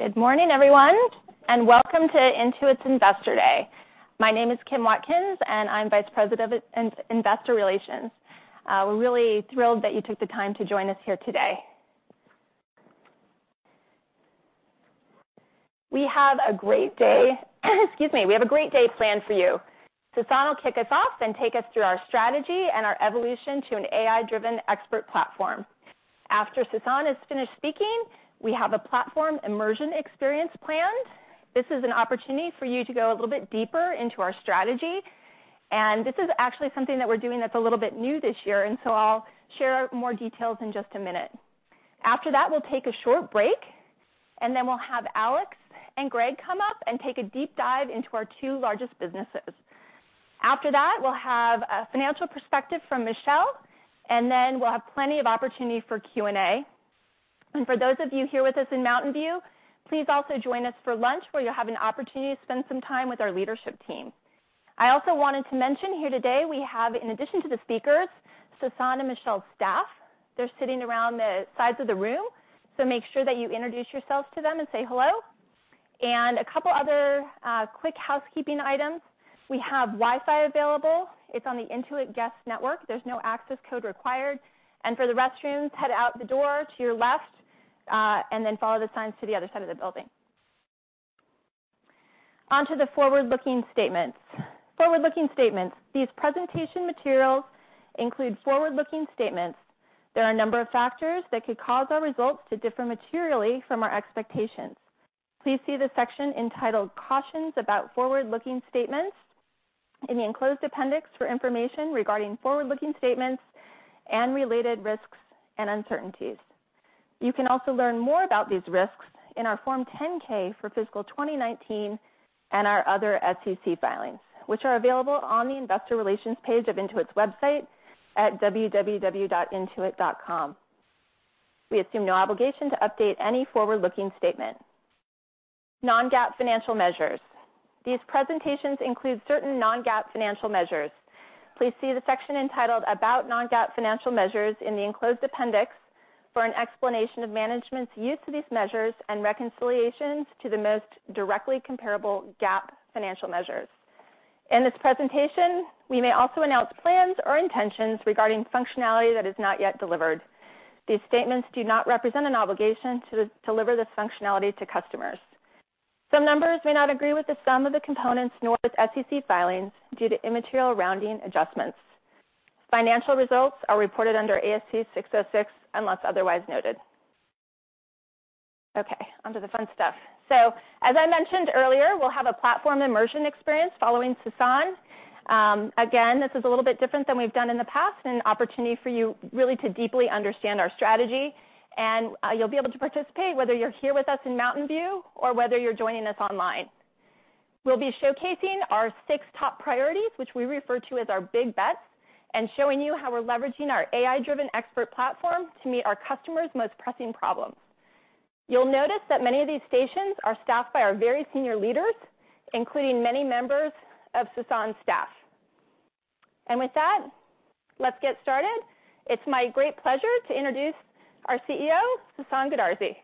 Good morning, everyone, welcome to Intuit's Investor Day. My name is Kim Watkins, I'm Vice President of Investor Relations. We're really thrilled that you took the time to join us here today. Excuse me. We have a great day planned for you. Sasan will kick us off and take us through our strategy and our evolution to an AI-driven expert platform. After Sasan is finished speaking, we have a platform immersion experience planned. This is an opportunity for you to go a little bit deeper into our strategy. This is actually something that we're doing that's a little bit new this year. I'll share more details in just a minute. After that, we'll take a short break, then we'll have Alex and Greg come up and take a deep dive into our two largest businesses. After that, we'll have a financial perspective from Michelle, then we'll have plenty of opportunity for Q&A. For those of you here with us in Mountain View, please also join us for lunch, where you'll have an opportunity to spend some time with our leadership team. I also wanted to mention here today we have, in addition to the speakers, Sasan and Michelle's staff. They're sitting around the sides of the room, so make sure that you introduce yourselves to them and say hello. A couple other quick housekeeping items. We have Wi-Fi available. It's on the Intuit Guest network. There's no access code required. For the restrooms, head out the door to your left, then follow the signs to the other side of the building. On to the forward-looking statements. Forward-looking statements. These presentation materials include forward-looking statements. There are a number of factors that could cause our results to differ materially from our expectations. Please see the section entitled "Cautions about Forward-looking Statements" in the enclosed appendix for information regarding forward-looking statements and related risks and uncertainties. You can also learn more about these risks in our Form 10-K for fiscal 2019 and our other SEC filings, which are available on the Investor Relations page of Intuit's website at www.intuit.com. We assume no obligation to update any forward-looking statement. Non-GAAP financial measures. These presentations include certain non-GAAP financial measures. Please see the section entitled "About Non-GAAP Financial Measures" in the enclosed appendix for an explanation of management's use of these measures and reconciliations to the most directly comparable GAAP financial measures. In this presentation, we may also announce plans or intentions regarding functionality that is not yet delivered. These statements do not represent an obligation to deliver this functionality to customers. Some numbers may not agree with the sum of the components nor with SEC filings due to immaterial rounding adjustments. Financial results are reported under ASC 606 unless otherwise noted. Onto the fun stuff. As I mentioned earlier, we'll have a platform immersion experience following Sasan. This is a little bit different than we've done in the past and an opportunity for you really to deeply understand our strategy, and you'll be able to participate whether you're here with us in Mountain View or whether you're joining us online. We'll be showcasing our six top priorities, which we refer to as our big bets, and showing you how we're leveraging our AI-driven expert platform to meet our customers' most pressing problems. You'll notice that many of these stations are staffed by our very senior leaders, including many members of Sasan's staff. With that, let's get started. It's my great pleasure to introduce our CEO, Sasan Goodarzi. Thank you.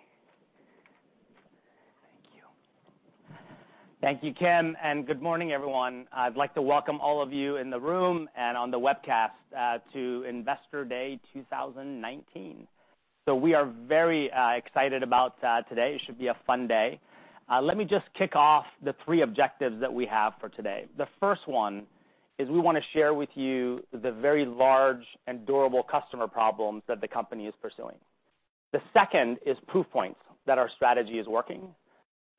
Thank you, Kim. Good morning, everyone. I'd like to welcome all of you in the room and on the webcast to Investor Day 2019. We are very excited about today. It should be a fun day. Let me just kick off the three objectives that we have for today. The first one is we want to share with you the very large and durable customer problems that the company is pursuing. The second is proof points that our strategy is working.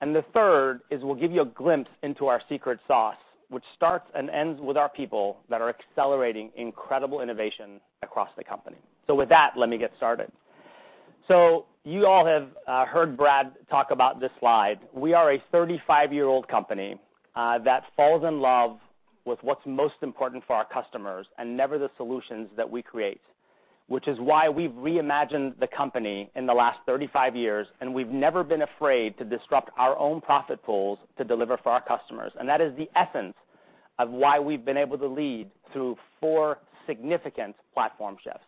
The third is we'll give you a glimpse into our secret sauce, which starts and ends with our people that are accelerating incredible innovation across the company. With that, let me get started. You all have heard Brad talk about this slide. We are a 35-year-old company that falls in love with what's most important for our customers and never the solutions that we create, which is why we've reimagined the company in the last 35 years. We've never been afraid to disrupt our own profit pools to deliver for our customers. That is the essence of why we've been able to lead through four significant platform shifts.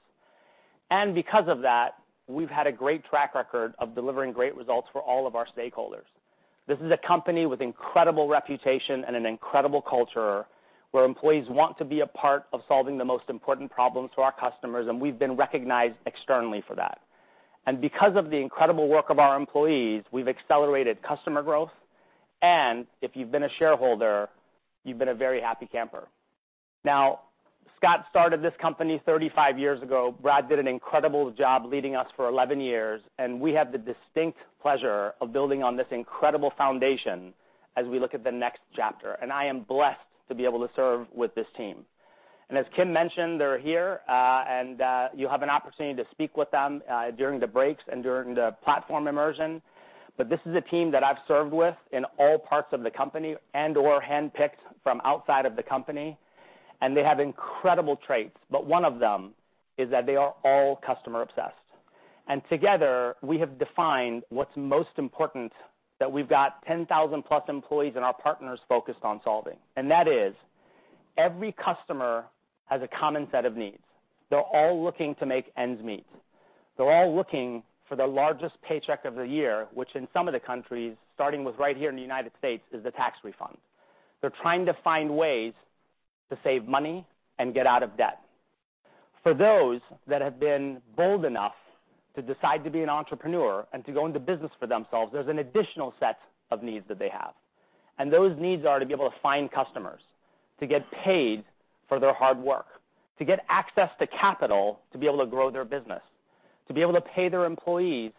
Because of that, we've had a great track record of delivering great results for all of our stakeholders. This is a company with incredible reputation and an incredible culture where employees want to be a part of solving the most important problems for our customers, and we've been recognized externally for that. Because of the incredible work of our employees, we've accelerated customer growth, and if you've been a shareholder, you've been a very happy camper. Scott started this company 35 years ago. Brad did an incredible job leading us for 11 years, and we have the distinct pleasure of building on this incredible foundation as we look at the next chapter. I am blessed to be able to serve with this team. As Kim mentioned, they're here, and you'll have an opportunity to speak with them during the breaks and during the platform immersion, but this is a team that I've served with in all parts of the company and/or handpicked from outside of the company, and they have incredible traits, but one of them is that they are all customer obsessed. Together, we have defined what's most important that we've got 10,000 plus employees and our partners focused on solving. That is, every customer has a common set of needs. They're all looking to make ends meet. They're all looking for the largest paycheck of the year, which in some of the countries, starting with right here in the U.S., is the tax refund. They're trying to find ways to save money and get out of debt. For those that have been bold enough to decide to be an entrepreneur and to go into business for themselves, there's an additional set of needs that they have. Those needs are to be able to find customers, to get paid for their hard work, to get access to capital to be able to grow their business, to be able to pay their employees.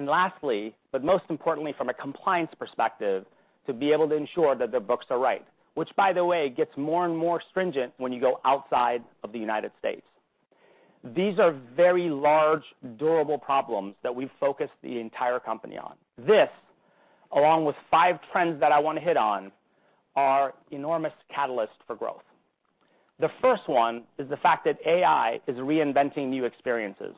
Lastly, most importantly from a compliance perspective, to be able to ensure that their books are right. Which by the way, gets more and more stringent when you go outside of the U.S. These are very large, durable problems that we've focused the entire company on. This, along with five trends that I want to hit on, are enormous catalysts for growth. The first one is the fact that AI is reinventing new experiences.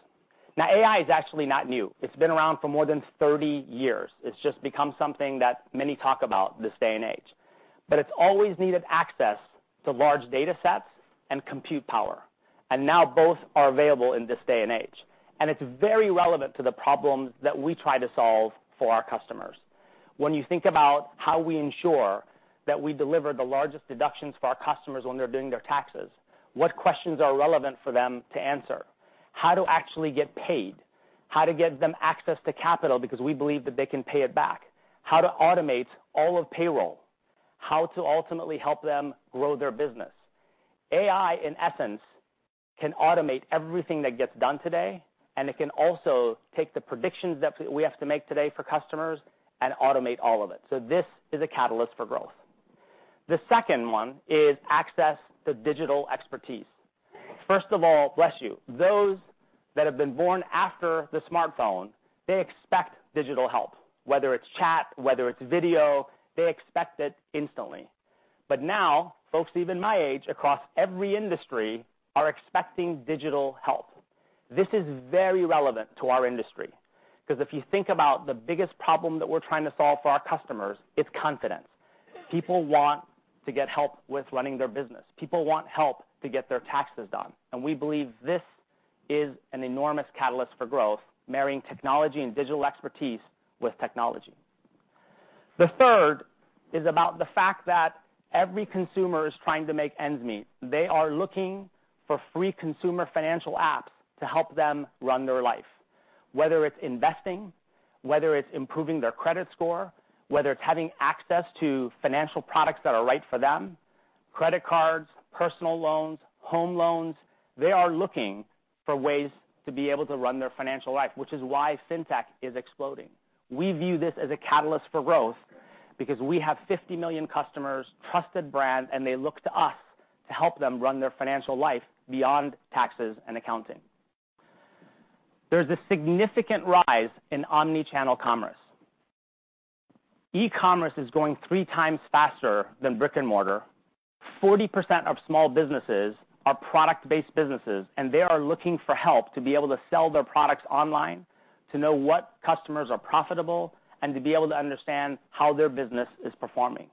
AI is actually not new. It's been around for more than 30 years. It's just become something that many talk about this day and age. It's always needed access to large data sets and compute power, and now both are available in this day and age. It's very relevant to the problems that we try to solve for our customers. When you think about how we ensure that we deliver the largest deductions for our customers when they're doing their taxes, what questions are relevant for them to answer? How to actually get paid, how to get them access to capital because we believe that they can pay it back, how to automate all of payroll, how to ultimately help them grow their business. AI, in essence, can automate everything that gets done today. It can also take the predictions that we have to make today for customers and automate all of it. This is a catalyst for growth. The second one is access to digital expertise. First of all, bless you. Those that have been born after the smartphone, they expect digital help. Whether it's chat, whether it's video, they expect it instantly. Now, folks even my age, across every industry, are expecting digital help. This is very relevant to our industry. If you think about the biggest problem that we're trying to solve for our customers, it's confidence. People want to get help with running their business. People want help to get their taxes done. We believe this is an enormous catalyst for growth, marrying technology and digital expertise with technology. The third is about the fact that every consumer is trying to make ends meet. They are looking for free consumer financial apps to help them run their life, whether it's investing, whether it's improving their credit score, whether it's having access to financial products that are right for them, credit cards, personal loans, home loans. They are looking for ways to be able to run their financial life, which is why fintech is exploding. We view this as a catalyst for growth because we have 50 million customers, trusted brand, and they look to us to help them run their financial life beyond taxes and accounting. There's a significant rise in omni-channel commerce. E-commerce is growing three times faster than brick and mortar. 40% of small businesses are product-based businesses, and they are looking for help to be able to sell their products online, to know what customers are profitable, and to be able to understand how their business is performing.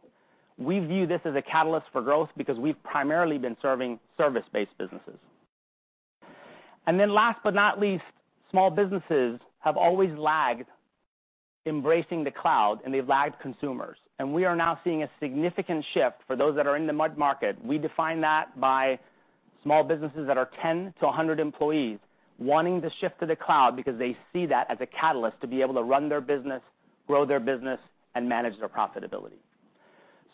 We view this as a catalyst for growth because we've primarily been serving service-based businesses. Last but not least, small businesses have always lagged embracing the cloud, and they've lagged consumers. We are now seeing a significant shift for those that are in the mid-market. We define that by small businesses that are 10 to 100 employees wanting to shift to the cloud because they see that as a catalyst to be able to run their business, grow their business, and manage their profitability.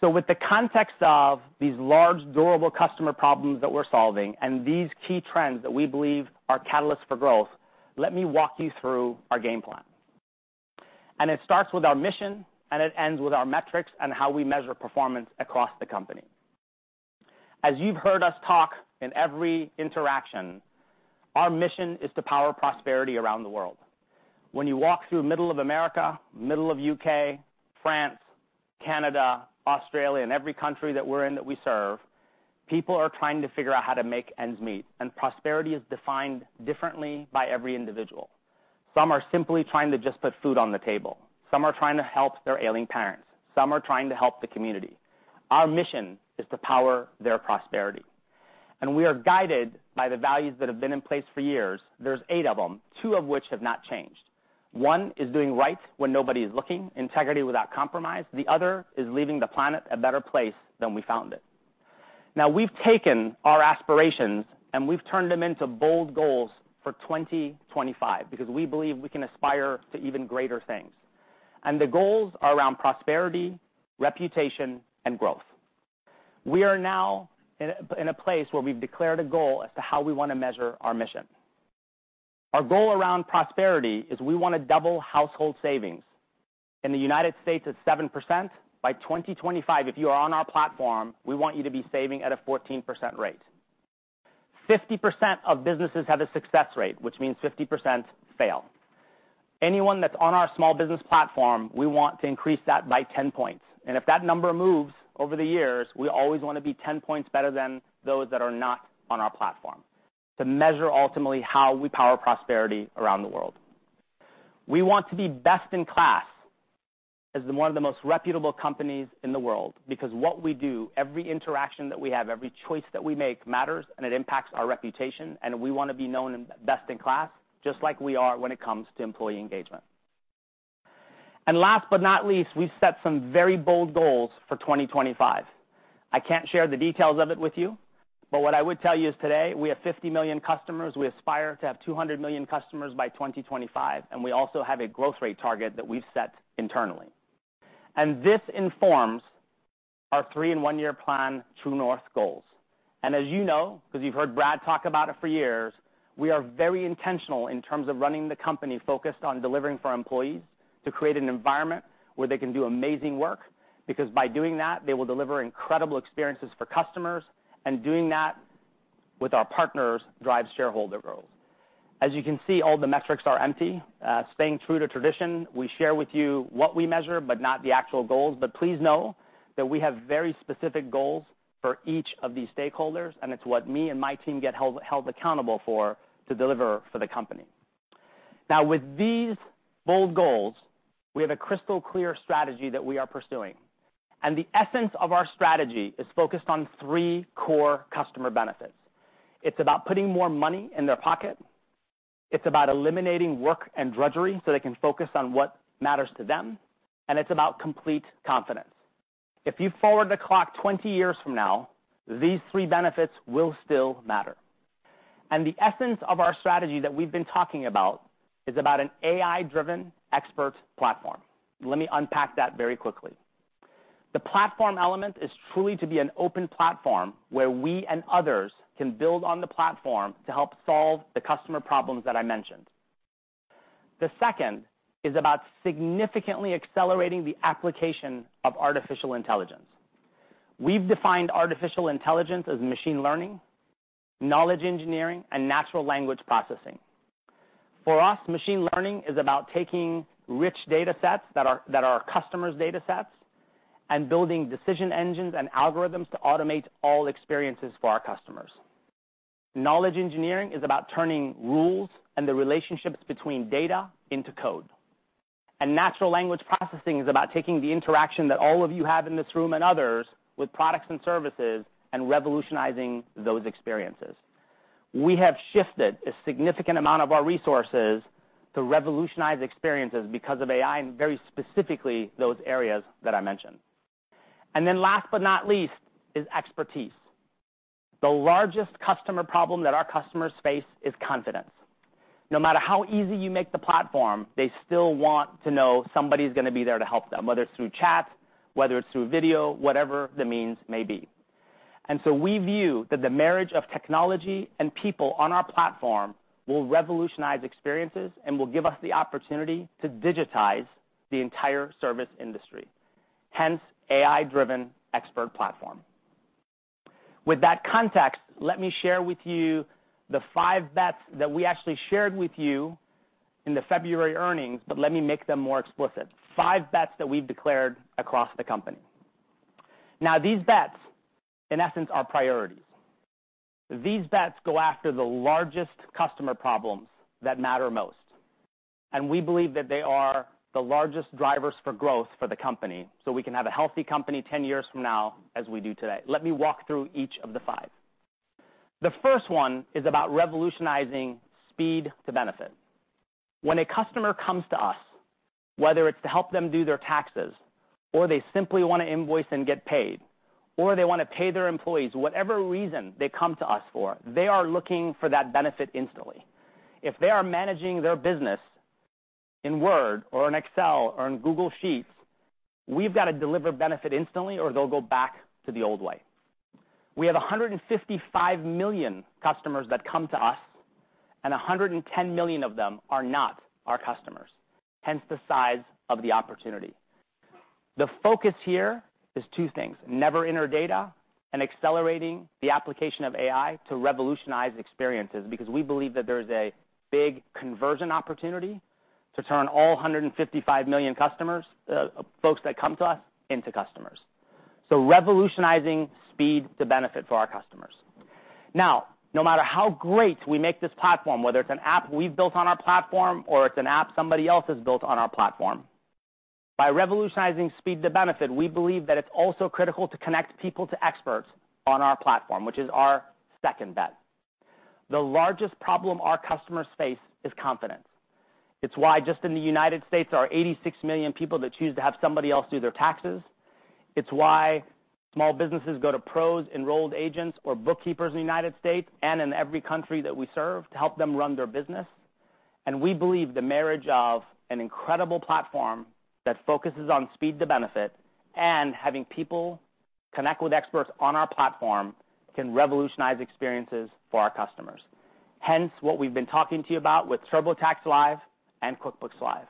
With the context of these large, durable customer problems that we're solving and these key trends that we believe are catalysts for growth, let me walk you through our game plan. It starts with our mission, and it ends with our metrics and how we measure performance across the company. As you've heard us talk in every interaction, our mission is to power prosperity around the world. When you walk through middle of America, middle of U.K., France, Canada, Australia, and every country that we're in that we serve, people are trying to figure out how to make ends meet, and prosperity is defined differently by every individual. Some are simply trying to just put food on the table. Some are trying to help their ailing parents. Some are trying to help the community. Our mission is to power their prosperity. We are guided by the values that have been in place for years. There's eight of them, two of which have not changed. One is doing right when nobody is looking, integrity without compromise. The other is leaving the planet a better place than we found it. Now, we've taken our aspirations, and we've turned them into bold goals for 2025 because we believe we can aspire to even greater things. The goals are around prosperity, reputation, and growth. We are now in a place where we've declared a goal as to how we want to measure our mission. Our goal around prosperity is we want to double household savings. In the U.S., it's 7%. By 2025, if you are on our platform, we want you to be saving at a 14% rate. 50% of businesses have a success rate, which means 50% fail. Anyone that's on our small business platform, we want to increase that by 10 points. If that number moves over the years, we always want to be 10 points better than those that are not on our platform to measure ultimately how we power prosperity around the world. We want to be best in class as one of the most reputable companies in the world because what we do, every interaction that we have, every choice that we make matters, and it impacts our reputation, and we want to be known best in class, just like we are when it comes to employee engagement. Last but not least, we've set some very bold goals for 2025. I can't share the details of it with you, but what I would tell you is today we have 50 million customers. We aspire to have 200 million customers by 2025, and we also have a growth rate target that we've set internally. This informs our three in one year plan True North goals. As you know, because you've heard Brad talk about it for years, we are very intentional in terms of running the company focused on delivering for our employees to create an environment where they can do amazing work because by doing that, they will deliver incredible experiences for customers, and doing that with our partners drives shareholder growth. As you can see, all the metrics are empty. Staying true to tradition, we share with you what we measure, but not the actual goals. Please know that we have very specific goals for each of these stakeholders, and it's what me and my team get held accountable for to deliver for the company. Now, with these bold goals, we have a crystal clear strategy that we are pursuing. The essence of our strategy is focused on three core customer benefits. It's about putting more money in their pocket, it's about eliminating work and drudgery so they can focus on what matters to them, and it's about complete confidence. If you forward the clock 20 years from now, these three benefits will still matter. The essence of our strategy that we've been talking about is about an AI-driven expert platform. Let me unpack that very quickly. The platform element is truly to be an open platform where we and others can build on the platform to help solve the customer problems that I mentioned. The second is about significantly accelerating the application of artificial intelligence. We've defined artificial intelligence as machine learning, knowledge engineering, and natural language processing. For us, machine learning is about taking rich data sets that are our customers' data sets and building decision engines and algorithms to automate all experiences for our customers. Knowledge engineering is about turning rules and the relationships between data into code. Natural language processing is about taking the interaction that all of you have in this room, and others with products and services, and revolutionizing those experiences. We have shifted a significant amount of our resources to revolutionize experiences because of AI in very specifically those areas that I mentioned. Last but not least is expertise. The largest customer problem that our customers face is confidence. No matter how easy you make the platform, they still want to know somebody's going to be there to help them, whether it's through chat, whether it's through video, whatever the means may be. We view that the marriage of technology and people on our platform will revolutionize experiences and will give us the opportunity to digitize the entire service industry. Hence, AI-driven expert platform. With that context, let me share with you the five bets that we actually shared with you in the February earnings, but let me make them more explicit. Five bets that we've declared across the company. These bets, in essence, are priorities. These bets go after the largest customer problems that matter most, and we believe that they are the largest drivers for growth for the company, so we can have a healthy company 10 years from now, as we do today. Let me walk through each of the five. The first one is about revolutionizing speed to benefit. When a customer comes to us, whether it's to help them do their taxes, or they simply want to invoice and get paid, or they want to pay their employees, whatever reason they come to us for, they are looking for that benefit instantly. If they are managing their business in Word or in Excel or in Google Sheets, we've got to deliver benefit instantly, or they'll go back to the old way. We have 155 million customers that come to us, and 110 million of them are not our customers, hence the size of the opportunity. The focus here is two things, never enter data and accelerating the application of AI to revolutionize experiences because we believe that there is a big conversion opportunity to turn all 155 million customers, folks that come to us, into customers. Revolutionizing speed to benefit for our customers. Now, no matter how great we make this platform, whether it's an app we've built on our platform or it's an app somebody else has built on our platform, by revolutionizing speed to benefit, we believe that it's also critical to connect people to experts on our platform, which is our second bet. The largest problem our customers face is confidence. It's why just in the United States, there are 86 million people that choose to have somebody else do their taxes. It's why small businesses go to pros, enrolled agents, or bookkeepers in the United States and in every country that we serve to help them run their business. We believe the marriage of an incredible platform that focuses on speed to benefit and having people connect with experts on our platform can revolutionize experiences for our customers. Hence, what we've been talking to you about with TurboTax Live and QuickBooks Live.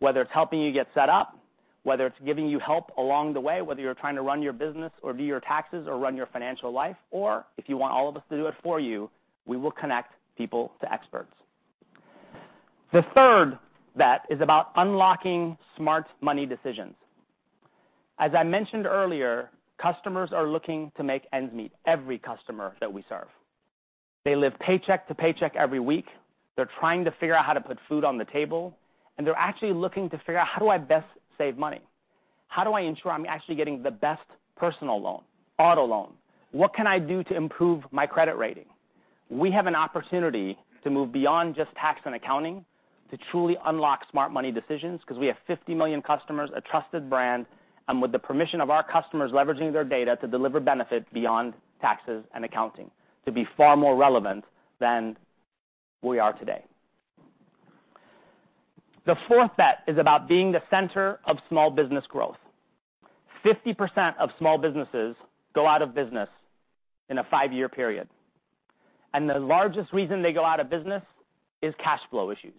Whether it's helping you get set up, whether it's giving you help along the way, whether you're trying to run your business or do your taxes or run your financial life, or if you want all of us to do it for you, we will connect people to experts. The third bet is about unlocking smart money decisions. As I mentioned earlier, customers are looking to make ends meet, every customer that we serve. They live paycheck to paycheck every week. They're trying to figure out how to put food on the table, and they're actually looking to figure out, how do I best save money? How do I ensure I'm actually getting the best personal loan, auto loan? What can I do to improve my credit rating? We have an opportunity to move beyond just tax and accounting to truly unlock smart money decisions because we have 50 million customers, a trusted brand, and with the permission of our customers, leveraging their data to deliver benefit beyond taxes and accounting, to be far more relevant than we are today. The fourth bet is about being the center of small business growth. 50% of small businesses go out of business in a five-year period. The largest reason they go out of business is cash flow issues.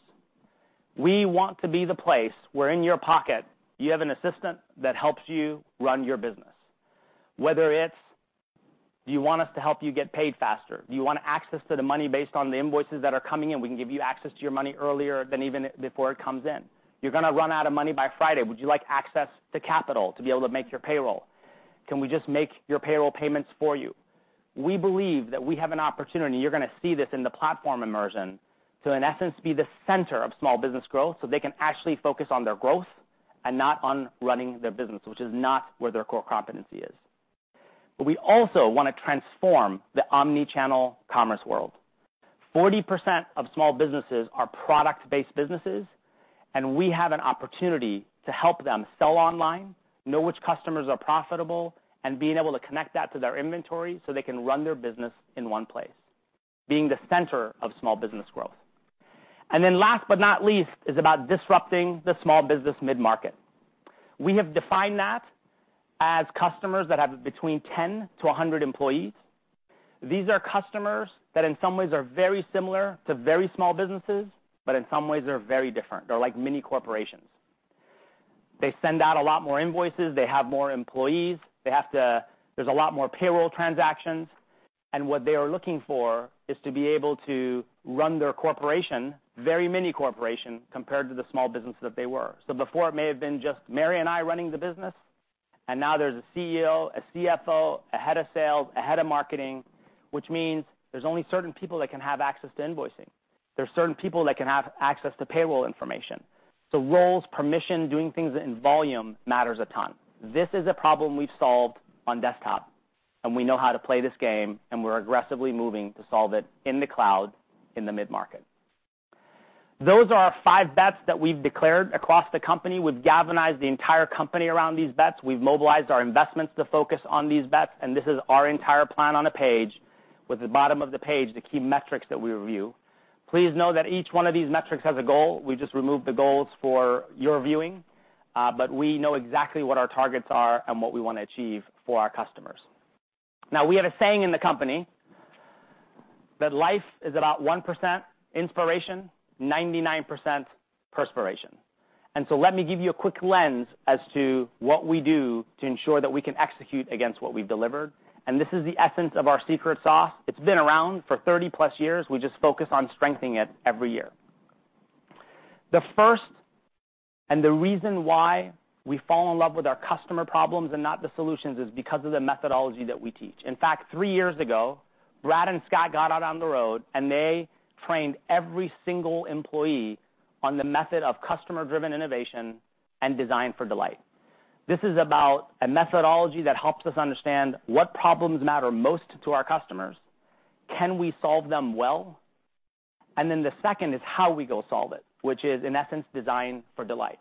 We want to be the place where in your pocket, you have an assistant that helps you run your business, whether it's do you want us to help you get paid faster? Do you want access to the money based on the invoices that are coming in? We can give you access to your money earlier than even before it comes in. You're going to run out of money by Friday. Would you like access to capital to be able to make your payroll? Can we just make your payroll payments for you? We believe that we have an opportunity, you're going to see this in the platform immersion, to, in essence, be the center of small business growth so they can actually focus on their growth and not on running their business, which is not where their core competency is. We also want to transform the omni-channel commerce world. 40% of small businesses are product-based businesses. We have an opportunity to help them sell online, know which customers are profitable, and being able to connect that to their inventory so they can run their business in one place, being the center of small business growth. Last but not least, is about disrupting the small business mid-market. We have defined that as customers that have between 10-100 employees. These are customers that in some ways are very similar to very small businesses. In some ways, they're very different. They're like mini corporations. They send out a lot more invoices. They have more employees. There's a lot more payroll transactions. What they are looking for is to be able to run their corporation, very mini corporation, compared to the small business that they were. Before it may have been just Marianna and I running the business, now there's a CEO, a CFO, a head of sales, a head of marketing, which means there's only certain people that can have access to invoicing. There's certain people that can have access to payroll information. Roles, permission, doing things in volume matters a ton. This is a problem we've solved on desktop, we know how to play this game, we're aggressively moving to solve it in the cloud in the mid-market. Those are our five bets that we've declared across the company. We've galvanized the entire company around these bets. We've mobilized our investments to focus on these bets, this is our entire plan on a page with the bottom of the page, the key metrics that we review. Please know that each one of these metrics has a goal. We just removed the goals for your viewing. We know exactly what our targets are and what we want to achieve for our customers. We have a saying in the company that life is about 1% inspiration, 99% perspiration. Let me give you a quick lens as to what we do to ensure that we can execute against what we've delivered. This is the essence of our secret sauce. It's been around for 30-plus years. We just focus on strengthening it every year. The first and the reason why we fall in love with our customer problems and not the solutions is because of the methodology that we teach. In fact, three years ago, Brad Smith and Scott Cook got out on the road, and they trained every single employee on the method of customer-driven innovation and Design for Delight. This is about a methodology that helps us understand what problems matter most to our customers. Can we solve them well? The second is how we go solve it, which is, in essence, Design for Delight.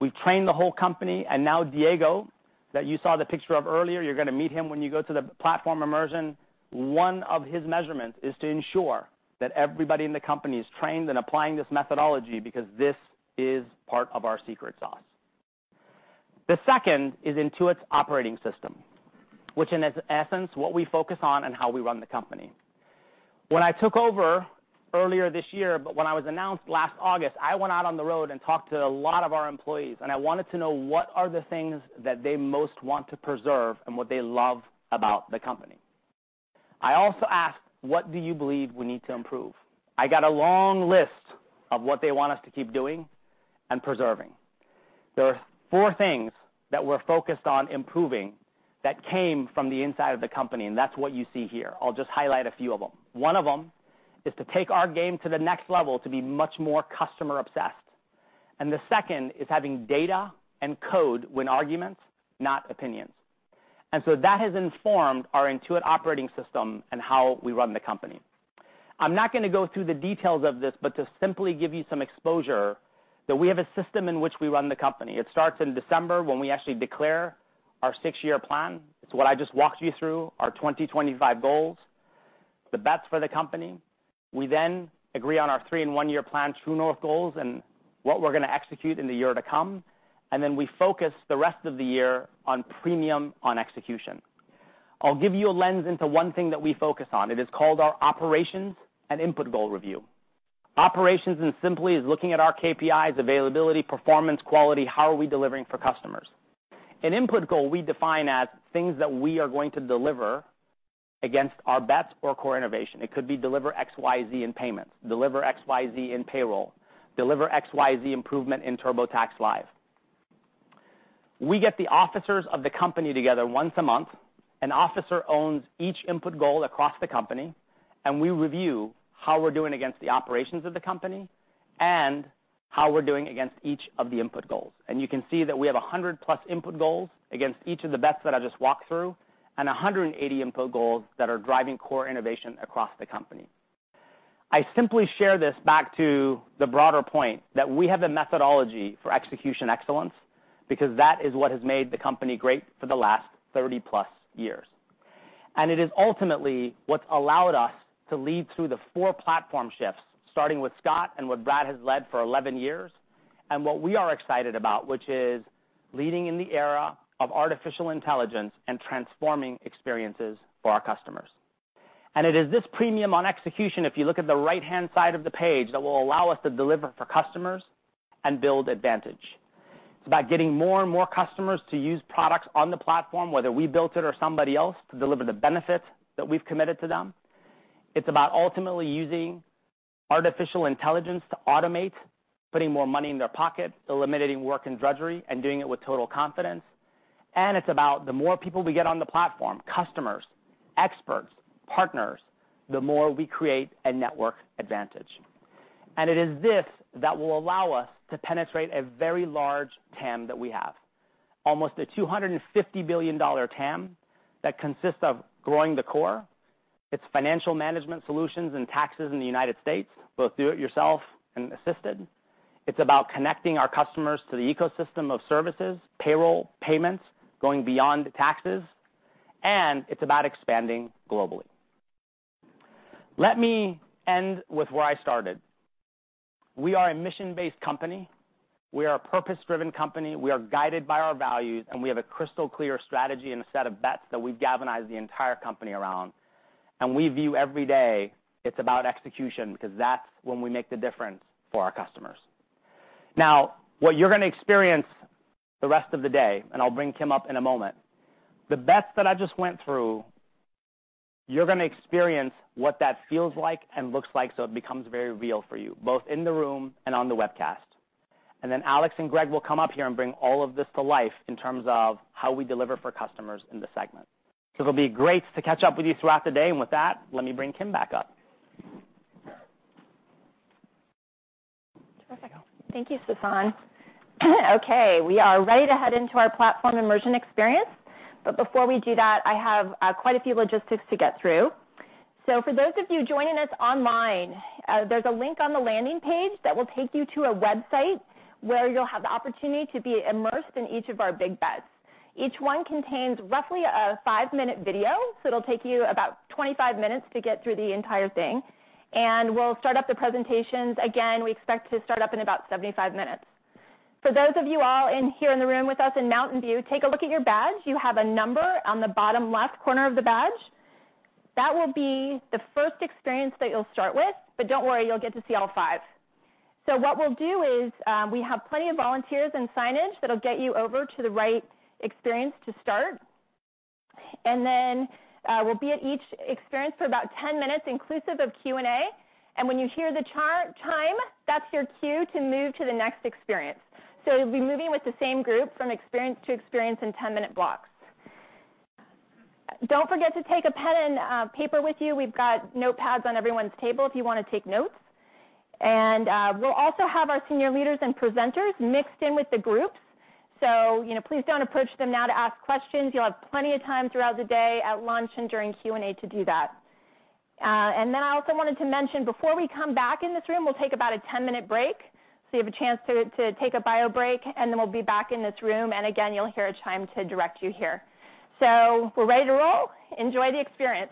We trained the whole company, and now Diego, that you saw the picture of earlier, you're going to meet him when you go to the platform immersion. One of his measurements is to ensure that everybody in the company is trained and applying this methodology because this is part of our secret sauce. The second is Intuit's operating system, which in essence, what we focus on and how we run the company. When I took over earlier this year, but when I was announced last August, I went out on the road and talked to a lot of our employees, and I wanted to know what are the things that they most want to preserve and what they love about the company. I also asked, what do you believe we need to improve? I got a long list of what they want us to keep doing and preserving. There are four things that we're focused on improving that came from the inside of the company, and that's what you see here. I'll just highlight a few of them. One of them is to take our game to the next level, to be much more customer obsessed. The second is having data and code win arguments, not opinions. That has informed our Intuit operating system and how we run the company. I'm not going to go through the details of this, but to simply give you some exposure that we have a system in which we run the company. It starts in December when we actually declare our six-year plan. It's what I just walked you through, our 2025 goals, the bets for the company. We then agree on our three and one-year plan, True North goals, and what we're going to execute in the year to come. We focus the rest of the year on premium on execution. I'll give you a lens into one thing that we focus on. It is called our operations and input goal review. Operations is simply looking at our KPIs, availability, performance, quality, how are we delivering for customers? An input goal, we define as things that we are going to deliver against our bets or core innovation. It could be deliver XYZ in payments, deliver XYZ in payroll, deliver XYZ improvement in TurboTax Live. We get the officers of the company together once a month. An officer owns each input goal across the company, and we review how we're doing against the operations of the company and how we're doing against each of the input goals. You can see that we have 100-plus input goals against each of the bets that I just walked through, and 180 input goals that are driving core innovation across the company. I simply share this back to the broader point that we have the methodology for execution excellence because that is what has made the company great for the last 30-plus years. It is ultimately what's allowed us to lead through the four platform shifts, starting with Scott and what Brad has led for 11 years, and what we are excited about, which is leading in the era of artificial intelligence and transforming experiences for our customers. It is this premium on execution, if you look at the right-hand side of the page, that will allow us to deliver for customers and build advantage. It's about getting more and more customers to use products on the platform, whether we built it or somebody else, to deliver the benefits that we've committed to them. It's about ultimately using artificial intelligence to automate, putting more money in their pocket, eliminating work and drudgery, and doing it with total confidence. It's about the more people we get on the platform, customers, experts, partners, the more we create a network advantage. It is this that will allow us to penetrate a very large TAM that we have, almost a $250 billion TAM that consists of growing the core. It's financial management solutions and taxes in the United States, both do-it-yourself and assisted. It's about connecting our customers to the ecosystem of services, payroll, payments, going beyond taxes, and it's about expanding globally. Let me end with where I started. We are a mission-based company. We are a purpose-driven company. We are guided by our values, and we have a crystal-clear strategy and a set of bets that we've galvanized the entire company around. We view every day, it's about execution because that's when we make the difference for our customers. What you're going to experience the rest of the day, and I'll bring Kim up in a moment. The bets that I just went through, you're going to experience what that feels like and looks like so it becomes very real for you, both in the room and on the webcast. Alex and Greg will come up here and bring all of this to life in terms of how we deliver for customers in the segment. It'll be great to catch up with you throughout the day. With that, let me bring Kim back up. Terrific. Thank you, Sasan. We are ready to head into our platform immersion experience. Before we do that, I have quite a few logistics to get through. For those of you joining us online, there's a link on the landing page that will take you to a website where you'll have the opportunity to be immersed in each of our big bets. Each one contains roughly a five-minute video, it'll take you about 25 minutes to get through the entire thing. We'll start up the presentations. Again, we expect to start up in about 75 minutes. For those of you all in here in the room with us in Mountain View, take a look at your badge. You have a number on the bottom left corner of the badge. That will be the first experience that you'll start with, but don't worry, you'll get to see all five. What we'll do is, we have plenty of volunteers and signage that'll get you over to the right experience to start. Then we'll be at each experience for about 10 minutes, inclusive of Q&A. When you hear the chime, that's your cue to move to the next experience. You'll be moving with the same group from experience to experience in 10-minute blocks. Don't forget to take a pen and paper with you. We've got notepads on everyone's table if you want to take notes. We'll also have our senior leaders and presenters mixed in with the groups. Please don't approach them now to ask questions. You'll have plenty of time throughout the day at lunch and during Q&A to do that. I also wanted to mention, before we come back in this room, we'll take about a 10-minute break, so you have a chance to take a bio break, then we'll be back in this room. Again, you'll hear a chime to direct you here. We're ready to roll. Enjoy the experience.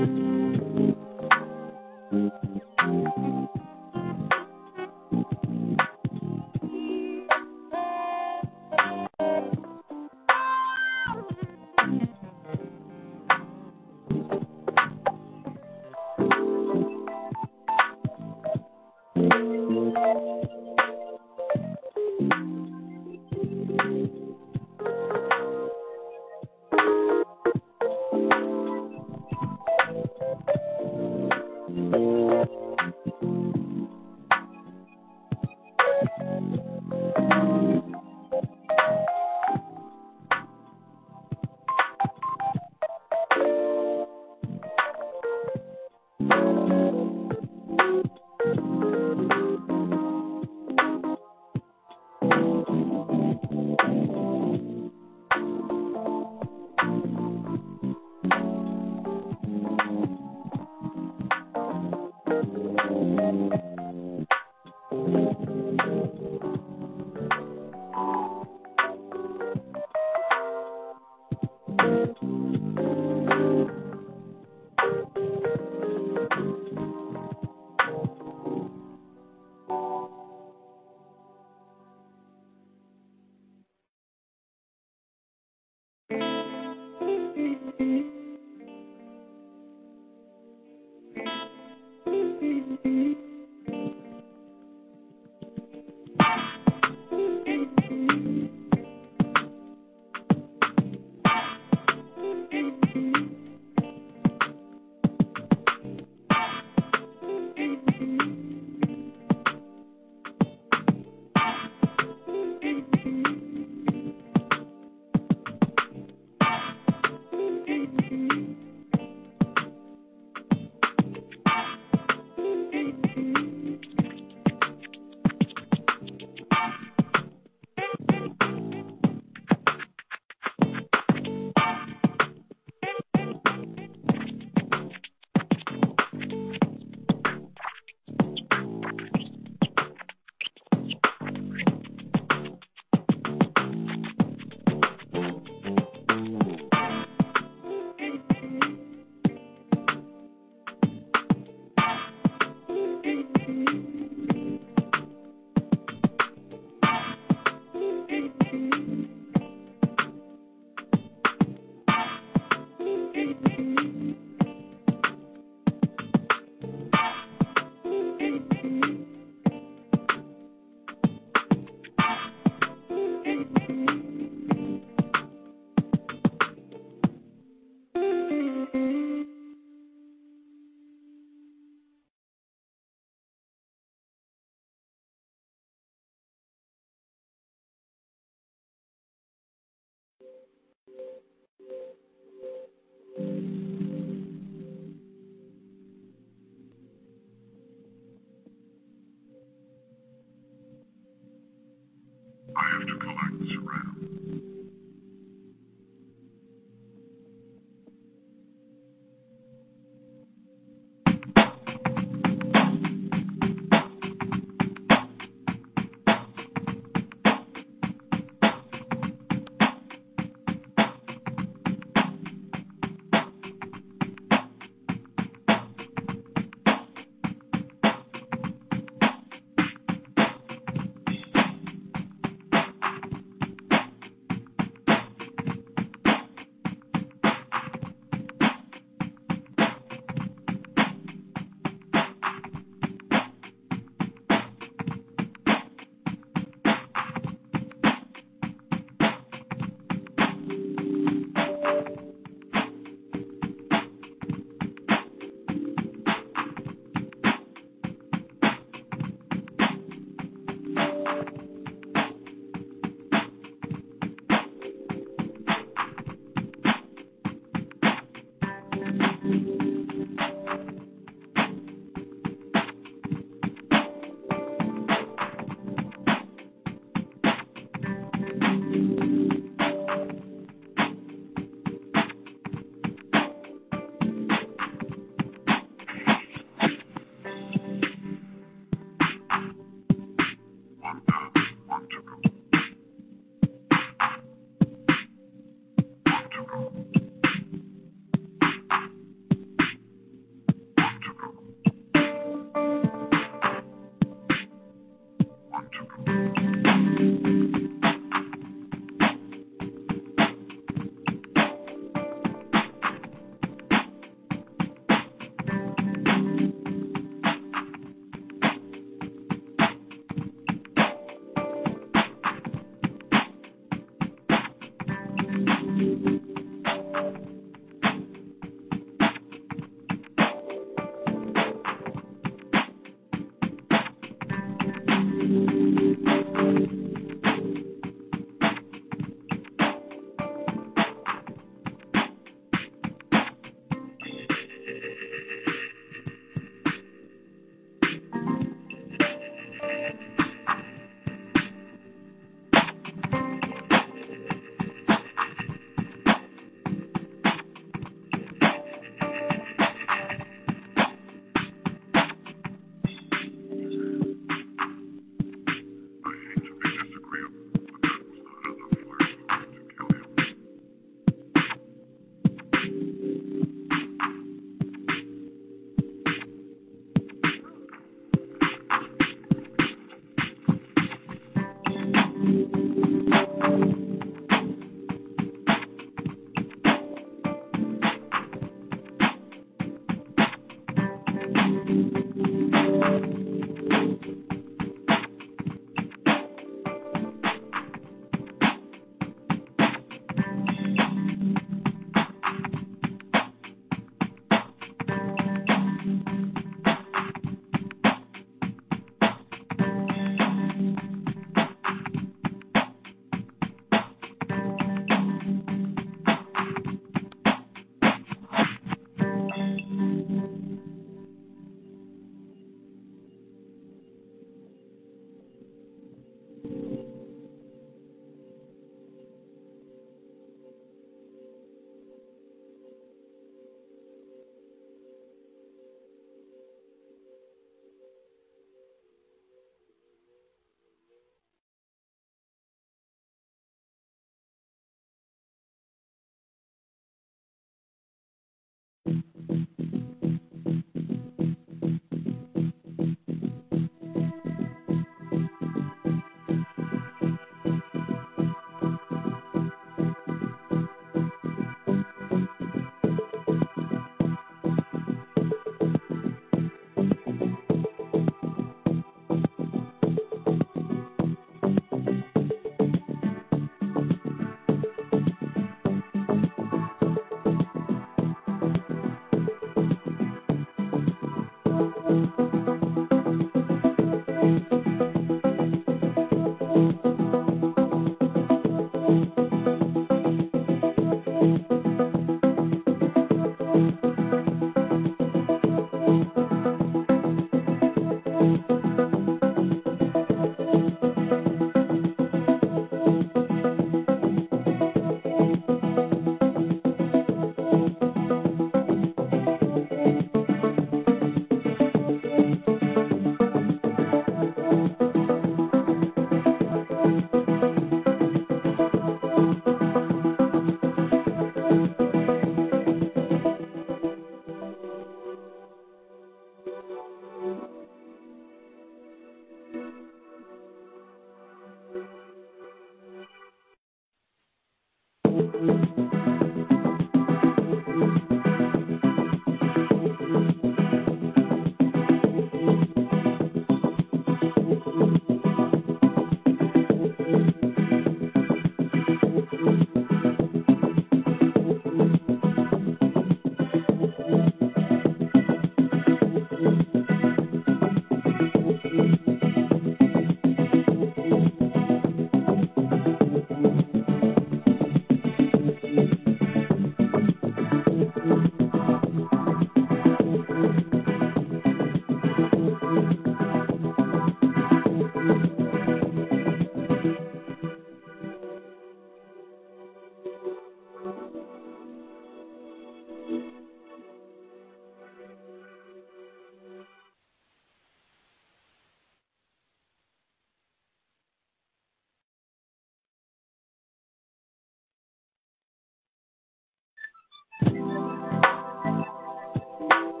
Get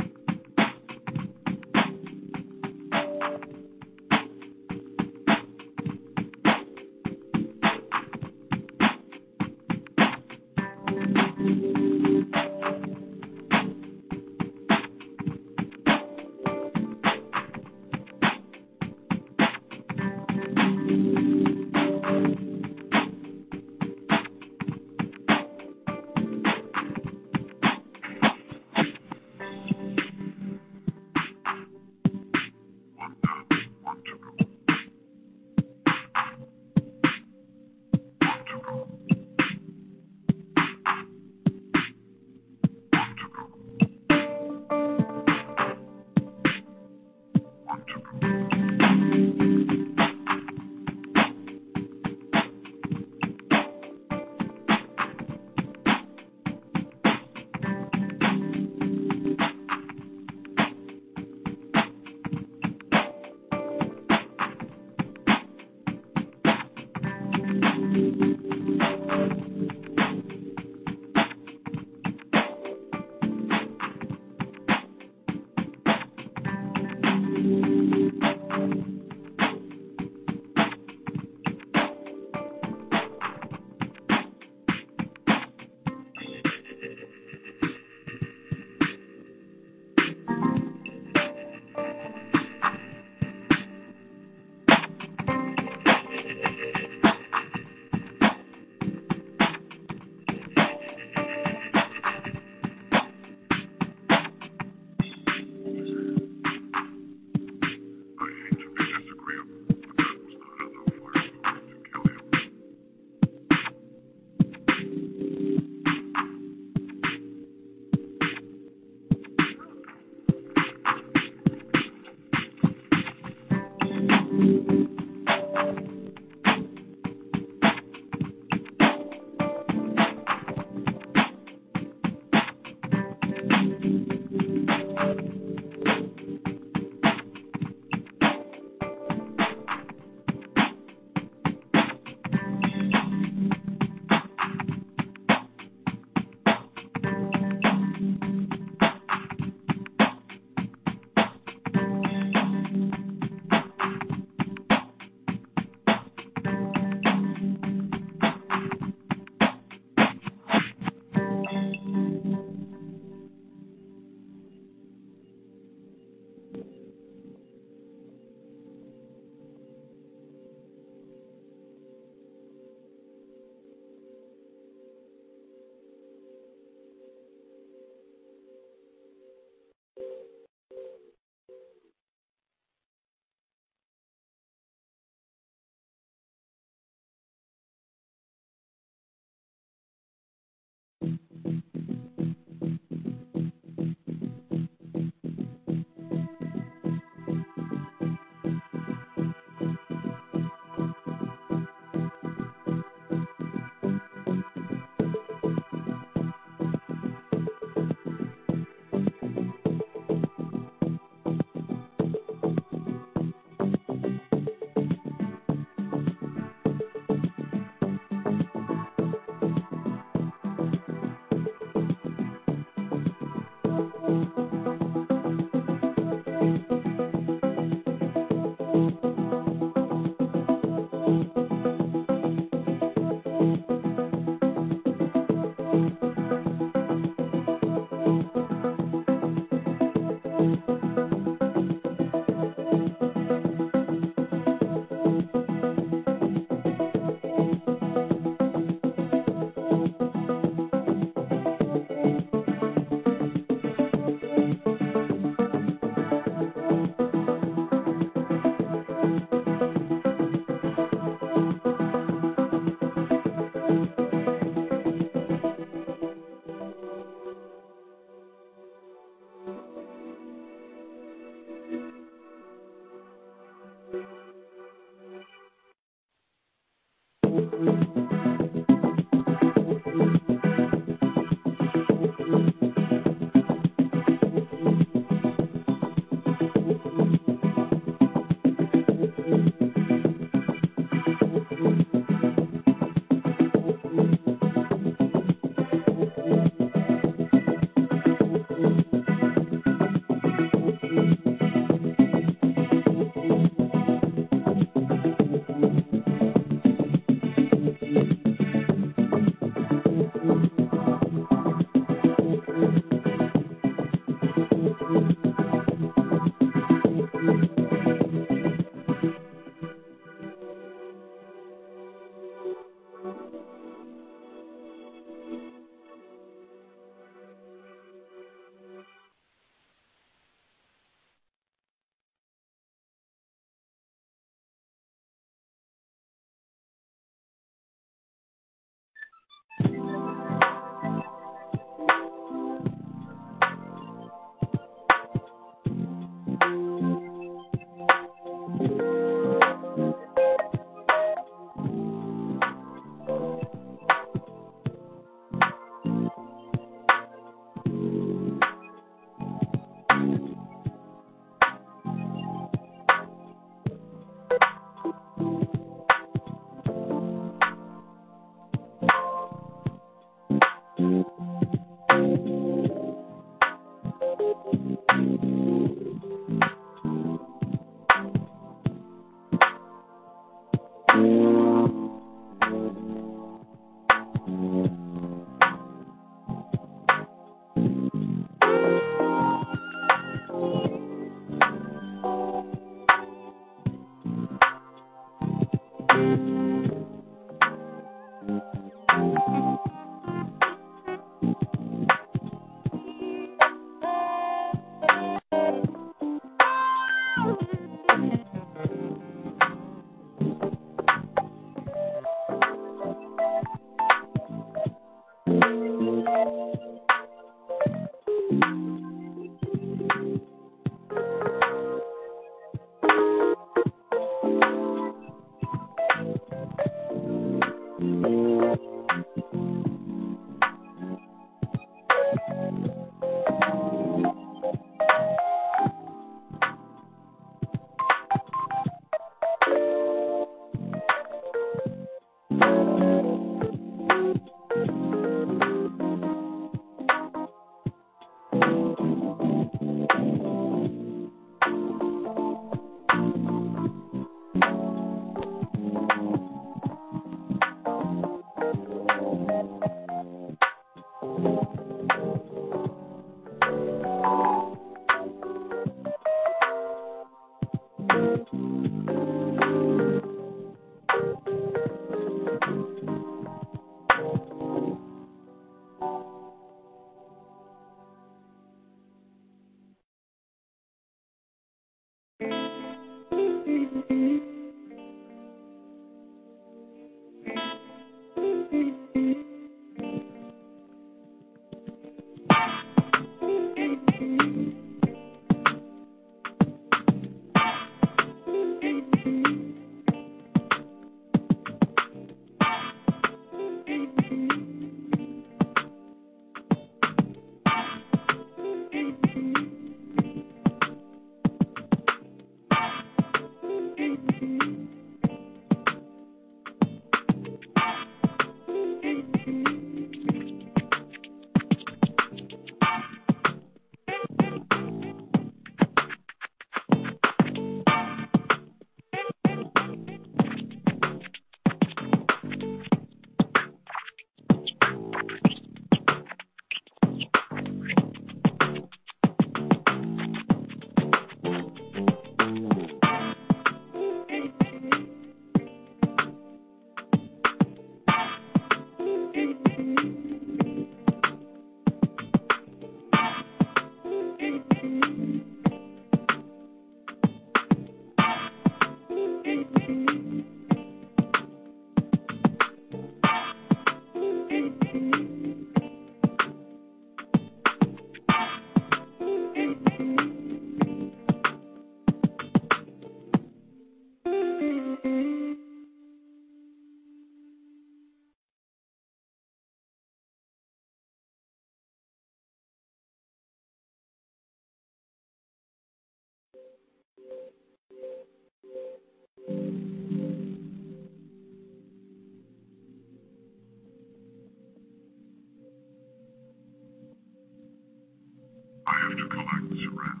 started.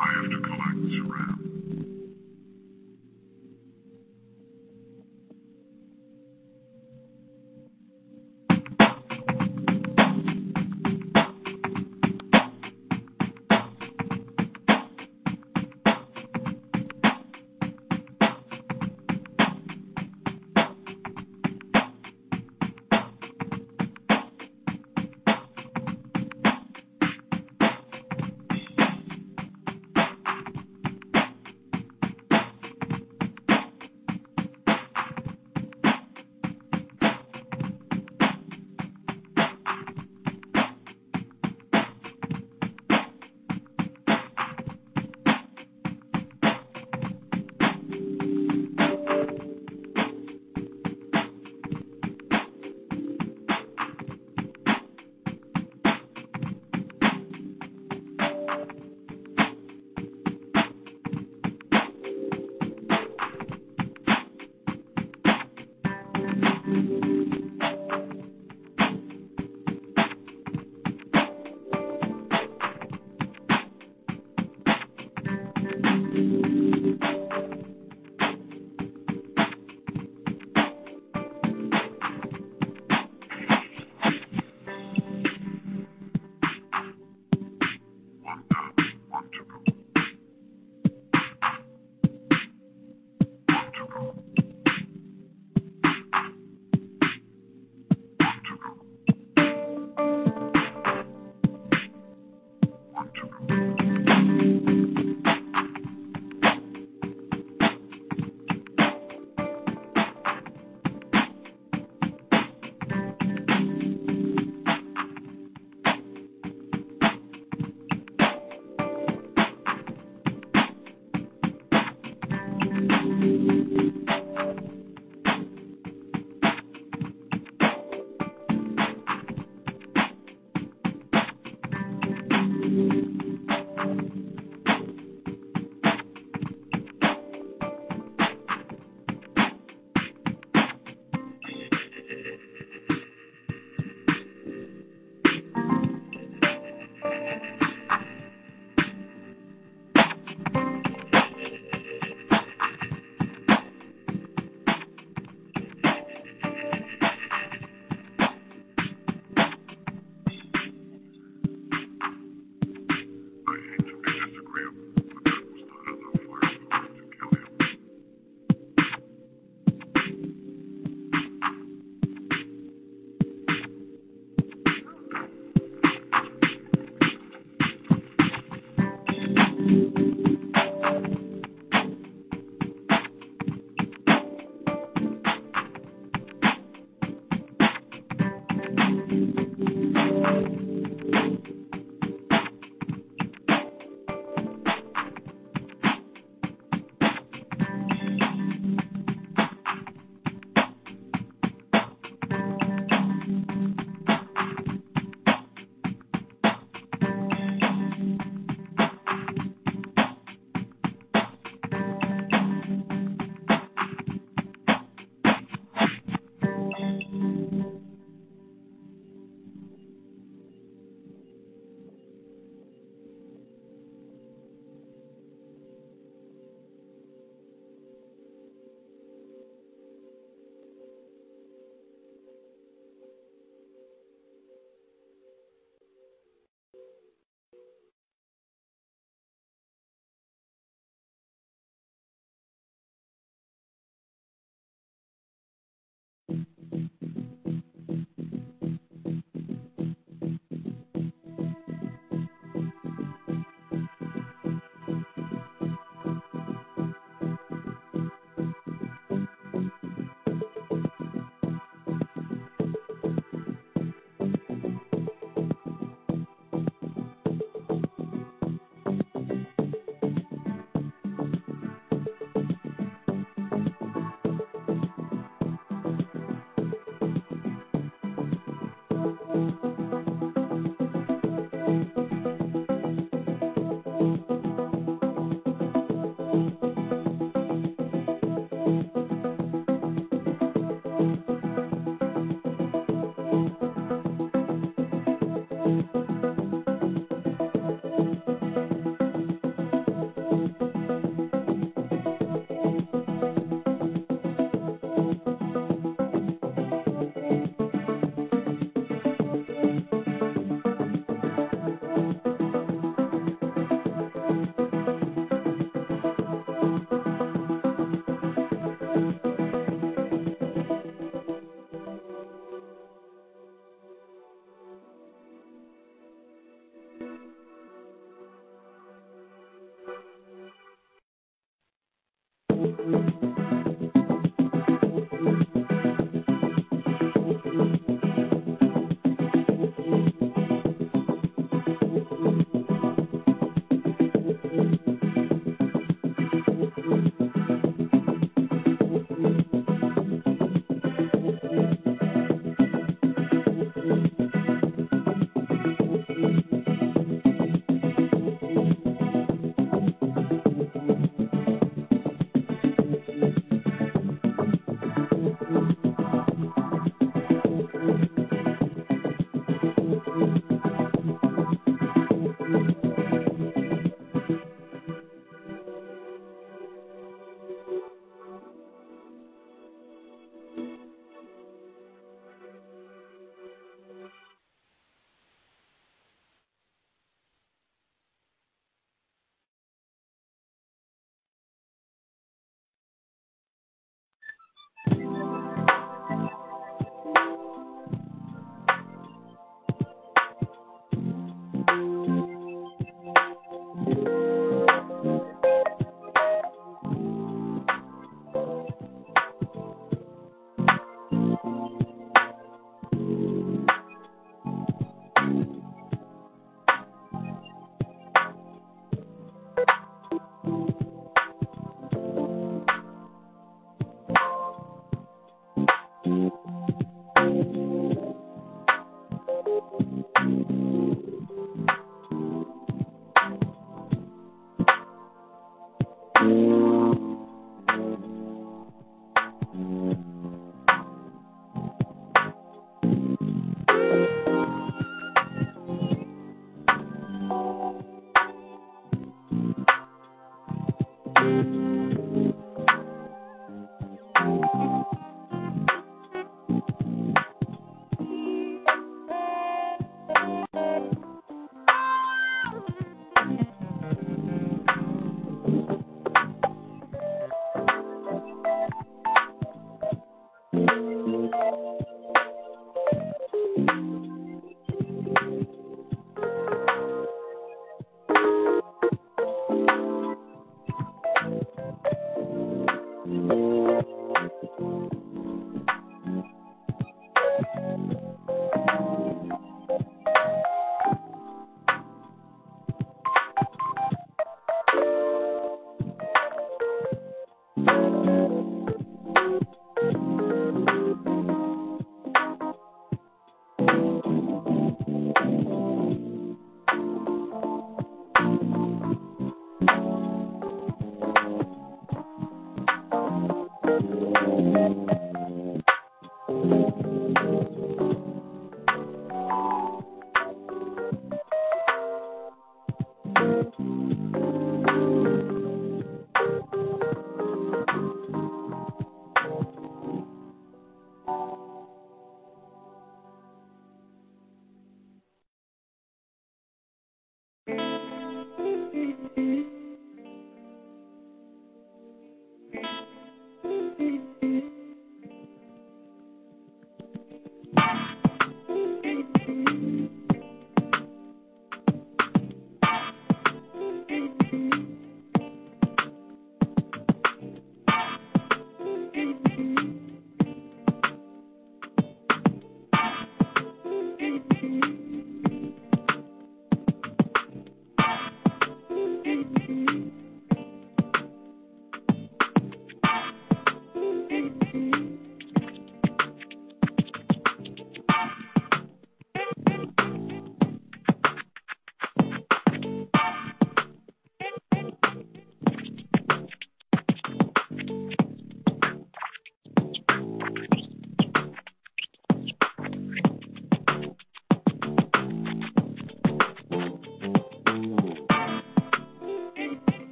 If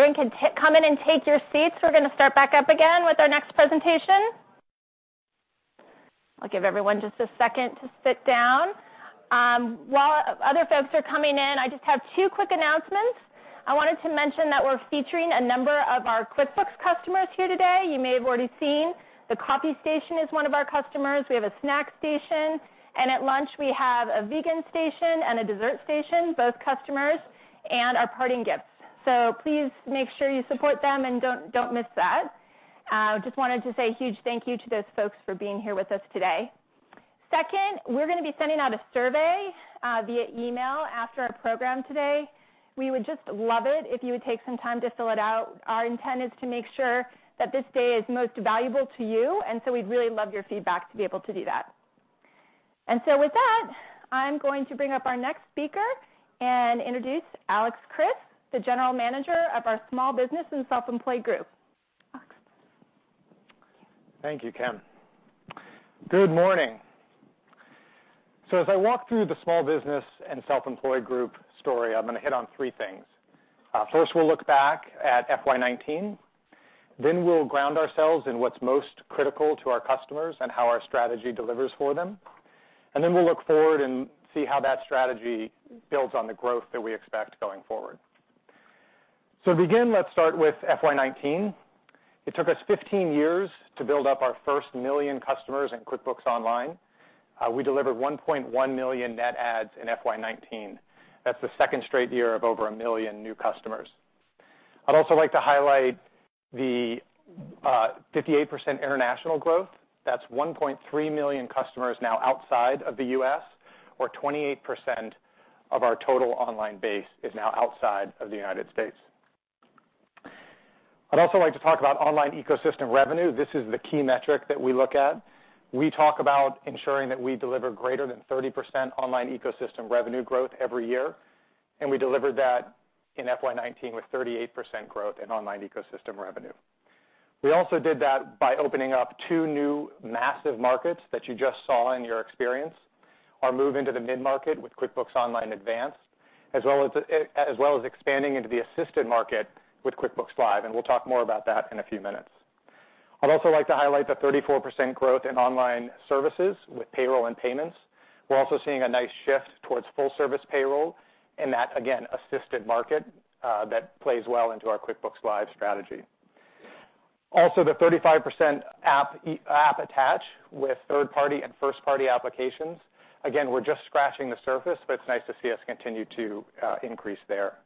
everyone can come in and take your seats, we're going to start back up again with our next presentation. I'll give everyone just a second to sit down. While other folks are coming in, I just have two quick announcements. I wanted to mention that we're featuring a number of our QuickBooks customers here today. You may have already seen the coffee station is one of our customers. We have a snack station. At lunch, we have a vegan station and a dessert station, both customers, and our parting gifts. Please make sure you support them and don't miss that. Just wanted to say a huge thank you to those folks for being here with us today. Second, we're going to be sending out a survey via email after our program today. We would just love it if you would take some time to fill it out. Our intent is to make sure that this day is most valuable to you, and so we'd really love your feedback to be able to do that. With that, I'm going to bring up our next speaker and introduce Alex Chriss, the General Manager of our Small Business and Self-Employed Group. Alex. Thank you, Kim. Good morning. As I walk through the Small Business and Self-Employed Group story, I'm going to hit on three things. First, we'll look back at FY 2019, then we'll ground ourselves in what's most critical to our customers and how our strategy delivers for them. Then we'll look forward and see how that strategy builds on the growth that we expect going forward. To begin, let's start with FY 2019. It took us 15 years to build up our first million customers in QuickBooks Online. We delivered 1.1 million net adds in FY 2019. That's the second straight year of over a million new customers. I'd also like to highlight the 58% international growth. That's 1.3 million customers now outside of the U.S., or 28% of our total online base is now outside of the United States. I'd also like to talk about online ecosystem revenue. This is the key metric that we look at. We talk about ensuring that we deliver greater than 30% online ecosystem revenue growth every year, and we delivered that in FY 2019 with 38% growth in online ecosystem revenue. We also did that by opening up two new massive markets that you just saw in your experience. Our move into the mid-market with QuickBooks Online Advanced, as well as expanding into the assisted market with QuickBooks Live, and we'll talk more about that in a few minutes. I'd also like to highlight the 34% growth in online services with payroll and payments. We're also seeing a nice shift towards full service payroll in that, again, assisted market that plays well into our QuickBooks Live strategy. Also, the 35% app attach with third-party and first-party applications. We're just scratching the surface, it's nice to see us continue to increase there.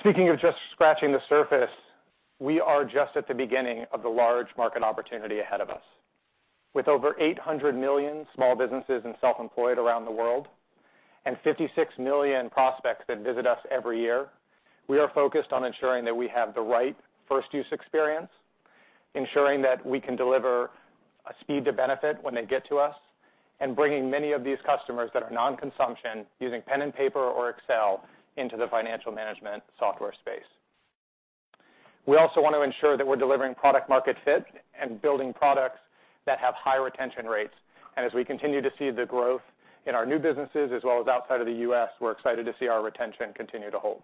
Speaking of just scratching the surface, we are just at the beginning of the large market opportunity ahead of us. With over 800 million small businesses and self-employed around the world and 56 million prospects that visit us every year, we are focused on ensuring that we have the right first use experience, ensuring that we can deliver a speed to benefit when they get to us, and bringing many of these customers that are non-consumption using pen and paper or Excel into the financial management software space. We also want to ensure that we're delivering product-market fit and building products that have high retention rates. As we continue to see the growth in our new businesses as well as outside of the U.S., we're excited to see our retention continue to hold.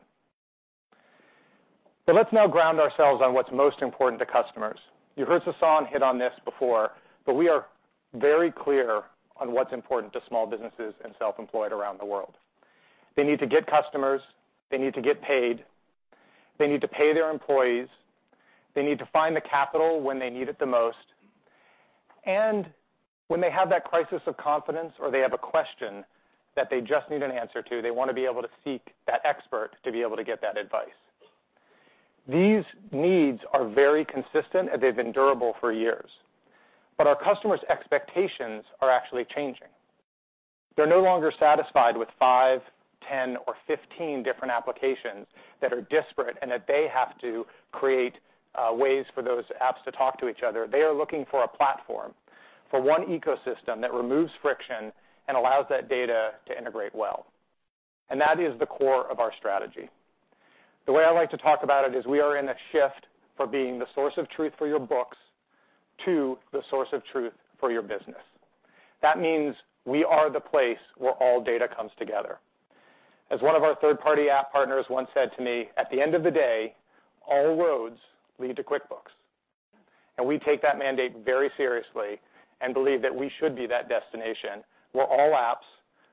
Let's now ground ourselves on what's most important to customers. You heard Sasan hit on this before, but we are very clear on what's important to small businesses and self-employed around the world. They need to get customers. They need to get paid. They need to pay their employees. They need to find the capital when they need it the most. When they have that crisis of confidence, or they have a question that they just need an answer to, they want to be able to seek that expert to be able to get that advice. These needs are very consistent, and they've been durable for years. Our customers' expectations are actually changing. They're no longer satisfied with five, 10, or 15 different applications that are disparate and that they have to create ways for those apps to talk to each other. They are looking for a platform, for one ecosystem that removes friction and allows that data to integrate well. That is the core of our strategy. The way I like to talk about it is we are in a shift from being the source of truth for your books to the source of truth for your business. That means we are the place where all data comes together. As one of our third-party app partners once said to me, "At the end of the day, all roads lead to QuickBooks." We take that mandate very seriously and believe that we should be that destination where all apps,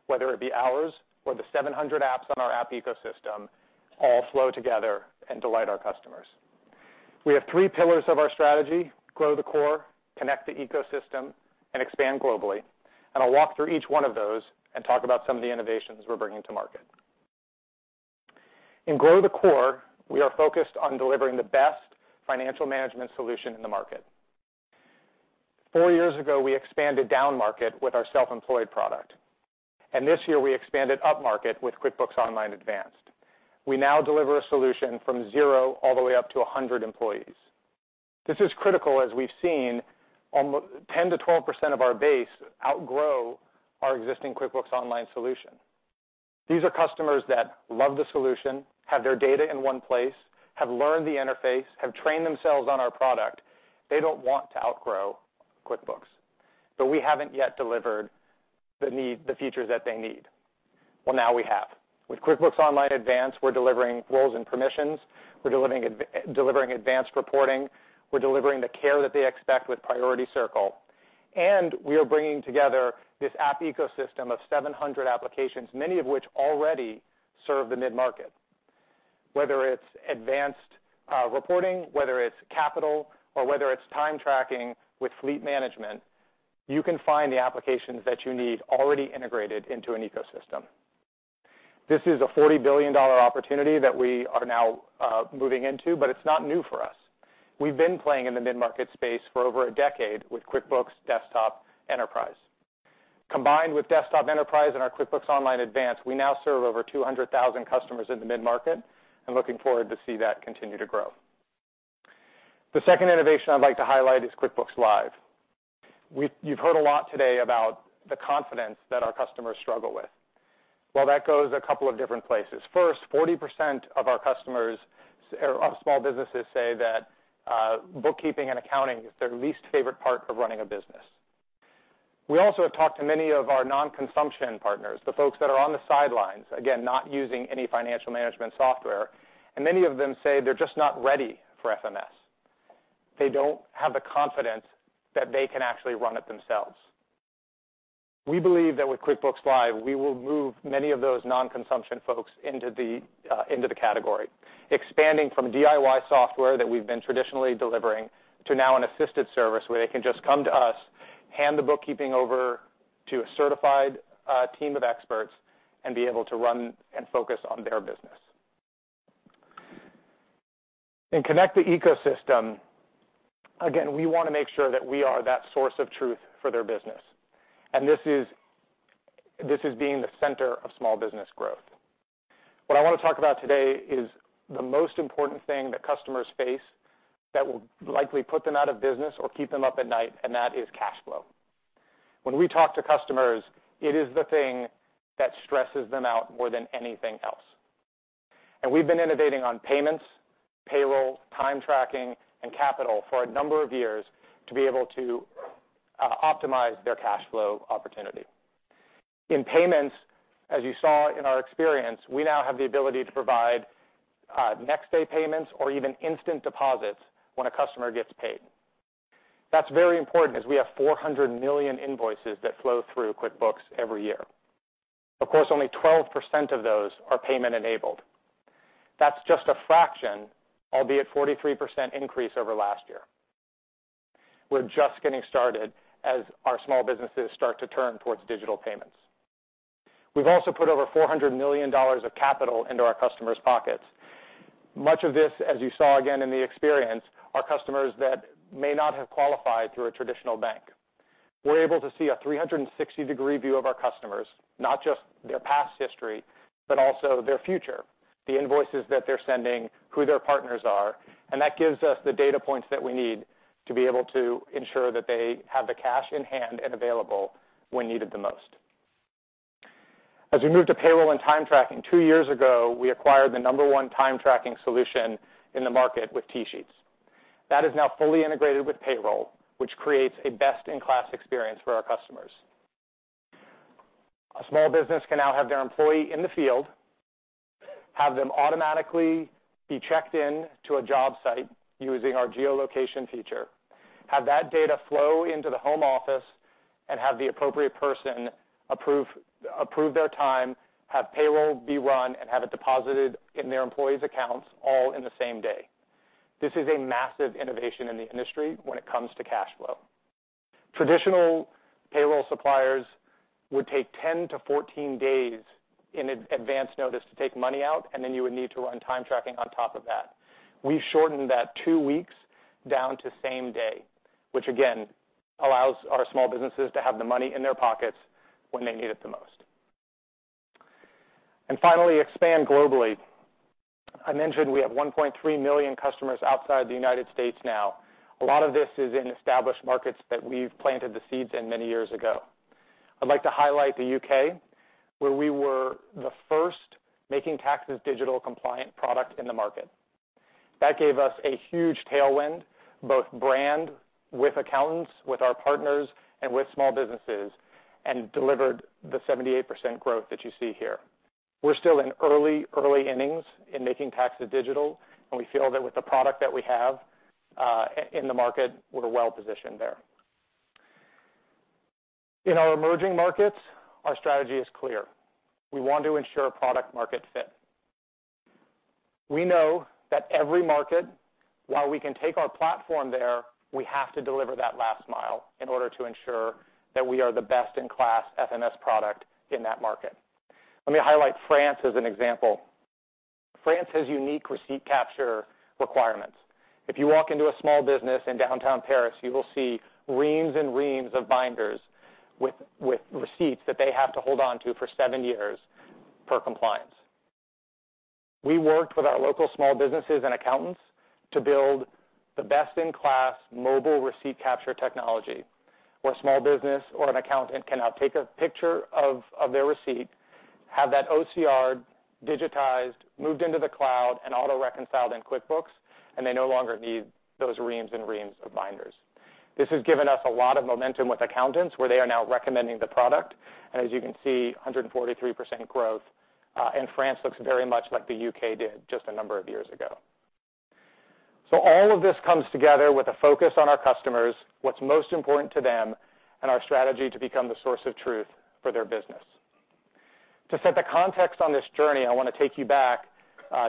whether it be ours or the 700 apps on our app ecosystem, all flow together and delight our customers. We have three pillars of our strategy, grow the core, connect the ecosystem, and expand globally. I'll walk through each one of those and talk about some of the innovations we're bringing to market. In grow the core, we are focused on delivering the best financial management solution in the market. Four years ago, we expanded downmarket with our self-employed product, and this year we expanded upmarket with QuickBooks Online Advanced. We now deliver a solution from zero all the way up to 100 employees. This is critical as we've seen almost 10%-12% of our base outgrow our existing QuickBooks Online solution. These are customers that love the solution, have their data in one place, have learned the interface, have trained themselves on our product. They don't want to outgrow QuickBooks, but we haven't yet delivered the features that they need. Well, now we have. With QuickBooks Online Advanced, we're delivering roles and permissions, we're delivering advanced reporting, we're delivering the care that they expect with Priority Circle, and we are bringing together this app ecosystem of 700 applications, many of which already serve the mid-market. Whether it's advanced reporting, whether it's capital, or whether it's time tracking with fleet management, you can find the applications that you need already integrated into an ecosystem. This is a $40 billion opportunity that we are now moving into, but it's not new for us. We've been playing in the mid-market space for over a decade with QuickBooks Desktop Enterprise. Combined with Desktop Enterprise and our QuickBooks Online Advanced, we now serve over 200,000 customers in the mid-market and looking forward to see that continue to grow. The second innovation I'd like to highlight is QuickBooks Live. You've heard a lot today about the confidence that our customers struggle with. Well, that goes a couple of different places. First, 40% of our customers or of small businesses say that bookkeeping and accounting is their least favorite part of running a business. We also have talked to many of our non-consumption partners, the folks that are on the sidelines, again, not using any financial management software, and many of them say they're just not ready for FMS. They don't have the confidence that they can actually run it themselves. We believe that with QuickBooks Live, we will move many of those non-consumption folks into the category, expanding from DIY software that we've been traditionally delivering to now an assisted service where they can just come to us, hand the bookkeeping over to a certified team of experts, and be able to run and focus on their business. In connect the ecosystem, again, we want to make sure that we are that source of truth for their business, and this is being the center of small business growth. What I want to talk about today is the most important thing that customers face that will likely put them out of business or keep them up at night, and that is cash flow. When we talk to customers, it is the thing that stresses them out more than anything else. We've been innovating on payments, payroll, time tracking, and capital for a number of years to be able to optimize their cash flow opportunity. In payments, as you saw in our experience, we now have the ability to provide next-day payments or even instant deposits when a customer gets paid. That's very important as we have 400 million invoices that flow through QuickBooks every year. Of course, only 12% of those are payment-enabled. That's just a fraction, albeit a 43% increase over last year. We're just getting started as our small businesses start to turn towards digital payments. We've also put over $400 million of capital into our customers' pockets. Much of this, as you saw again in the experience, are customers that may not have qualified through a traditional bank. We're able to see a 360-degree view of our customers, not just their past history, but also their future, the invoices that they're sending, who their partners are. That gives us the data points that we need to be able to ensure that they have the cash in hand and available when needed the most. As we move to payroll and time tracking, two years ago, we acquired the number one time tracking solution in the market with TSheets. That is now fully integrated with payroll, which creates a best-in-class experience for our customers. A small business can now have their employee in the field. Have them automatically be checked in to a job site using our geolocation feature, have that data flow into the home office, and have the appropriate person approve their time, have payroll be run, and have it deposited in their employees' accounts all in the same day. This is a massive innovation in the industry when it comes to cash flow. Traditional payroll suppliers would take 10-14 days in advance notice to take money out, and then you would need to run time tracking on top of that. We shortened that two weeks down to same day, which again, allows our small businesses to have the money in their pockets when they need it the most. Finally, expand globally. I mentioned we have 1.3 million customers outside the United States now. A lot of this is in established markets that we've planted the seeds in many years ago. I'd like to highlight the U.K., where we were the first Making Tax Digital compliant product in the market. That gave us a huge tailwind, both brand with accountants, with our partners, and with small businesses, and delivered the 78% growth that you see here. We're still in early innings in Making Tax Digital, and we feel that with the product that we have in the market, we're well-positioned there. In our emerging markets, our strategy is clear. We want to ensure product-market fit. We know that every market, while we can take our platform there, we have to deliver that last mile in order to ensure that we are the best-in-class FMS product in that market. Let me highlight France as an example. France has unique receipt capture requirements. If you walk into a small business in downtown Paris, you will see reams and reams of binders with receipts that they have to hold on to for seven years for compliance. We worked with our local small businesses and accountants to build the best-in-class mobile receipt capture technology, where a small business or an accountant can now take a picture of their receipt, have that OCR'd, digitized, moved into the cloud, and auto-reconciled in QuickBooks, and they no longer need those reams and reams of binders. This has given us a lot of momentum with accountants, where they are now recommending the product. As you can see, 143% growth, and France looks very much like the U.K. did just a number of years ago. All of this comes together with a focus on our customers, what's most important to them, and our strategy to become the source of truth for their business. To set the context on this journey, I wanna take you back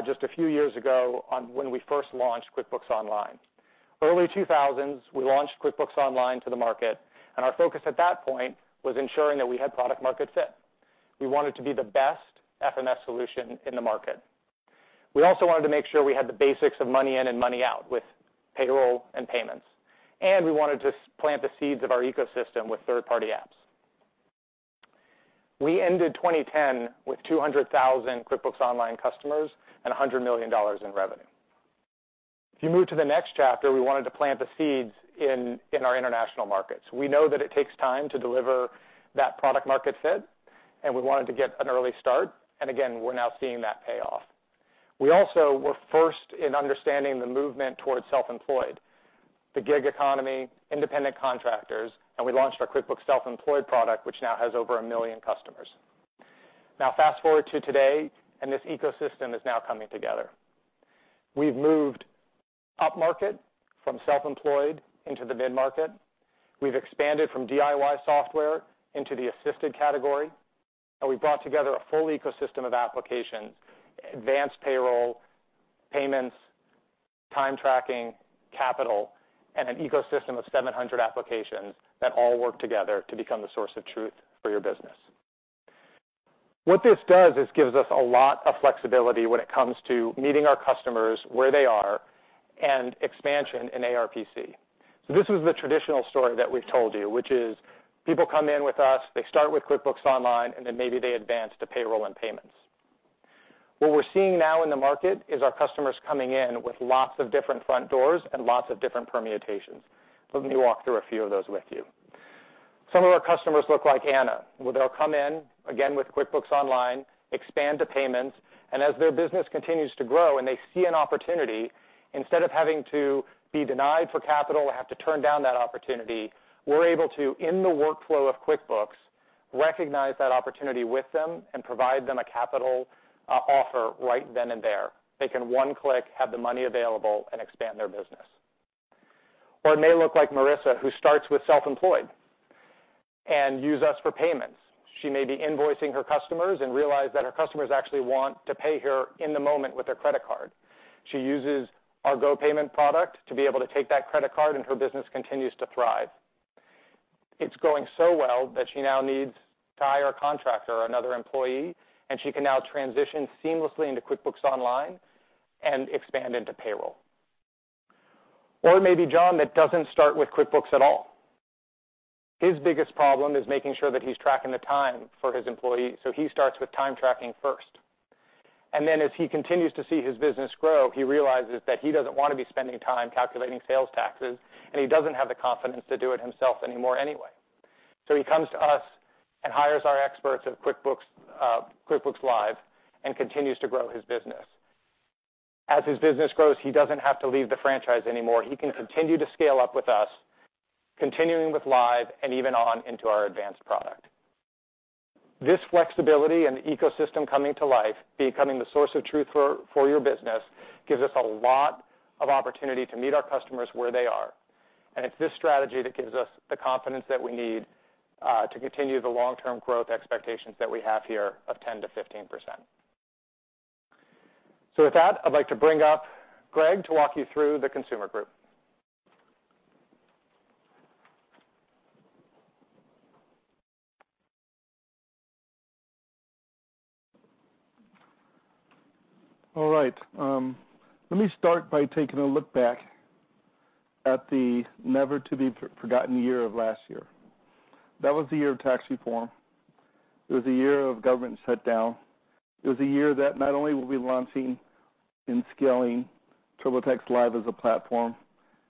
just a few years ago on when we first launched QuickBooks Online. Early 2000s, we launched QuickBooks Online to the market, and our focus at that point was ensuring that we had product-market fit. We wanted to be the best FMS solution in the market. We also wanted to make sure we had the basics of money in and money out with payroll and payments. We wanted to plant the seeds of our ecosystem with third-party apps. We ended 2010 with 200,000 QuickBooks Online customers and $100 million in revenue. If you move to the next chapter, we wanted to plant the seeds in our international markets. We know that it takes time to deliver that product-market fit, and we wanted to get an early start, and again, we're now seeing that pay off. We also were first in understanding the movement towards self-employed, the gig economy, independent contractors, and we launched our QuickBooks Self-Employed product, which now has over 1 million customers. Fast-forward to today, this ecosystem is now coming together. We've moved upmarket from self-employed into the mid-market. We've expanded from DIY software into the assisted category, and we've brought together a full ecosystem of applications, advanced payroll, payments, time tracking, capital, and an ecosystem of 700 applications that all work together to become the source of truth for your business. What this does is gives us a lot of flexibility when it comes to meeting our customers where they are and expansion in ARPC. This was the traditional story that we've told you, which is people come in with us, they start with QuickBooks Online, and then maybe they advance to payroll and payments. What we're seeing now in the market is our customers coming in with lots of different front doors and lots of different permutations. Let me walk through a few of those with you. Some of our customers look like Anna, where they'll come in, again, with QuickBooks Online, expand to payments, and as their business continues to grow and they see an opportunity, instead of having to be denied for capital or have to turn down that opportunity, we're able to, in the workflow of QuickBooks, recognize that opportunity with them and provide them a capital offer right then and there. They can one-click have the money available and expand their business. It may look like Marissa, who starts with Self-Employed and use us for payments. She may be invoicing her customers and realize that her customers actually want to pay her in the moment with their credit card. She uses our GoPayment product to be able to take that credit card, and her business continues to thrive. It's going so well that she now needs to hire a contractor or another employee, and she can now transition seamlessly into QuickBooks Online and expand into payroll. It may be John that doesn't start with QuickBooks at all. His biggest problem is making sure that he's tracking the time for his employees, so he starts with time tracking first. As he continues to see his business grow, he realizes that he doesn't want to be spending time calculating sales taxes, and he doesn't have the confidence to do it himself anymore anyway. He comes to us and hires our experts at QuickBooks Live and continues to grow his business. As his business grows, he doesn't have to leave the franchise anymore. He can continue to scale up with us, continuing with Live and even on into our Advanced product. This flexibility and the ecosystem coming to life, becoming the source of truth for your business, gives us a lot of opportunity to meet our customers where they are. It's this strategy that gives us the confidence that we need to continue the long-term growth expectations that we have here of 10%-15%. With that, I'd like to bring up Greg to walk you through the Consumer Group. All right. Let me start by taking a look back at the never-to-be-forgotten year of last year. That was the year of tax reform. It was a year of government shutdown. It was a year that not only were we launching and scaling TurboTax Live as a platform,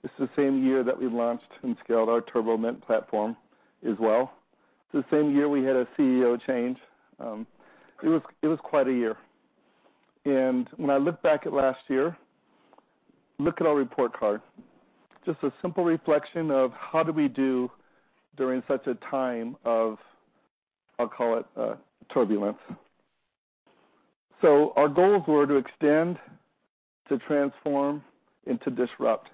it's the same year that we launched and scaled our Turbo Mint platform as well. It's the same year we had a CEO change. It was quite a year. When I look back at last year, look at our report card, just a simple reflection of how did we do during such a time of, I'll call it, turbulence. Our goals were to extend, to transform, and to disrupt.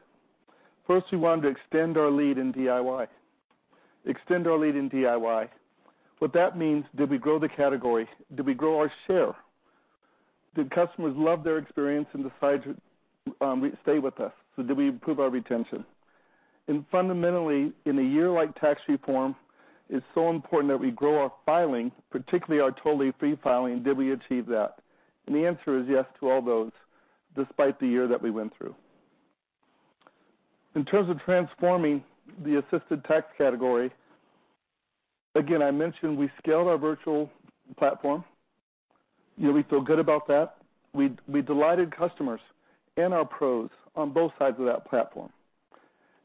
First, we wanted to extend our lead in DIY. What that means, did we grow the category? Did we grow our share? Did customers love their experience and decide to stay with us? Did we improve our retention? Fundamentally, in a year like tax reform, it's so important that we grow our filing, particularly our totally free filing. Did we achieve that? The answer is yes to all those, despite the year that we went through. In terms of transforming the assisted tax category, again, I mentioned we scaled our virtual platform. We feel good about that. We delighted customers and our pros on both sides of that platform.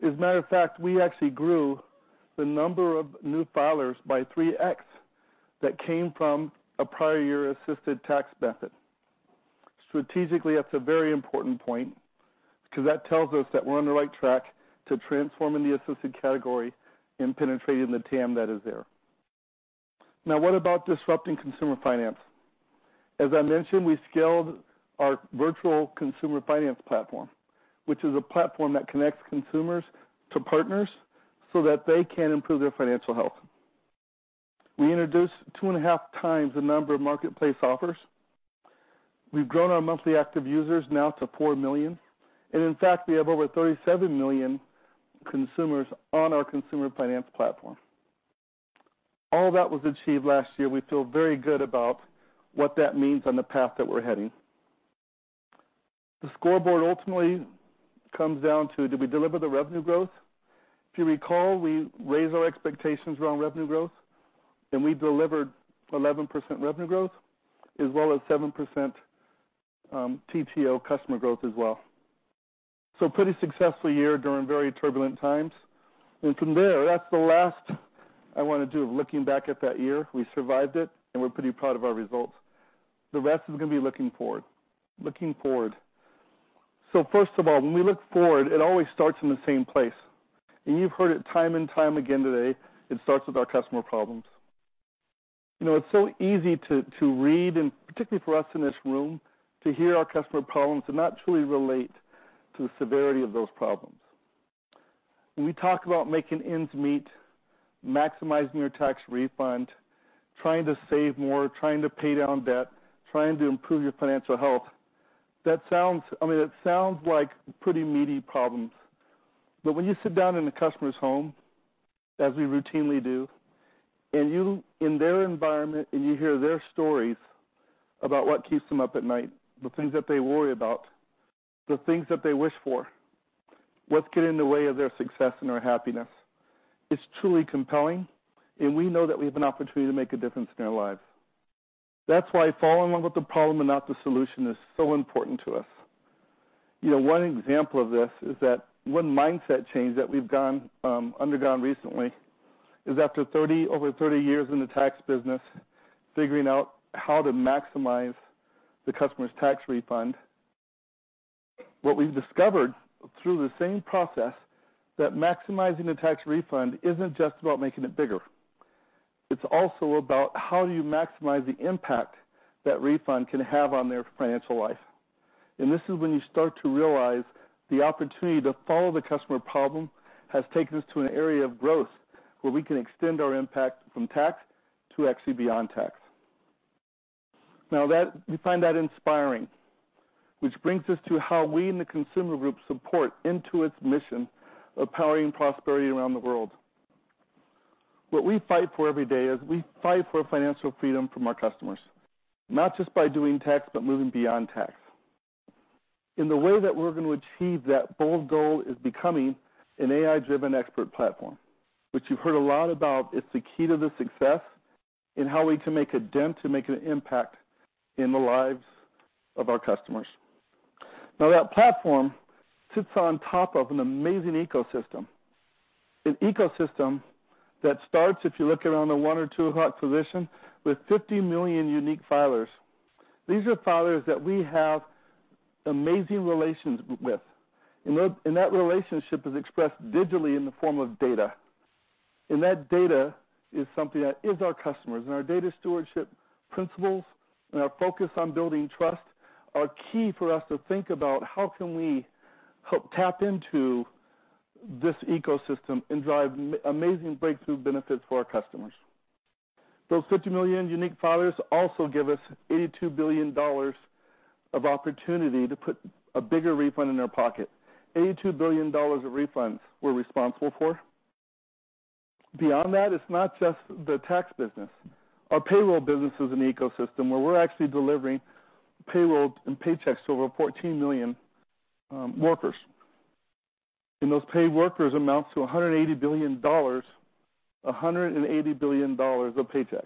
As a matter of fact, we actually grew the number of new filers by 3x that came from a prior year assisted tax method. Strategically, that's a very important point, because that tells us that we're on the right track to transforming the assisted category and penetrating the TAM that is there. What about disrupting consumer finance? As I mentioned, we scaled our virtual consumer finance platform, which is a platform that connects consumers to partners so that they can improve their financial health. We introduced two and a half times the number of marketplace offers. We've grown our monthly active users now to four million. In fact, we have over 37 million consumers on our consumer finance platform. All that was achieved last year, we feel very good about what that means on the path that we're heading. The scoreboard ultimately comes down to, did we deliver the revenue growth? If you recall, we raised our expectations around revenue growth, and we delivered 11% revenue growth, as well as 7% TTO customer growth as well. Pretty successful year during very turbulent times. From there, that's the last I want to do of looking back at that year. We survived it, and we're pretty proud of our results. The rest is going to be looking forward. First of all, when we look forward, it always starts in the same place. You've heard it time and time again today. It starts with our customer problems. It's so easy to read, and particularly for us in this room, to hear our customer problems and not truly relate to the severity of those problems. When we talk about making ends meet, maximizing your tax refund, trying to save more, trying to pay down debt, trying to improve your financial health, that sounds like pretty meaty problems. When you sit down in a customer's home, as we routinely do, and you, in their environment, and you hear their stories about what keeps them up at night, the things that they worry about, the things that they wish for, what's getting in the way of their success and their happiness, it's truly compelling, and we know that we have an opportunity to make a difference in their lives. That's why following up with the problem and not the solution is so important to us. One example of this is that one mindset change that we've undergone recently is after over 30 years in the tax business, figuring out how to maximize the customer's tax refund, what we've discovered through the same process, that maximizing the tax refund isn't just about making it bigger. It's also about how you maximize the impact that refund can have on their financial life. This is when you start to realize the opportunity to follow the customer problem has taken us to an area of growth where we can extend our impact from tax to actually beyond tax. We find that inspiring, which brings us to how we in the consumer group support Intuit's mission of powering prosperity around the world. What we fight for every day is we fight for financial freedom from our customers, not just by doing tax, but moving beyond tax. The way that we're going to achieve that bold goal is becoming an AI-driven expert platform, which you've heard a lot about, it's the key to the success in how we can make a dent to make an impact in the lives of our customers. That platform sits on top of an amazing ecosystem. An ecosystem that starts, if you look around the one or two hot position, with 50 million unique filers. These are filers that we have amazing relations with. That relationship is expressed digitally in the form of data, and that data is something that is our customers and our data stewardship principles, and our focus on building trust are key for us to think about how can we help tap into this ecosystem and drive amazing breakthrough benefits for our customers. Those 50 million unique filers also give us $82 billion of opportunity to put a bigger refund in their pocket. $82 billion of refunds we're responsible for. Beyond that, it's not just the tax business. Our payroll business is an ecosystem where we're actually delivering payrolls and paychecks to over 14 million workers. Those paid workers amounts to $180 billion. $180 billion of paychecks.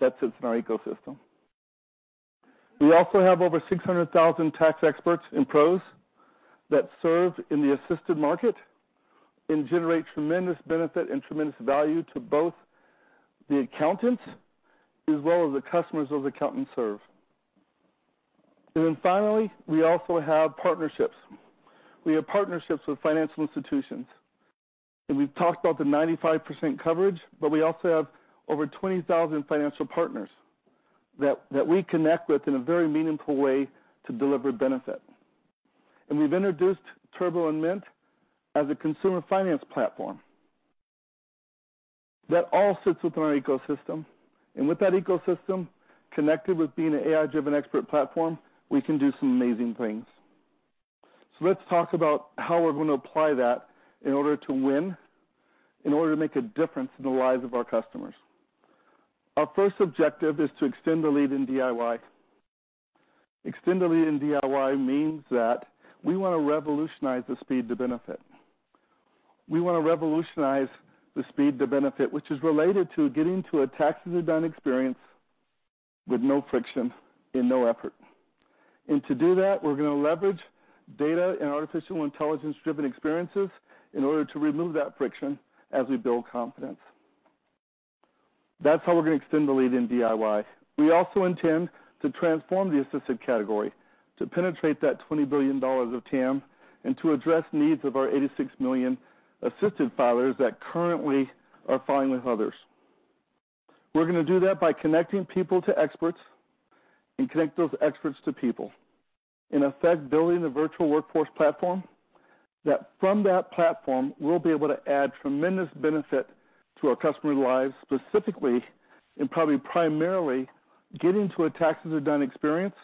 That sits in our ecosystem. We also have over 600,000 tax experts and pros that serve in the assisted market and generate tremendous benefit and tremendous value to both the accountants as well as the customers those accountants serve. Finally, we also have partnerships. We have partnerships with financial institutions, and we've talked about the 95% coverage, but we also have over 20,000 financial partners that we connect with in a very meaningful way to deliver benefit. We've introduced Turbo and Mint as a consumer finance platform. That all sits within our ecosystem, and with that ecosystem connected with being an AI-driven expert platform, we can do some amazing things. Let's talk about how we're going to apply that in order to win, in order to make a difference in the lives of our customers. Our first objective is to extend the lead in DIY. Extend the lead in DIY means that we want to revolutionize the speed to benefit. We want to revolutionize the speed to benefit, which is related to getting to a taxes are done experience with no friction and no effort. To do that, we're going to leverage data and artificial intelligence driven experiences in order to remove that friction as we build confidence. That's how we're going to extend the lead in DIY. We also intend to transform the assisted category to penetrate that $20 billion of TAM, and to address needs of our 86 million assisted filers that currently are filing with others. We're going to do that by connecting people to experts and connect those experts to people. In effect, building the virtual workforce platform, that from that platform, we'll be able to add tremendous benefit to our customers' lives, specifically, and probably primarily, getting to a taxes are done experience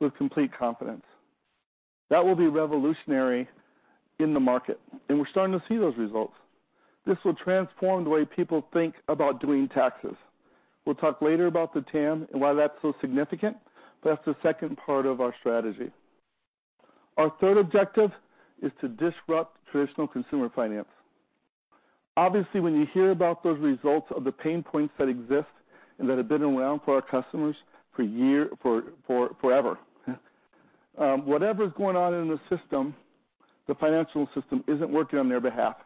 with complete confidence. That will be revolutionary in the market, and we're starting to see those results. This will transform the way people think about doing taxes. We'll talk later about the TAM and why that's so significant, but that's the second part of our strategy. Our third objective is to disrupt traditional consumer finance. Obviously, when you hear about those results of the pain points that exist and that have been around for our customers for forever. Whatever's going on in the system, the financial system isn't working on their behalf.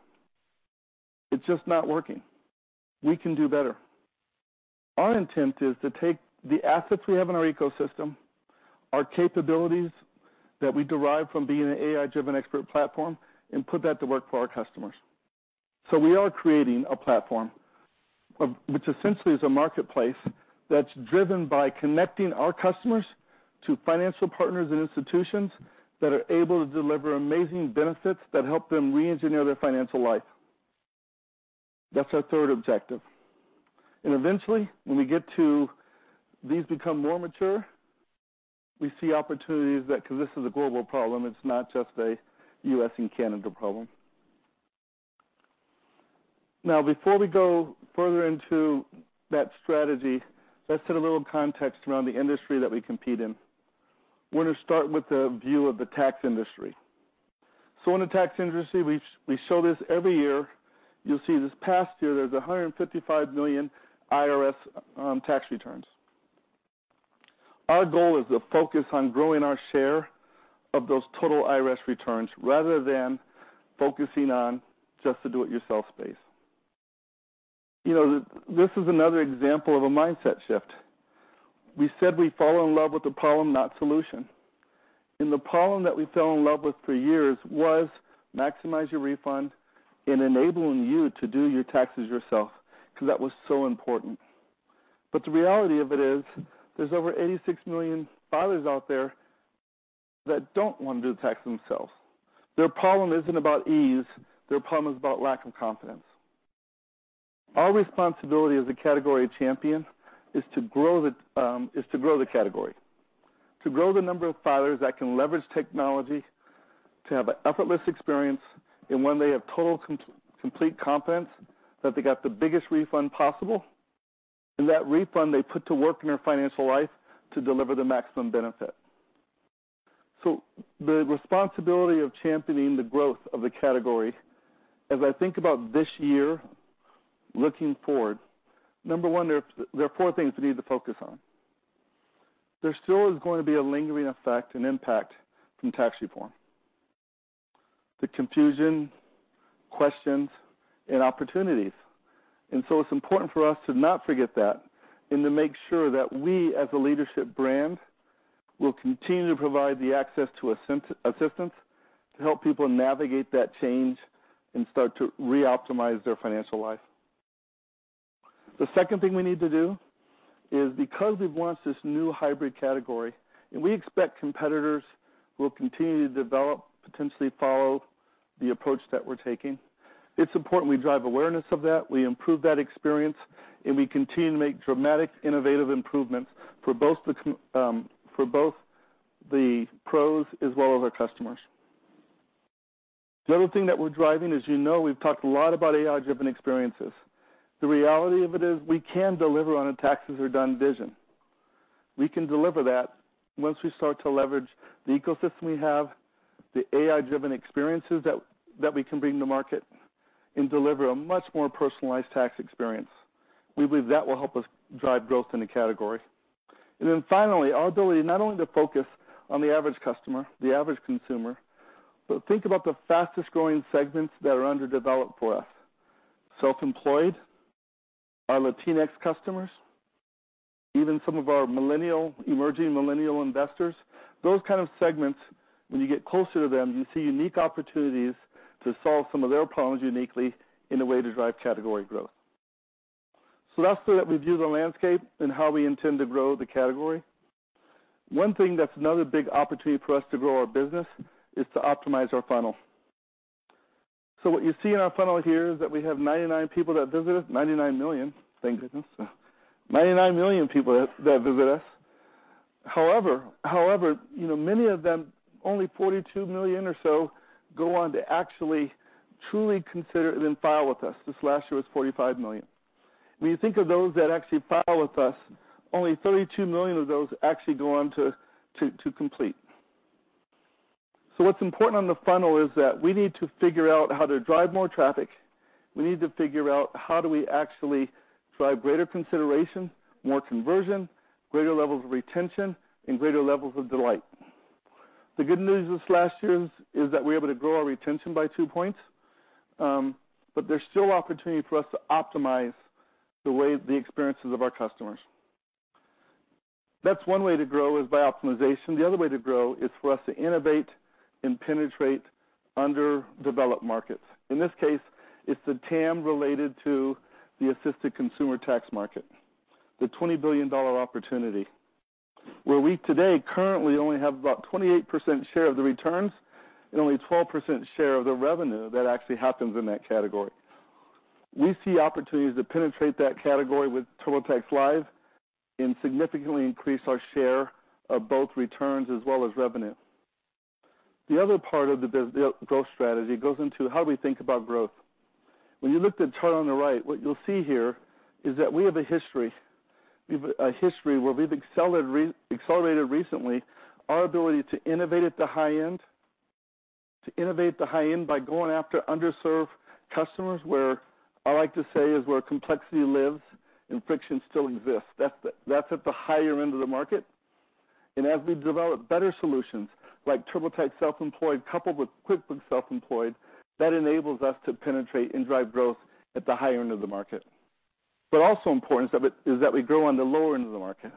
It's just not working. We can do better. Our intent is to take the assets we have in our ecosystem, our capabilities that we derive from being an AI-driven expert platform, and put that to work for our customers. We are creating a platform, which essentially is a marketplace that's driven by connecting our customers to financial partners and institutions that are able to deliver amazing benefits that help them re-engineer their financial life. That's our third objective, and eventually, when we get to these become more mature, we see opportunities that, because this is a global problem, it's not just a U.S. and Canada problem. Before we go further into that strategy, let's set a little context around the industry that we compete in. We're going to start with a view of the tax industry. In the tax industry, we show this every year. You'll see this past year, there's 155 million IRS tax returns. Our goal is to focus on growing our share of those total IRS returns rather than focusing on just the do it yourself space. You know, this is another example of a mindset shift. We said we fall in love with the problem, not solution. The problem that we fell in love with for years was maximize your refund and enabling you to do your taxes yourself, because that was so important. The reality of it is, there's over 86 million filers out there that don't want to do tax themselves. Their problem isn't about ease, their problem is about lack of confidence. Our responsibility as a category champion is to grow the category. To grow the number of filers that can leverage technology to have an effortless experience in when they have total complete confidence that they got the biggest refund possible, and that refund they put to work in their financial life to deliver the maximum benefit. The responsibility of championing the growth of the category, as I think about this year, looking forward, number 1, there are four things we need to focus on. There still is going to be a lingering effect and impact from tax reform, the confusion, questions, and opportunities. It's important for us to not forget that and to make sure that we, as a leadership brand, will continue to provide the access to assistance to help people navigate that change and start to re-optimize their financial life. The second thing we need to do is, because we've launched this new hybrid category, and we expect competitors will continue to develop, potentially follow the approach that we're taking, it's important we drive awareness of that, we improve that experience, and we continue to make dramatic innovative improvements for both the pros as well as our customers. The other thing that we're driving, as you know, we've talked a lot about AI-driven experiences. The reality of it is we can deliver on a taxes are done vision. We can deliver that once we start to leverage the ecosystem we have, the AI-driven experiences that we can bring to market and deliver a much more personalized tax experience. We believe that will help us drive growth in the category. Finally, our ability not only to focus on the average customer, the average consumer, but think about the fastest-growing segments that are underdeveloped for us, self-employed, our Latinx customers, even some of our emerging millennial investors. Those kind of segments, when you get closer to them, you see unique opportunities to solve some of their problems uniquely in a way to drive category growth. That's the way that we view the landscape and how we intend to grow the category. One thing that's another big opportunity for us to grow our business is to optimize our funnel. What you see in our funnel here is that we have 99 people that visit us, $99 million, thank goodness. $99 million people that visit us. However, many of them, only $42 million or so, go on to actually truly consider and then file with us. This last year was 45 million. When you think of those that actually file with us, only 32 million of those actually go on to complete. What's important on the funnel is that we need to figure out how to drive more traffic. We need to figure out how do we actually drive greater consideration, more conversion, greater levels of retention, and greater levels of delight. The good news this last year is that we're able to grow our retention by two points, but there's still opportunity for us to optimize the experiences of our customers. That's one way to grow is by optimization. The other way to grow is for us to innovate and penetrate underdeveloped markets. In this case, it's the TAM related to the assisted consumer tax market, the $20 billion opportunity, where we today currently only have about 28% share of the returns and only 12% share of the revenue that actually happens in that category. We see opportunities to penetrate that category with TurboTax Live and significantly increase our share of both returns as well as revenue. The other part of the growth strategy goes into how we think about growth. When you look at the chart on the right, what you'll see here is that we have a history. We have a history where we've accelerated recently our ability to innovate at the high-end, to innovate the high-end by going after underserved customers where I like to say is where complexity lives and friction still exists. That's at the higher end of the market. As we develop better solutions like TurboTax Self-Employed coupled with QuickBooks Self-Employed, that enables us to penetrate and drive growth at the high end of the market. Also importance of it is that we grow on the lower end of the market,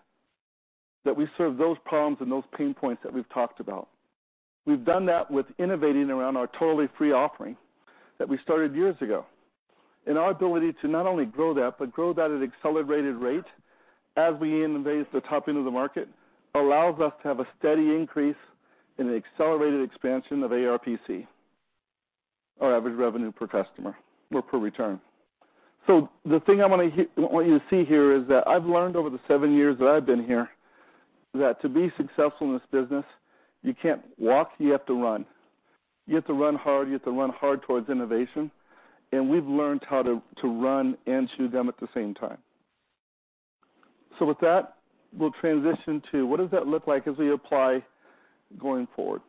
that we serve those problems and those pain points that we've talked about. We've done that with innovating around our totally free offering that we started years ago. Our ability to not only grow that, but grow that at accelerated rate as we innovate the top end of the market, allows us to have a steady increase in the accelerated expansion of ARPC, our average revenue per customer or per return. The thing I want you to see here is that I've learned over the seven years that I've been here that to be successful in this business, you can't walk, you have to run. You have to run hard, you have to run hard towards innovation, and we've learned how to run and chew them at the same time. With that, we'll transition to what does that look like as we apply going forward?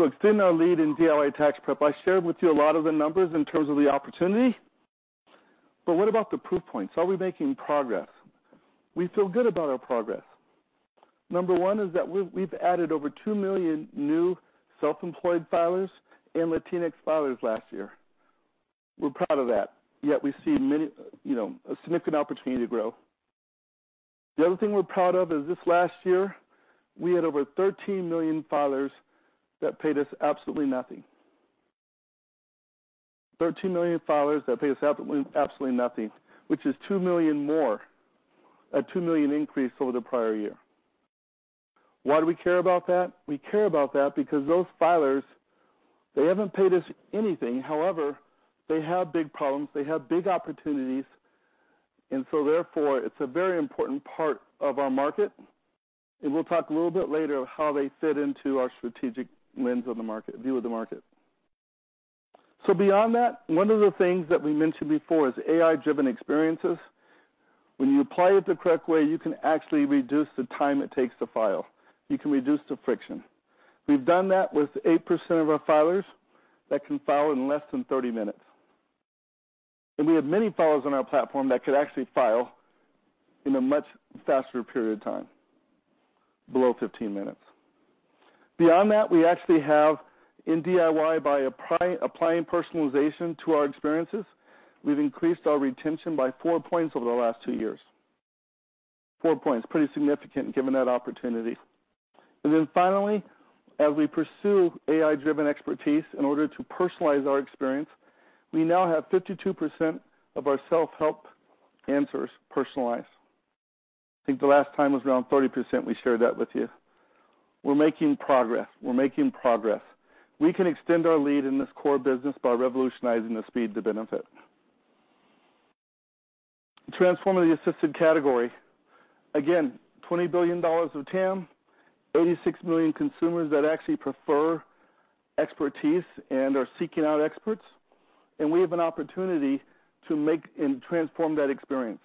Extend our lead in DIY tax prep. I shared with you a lot of the numbers in terms of the opportunity. What about the proof points? Are we making progress? We feel good about our progress. Number 1 is that we've added over $2 million new Self-Employed filers and Latinx filers last year. We're proud of that. We see a significant opportunity to grow. The other thing we're proud of is this last year, we had over 13 million filers that paid us absolutely nothing. 13 million filers that paid us absolutely nothing, which is 2 million more, a 2 million increase over the prior year. Why do we care about that? We care about that because those filers, they haven't paid us anything. However, they have big problems, they have big opportunities, and so therefore, it's a very important part of our market, and we'll talk a little bit later of how they fit into our strategic lens of the market, view of the market. Beyond that, one of the things that we mentioned before is AI-driven experiences. When you apply it the correct way, you can actually reduce the time it takes to file. You can reduce the friction. We've done that with 8% of our filers that can file in less than 30 minutes. We have many filers on our platform that could actually file in a much faster period of time, below 15 minutes. Beyond that, we actually have in DIY, by applying personalization to our experiences, we've increased our retention by 4 points over the last 2 years. 4 points, pretty significant given that opportunity. Finally, as we pursue AI-driven expertise in order to personalize our experience, we now have 52% of our self-help answers personalized. I think the last time was around 30% we shared that with you. We're making progress. We can extend our lead in this core business by revolutionizing the speed to benefit. Transforming the assisted category. $20 billion of TAM, 86 million consumers that actually prefer expertise and are seeking out experts, and we have an opportunity to make and transform that experience.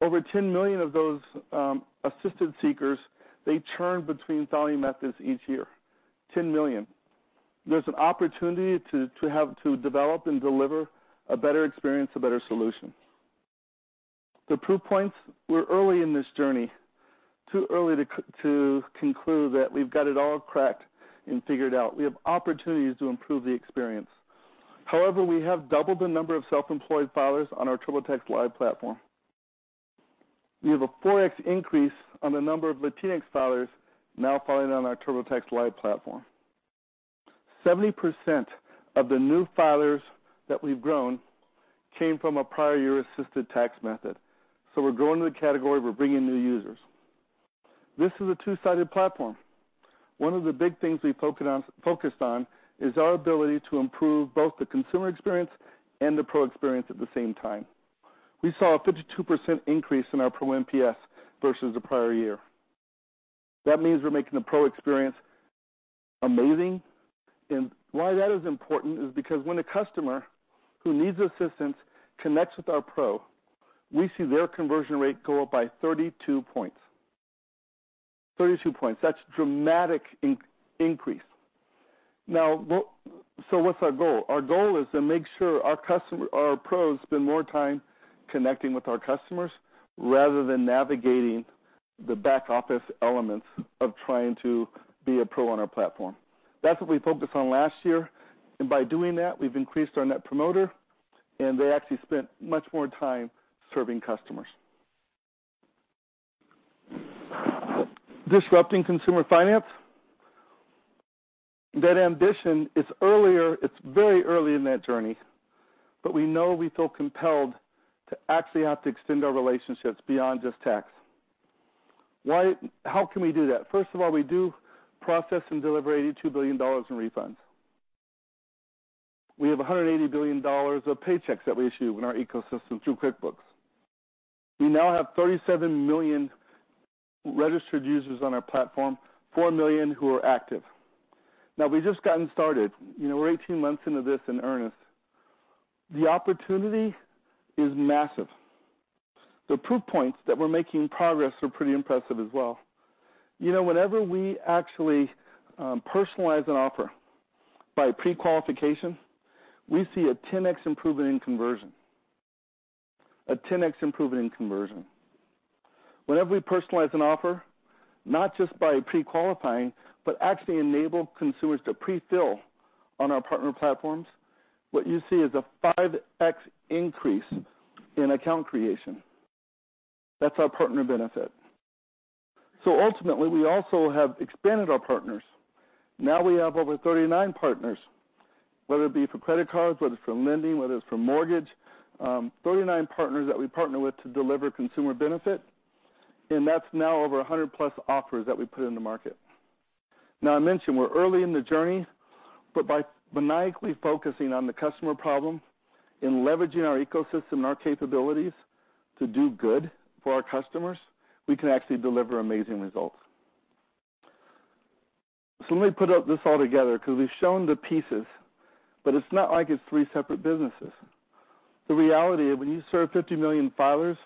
Over 10 million of those assisted seekers, they churn between filing methods each year. 10 million. There's an opportunity to develop and deliver a better experience, a better solution. The proof points, we're early in this journey, too early to conclude that we've got it all cracked and figured out. We have opportunities to improve the experience. We have doubled the number of self-employed filers on our TurboTax Live platform. We have a 4X increase on the number of Latinx filers now filing on our TurboTax Live platform. 70% of the new filers that we've grown came from a prior year assisted tax method. We're growing the category, we're bringing new users. This is a two-sided platform. One of the big things we focused on is our ability to improve both the consumer experience and the pro experience at the same time. We saw a 52% increase in our pro NPS versus the prior year. That means we're making the pro experience amazing. Why that is important is because when a customer who needs assistance connects with our pro, we see their conversion rate go up by 32 points. 32 points. That's dramatic increase. What's our goal? Our goal is to make sure our pros spend more time connecting with our customers rather than navigating the back office elements of trying to be a pro on our platform. That's what we focused on last year, and by doing that, we've increased our net promoter, and they actually spent much more time serving customers. Disrupting consumer finance. That ambition, it's very early in that journey, but we know we feel compelled to actually have to extend our relationships beyond just tax. How can we do that? First of all, we do process and deliver $82 billion in refunds. We have $180 billion of paychecks that we issue in our ecosystem through QuickBooks. We now have 37 million registered users on our platform, 4 million who are active. We've just gotten started. We're 18 months into this in earnest. The opportunity is massive. The proof points that we're making progress are pretty impressive as well. Whenever we actually personalize an offer by pre-qualification, we see a 10x improvement in conversion. A 10x improvement in conversion. Whenever we personalize an offer, not just by pre-qualifying, but actually enable consumers to pre-fill on our partner platforms, what you see is a 5x increase in account creation. That's our partner benefit. Ultimately, we also have expanded our partners. Now we have over 39 partners, whether it be for credit cards, whether it's for lending, whether it's for mortgage, 39 partners that we partner with to deliver consumer benefit. That's now over 100 plus offers that we put in the market. I mentioned we're early in the journey, but by maniacally focusing on the customer problem and leveraging our ecosystem and our capabilities to do good for our customers, we can actually deliver amazing results. Let me put up this all together because we've shown the pieces, but it's not like it's three separate businesses. The reality of when you serve 50 million filers,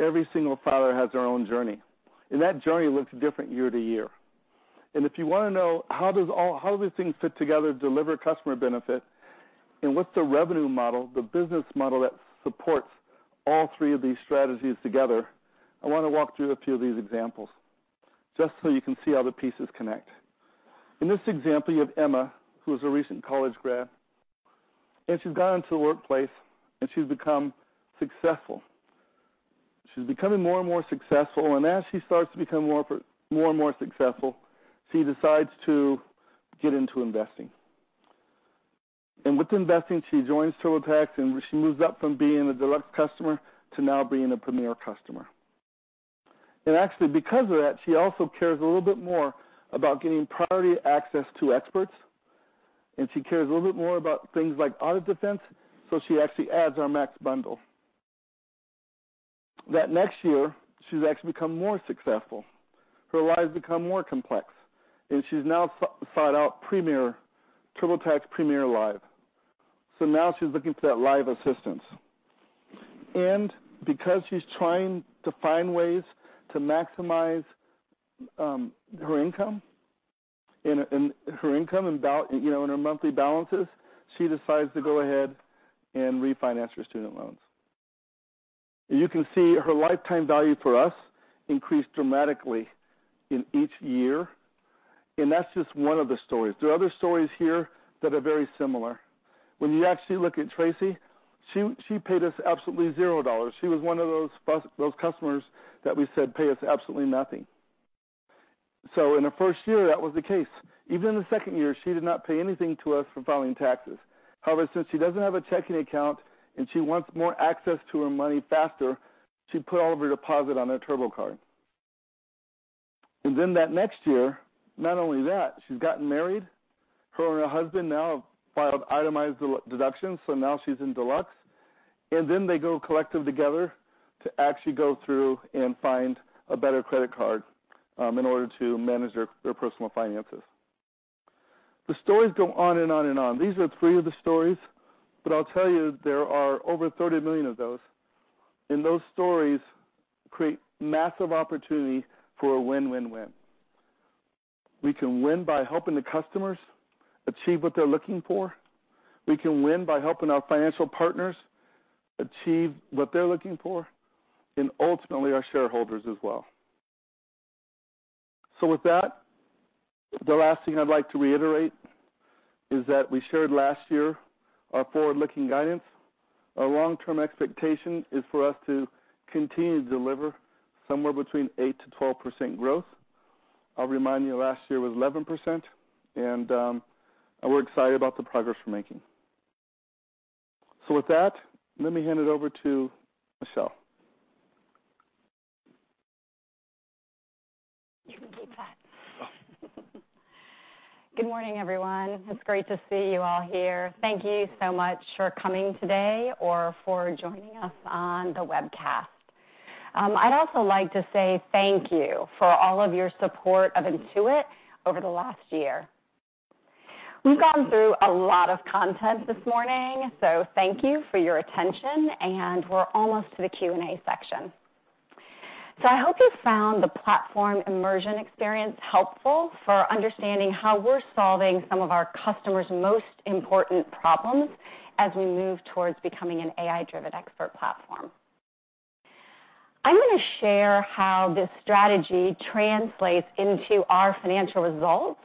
every single filer has their own journey. That journey looks different year to year. If you want to know how these things fit together to deliver customer benefit, and what's the revenue model, the business model that supports all three of these strategies together, I want to walk through a few of these examples just so you can see how the pieces connect. In this example, you have Emma, who is a recent college grad, and she's gone into the workplace and she's become successful. She's becoming more and more successful, and as she starts to become more and more successful, she decides to get into investing. With investing, she joins TurboTax, and she moves up from being a Deluxe customer to now being a Premier customer. Actually, because of that, she also cares a little bit more about getting priority access to experts, and she cares a little bit more about things like audit defense, so she actually adds our MAX bundle. That next year, she's actually become more successful. Her life has become more complex, and she's now sought out TurboTax Premier Live. Now she's looking for that live assistance. Because she's trying to find ways to maximize her income and in her monthly balances, she decides to go ahead and refinance her student loans. You can see her lifetime value for us increased dramatically in each year, and that's just one of the stories. There are other stories here that are very similar. When you actually look at Tracy, she paid us absolutely $0. She was one of those customers that we said pay us absolutely nothing. In her first year, that was the case. Even in the second year, she did not pay anything to us for filing taxes. Since she doesn't have a checking account and she wants more access to her money faster, she put all of her deposit on her Turbo Card. That next year, not only that, she's gotten married. Her and her husband now have filed itemized deductions, so now she's in Deluxe. They go collective together to actually go through and find a better credit card in order to manage their personal finances. The stories go on and on and on. These are three of the stories, but I'll tell you, there are over 30 million of those, and those stories create massive opportunity for a win-win-win. We can win by helping the customers achieve what they're looking for. We can win by helping our financial partners achieve what they're looking for, and ultimately our shareholders as well. With that, the last thing I'd like to reiterate is that we shared last year our forward-looking guidance. Our long-term expectation is for us to continue to deliver somewhere between 8%-12% growth. I'll remind you last year was 11%, and we're excited about the progress we're making. With that, let me hand it over to Michelle. You can keep that. Oh. Good morning, everyone. It's great to see you all here. Thank you so much for coming today or for joining us on the webcast. I'd also like to say thank you for all of your support of Intuit over the last year. We've gotten through a lot of content this morning, thank you for your attention, and we're almost to the Q&A section. I hope you found the platform immersion experience helpful for understanding how we're solving some of our customers' most important problems as we move towards becoming an AI-driven expert platform. I'm going to share how this strategy translates into our financial results,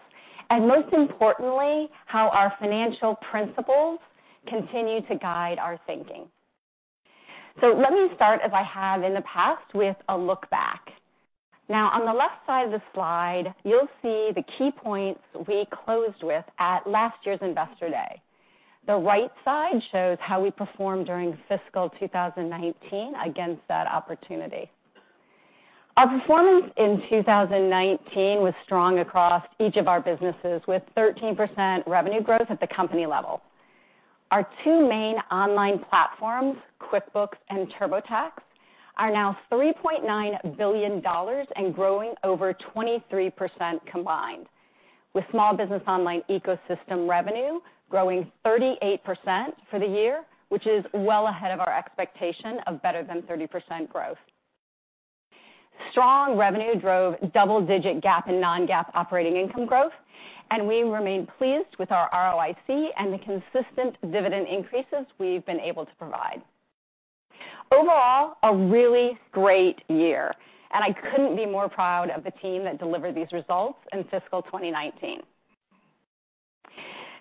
and most importantly, how our financial principles continue to guide our thinking. Let me start, as I have in the past, with a look back. Now, on the left side of the slide, you'll see the key points we closed with at last year's Investor Day. The right side shows how we performed during fiscal 2019 against that opportunity. Our performance in 2019 was strong across each of our businesses, with 13% revenue growth at the company level. Our two main online platforms, QuickBooks and TurboTax, are now $3.9 billion and growing over 23% combined, with small business online ecosystem revenue growing 38% for the year, which is well ahead of our expectation of better than 30% growth. Strong revenue drove double-digit GAAP and non-GAAP operating income growth, and we remain pleased with our ROIC and the consistent dividend increases we've been able to provide. Overall, a really great year, and I couldn't be more proud of the team that delivered these results in fiscal 2019.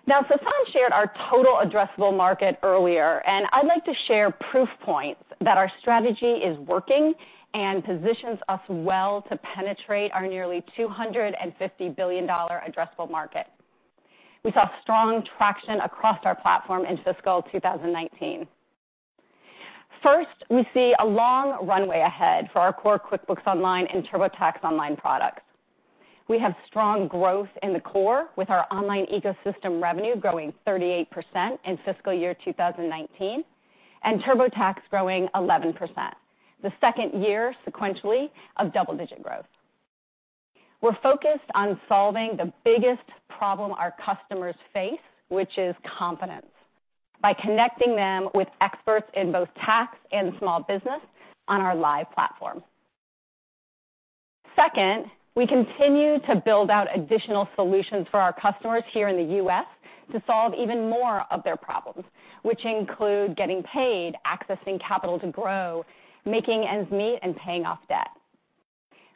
Now, Sasan shared our total addressable market earlier. I'd like to share proof points that our strategy is working and positions us well to penetrate our nearly $250 billion addressable market. We saw strong traction across our platform in fiscal 2019. First, we see a long runway ahead for our core QuickBooks Online and TurboTax Online products. We have strong growth in the core with our online ecosystem revenue growing 38% in fiscal year 2019 and TurboTax growing 11%, the second year sequentially of double-digit growth. We're focused on solving the biggest problem our customers face, which is confidence, by connecting them with experts in both tax and small business on our live platform. Second, we continue to build out additional solutions for our customers here in the U.S. to solve even more of their problems, which include getting paid, accessing capital to grow, making ends meet, and paying off debt.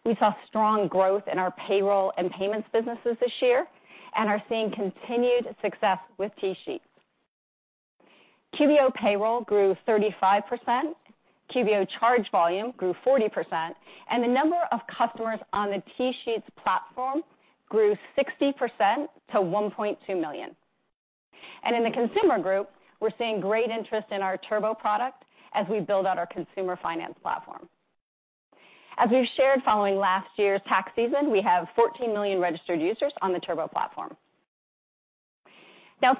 We saw strong growth in our payroll and payments businesses this year and are seeing continued success with TSheets. QBO Payroll grew 35%, QBO Charge volume grew 40%, and the number of customers on the TSheets platform grew 60% to 1.2 million. In the consumer group, we're seeing great interest in our Turbo product as we build out our consumer finance platform. As we've shared following last year's tax season, we have 14 million registered users on the Turbo platform.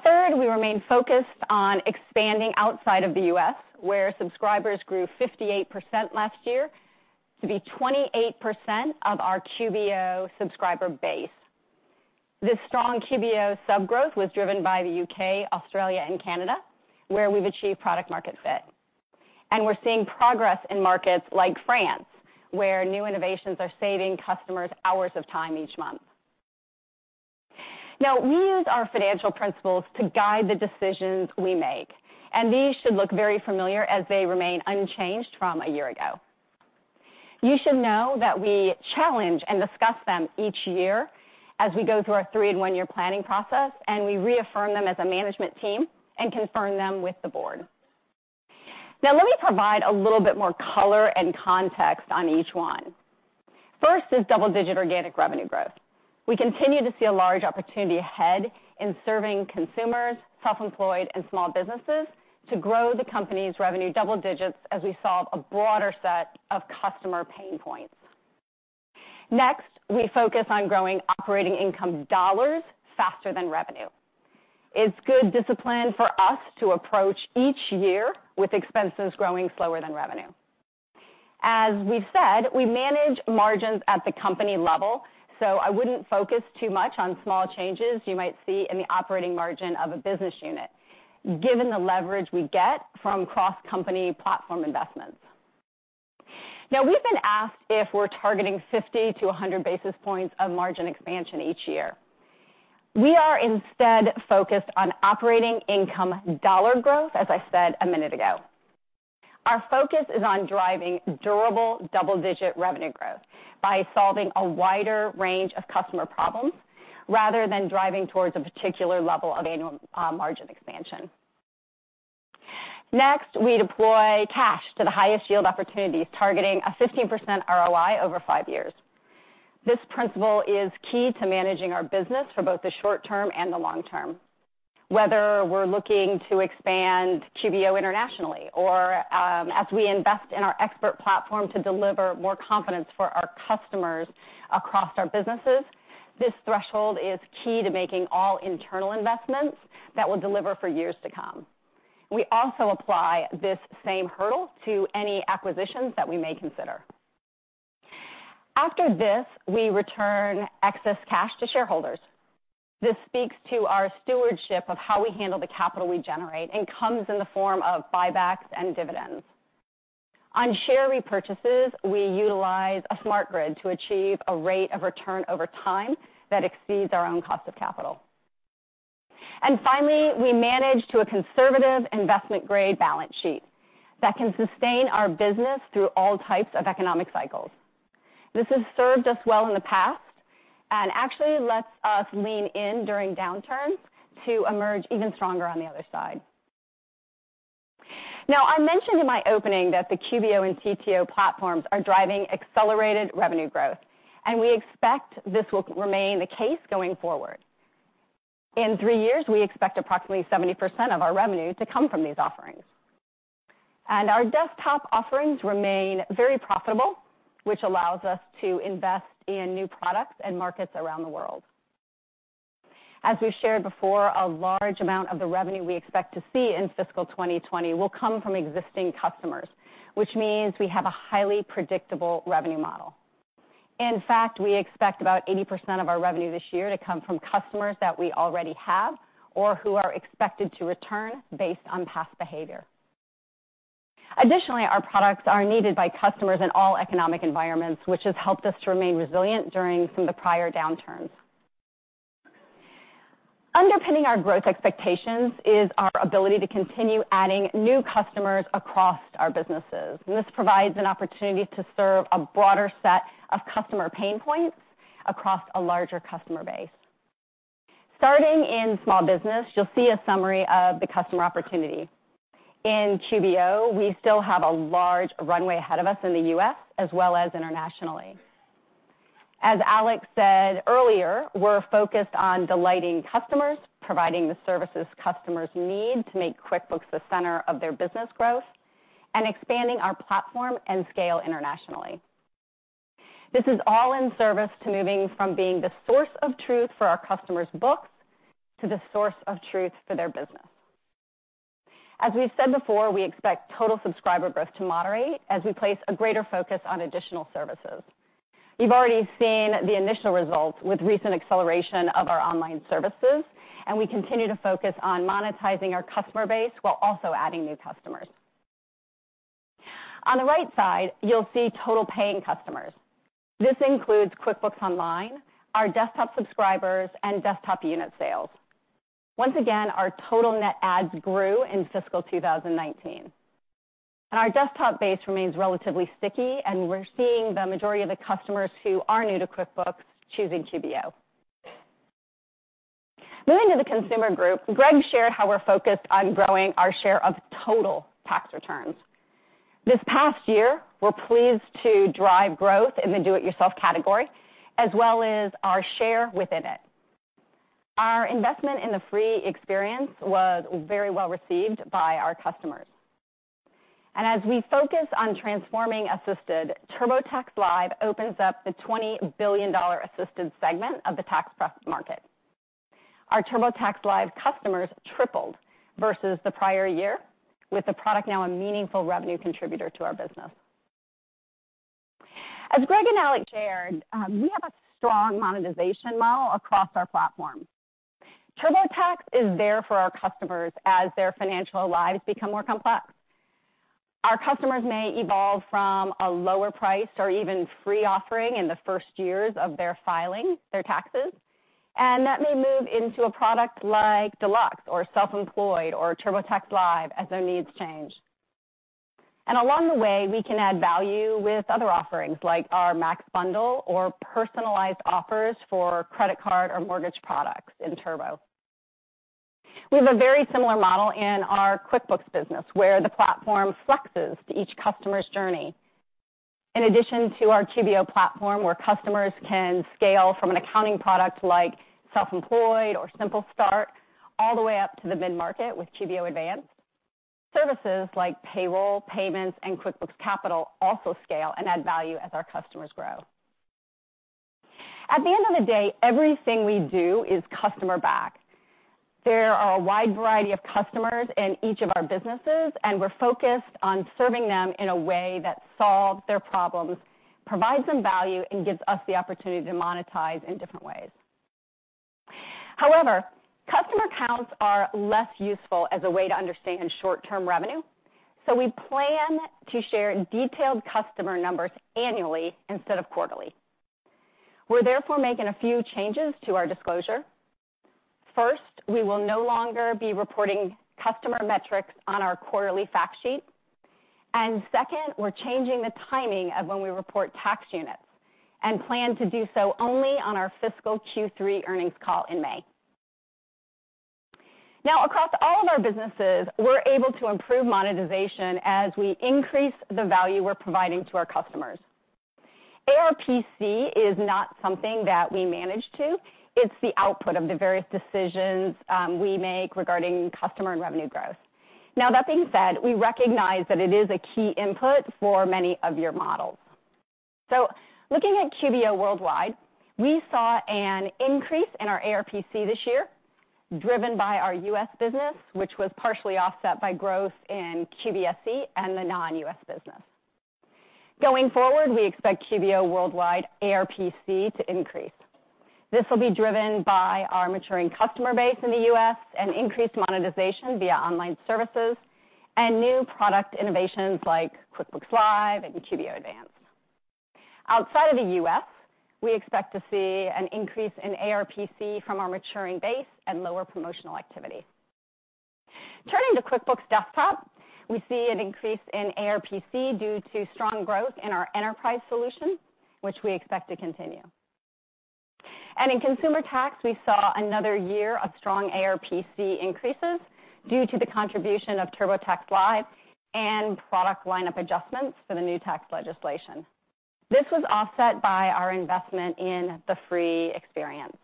Third, we remain focused on expanding outside of the U.S., where subscribers grew 58% last year to be 28% of our QBO subscriber base. This strong QBO sub growth was driven by the U.K., Australia, and Canada, where we've achieved product market fit. We're seeing progress in markets like France, where new innovations are saving customers hours of time each month. We use our financial principles to guide the decisions we make, and these should look very familiar as they remain unchanged from a year ago. You should know that we challenge and discuss them each year as we go through our three-in-one-year planning process, and we reaffirm them as a management team and confirm them with the board. Let me provide a little bit more color and context on each one. First is double-digit organic revenue growth. We continue to see a large opportunity ahead in serving consumers, self-employed, and small businesses to grow the company's revenue double digits as we solve a broader set of customer pain points. We focus on growing operating income dollars faster than revenue. It's good discipline for us to approach each year with expenses growing slower than revenue. As we've said, we manage margins at the company level, so I wouldn't focus too much on small changes you might see in the operating margin of a business unit, given the leverage we get from cross-company platform investments. We've been asked if we're targeting 50 to 100 basis points of margin expansion each year. We are instead focused on operating income dollar growth, as I said a minute ago. Our focus is on driving durable double-digit revenue growth by solving a wider range of customer problems, rather than driving towards a particular level of annual margin expansion. We deploy cash to the highest yield opportunities, targeting a 15% ROI over five years. This principle is key to managing our business for both the short term and the long term. Whether we're looking to expand QBO internationally or as we invest in our expert platform to deliver more confidence for our customers across our businesses, this threshold is key to making all internal investments that will deliver for years to come. We also apply this same hurdle to any acquisitions that we may consider. After this, we return excess cash to shareholders. This speaks to our stewardship of how we handle the capital we generate and comes in the form of buybacks and dividends. On share repurchases, we utilize a smart grid to achieve a rate of return over time that exceeds our own cost of capital. Finally, we manage to a conservative investment-grade balance sheet that can sustain our business through all types of economic cycles. This has served us well in the past and actually lets us lean in during downturns to emerge even stronger on the other side. Now, I mentioned in my opening that the QBO and TTO platforms are driving accelerated revenue growth, and we expect this will remain the case going forward. In three years, we expect approximately 70% of our revenue to come from these offerings. Our desktop offerings remain very profitable, which allows us to invest in new products and markets around the world. As we've shared before, a large amount of the revenue we expect to see in fiscal 2020 will come from existing customers, which means we have a highly predictable revenue model. In fact, we expect about 80% of our revenue this year to come from customers that we already have or who are expected to return based on past behavior. Additionally, our products are needed by customers in all economic environments, which has helped us to remain resilient during some of the prior downturns. Underpinning our growth expectations is our ability to continue adding new customers across our businesses. This provides an opportunity to serve a broader set of customer pain points across a larger customer base. Starting in small business, you'll see a summary of the customer opportunity. In QBO, we still have a large runway ahead of us in the U.S., as well as internationally. As Alex said earlier, we're focused on delighting customers, providing the services customers need to make QuickBooks the center of their business growth, and expanding our platform and scale internationally. This is all in service to moving from being the source of truth for our customers' books to the source of truth for their business. As we've said before, we expect total subscriber growth to moderate as we place a greater focus on additional services. You've already seen the initial results with recent acceleration of our online services, and we continue to focus on monetizing our customer base while also adding new customers. On the right side, you'll see total paying customers. This includes QuickBooks Online, our desktop subscribers, and desktop unit sales. Once again, our total net adds grew in fiscal 2019. Our desktop base remains relatively sticky, and we're seeing the majority of the customers who are new to QuickBooks choosing QBO. Moving to the consumer group, Greg shared how we're focused on growing our share of total tax returns. This past year, we're pleased to drive growth in the do-it-yourself category, as well as our share within it. Our investment in the free experience was very well received by our customers. As we focus on transforming Assisted, TurboTax Live opens up the $20 billion assisted segment of the tax prep market. Our TurboTax Live customers tripled versus the prior year, with the product now a meaningful revenue contributor to our business. As Greg and Alex shared, we have a strong monetization model across our platform. TurboTax is there for our customers as their financial lives become more complex. Our customers may evolve from a lower price or even free offering in the first years of their filing their taxes, and that may move into a product like Deluxe or Self-Employed or TurboTax Live as their needs change. Along the way, we can add value with other offerings like our MAX Bundle or personalized offers for credit card or mortgage products in Turbo. We have a very similar model in our QuickBooks business, where the platform flexes to each customer's journey. In addition to our QBO platform, where customers can scale from an accounting product like Self-Employed or Simple Start all the way up to the mid-market with QBO Advanced. Services like Payroll, Payments, and QuickBooks Capital also scale and add value as our customers grow. At the end of the day, everything we do is customer-backed. There are a wide variety of customers in each of our businesses, and we're focused on serving them in a way that solves their problems, provides them value, and gives us the opportunity to monetize in different ways. However, customer counts are less useful as a way to understand short-term revenue, so we plan to share detailed customer numbers annually instead of quarterly. We're therefore making a few changes to our disclosure. First, we will no longer be reporting customer metrics on our quarterly fact sheet. Second, we're changing the timing of when we report tax units and plan to do so only on our fiscal Q3 earnings call in May. Across all of our businesses, we're able to improve monetization as we increase the value we're providing to our customers. ARPC is not something that we manage to. It's the output of the various decisions we make regarding customer and revenue growth. That being said, we recognize that it is a key input for many of your models. Looking at QBO Worldwide, we saw an increase in our ARPC this year, driven by our U.S. business, which was partially offset by growth in QBSE and the non-U.S. business. Going forward, we expect QBO Worldwide ARPC to increase. This will be driven by our maturing customer base in the U.S. and increased monetization via online services and new product innovations like QuickBooks Live and QBO Advanced. Outside of the U.S., we expect to see an increase in ARPC from our maturing base and lower promotional activity. Turning to QuickBooks Desktop, we see an increase in ARPC due to strong growth in our enterprise solution, which we expect to continue. In Consumer Tax, we saw another year of strong ARPC increases due to the contribution of TurboTax Live and product lineup adjustments for the new tax legislation. This was offset by our investment in the free experience.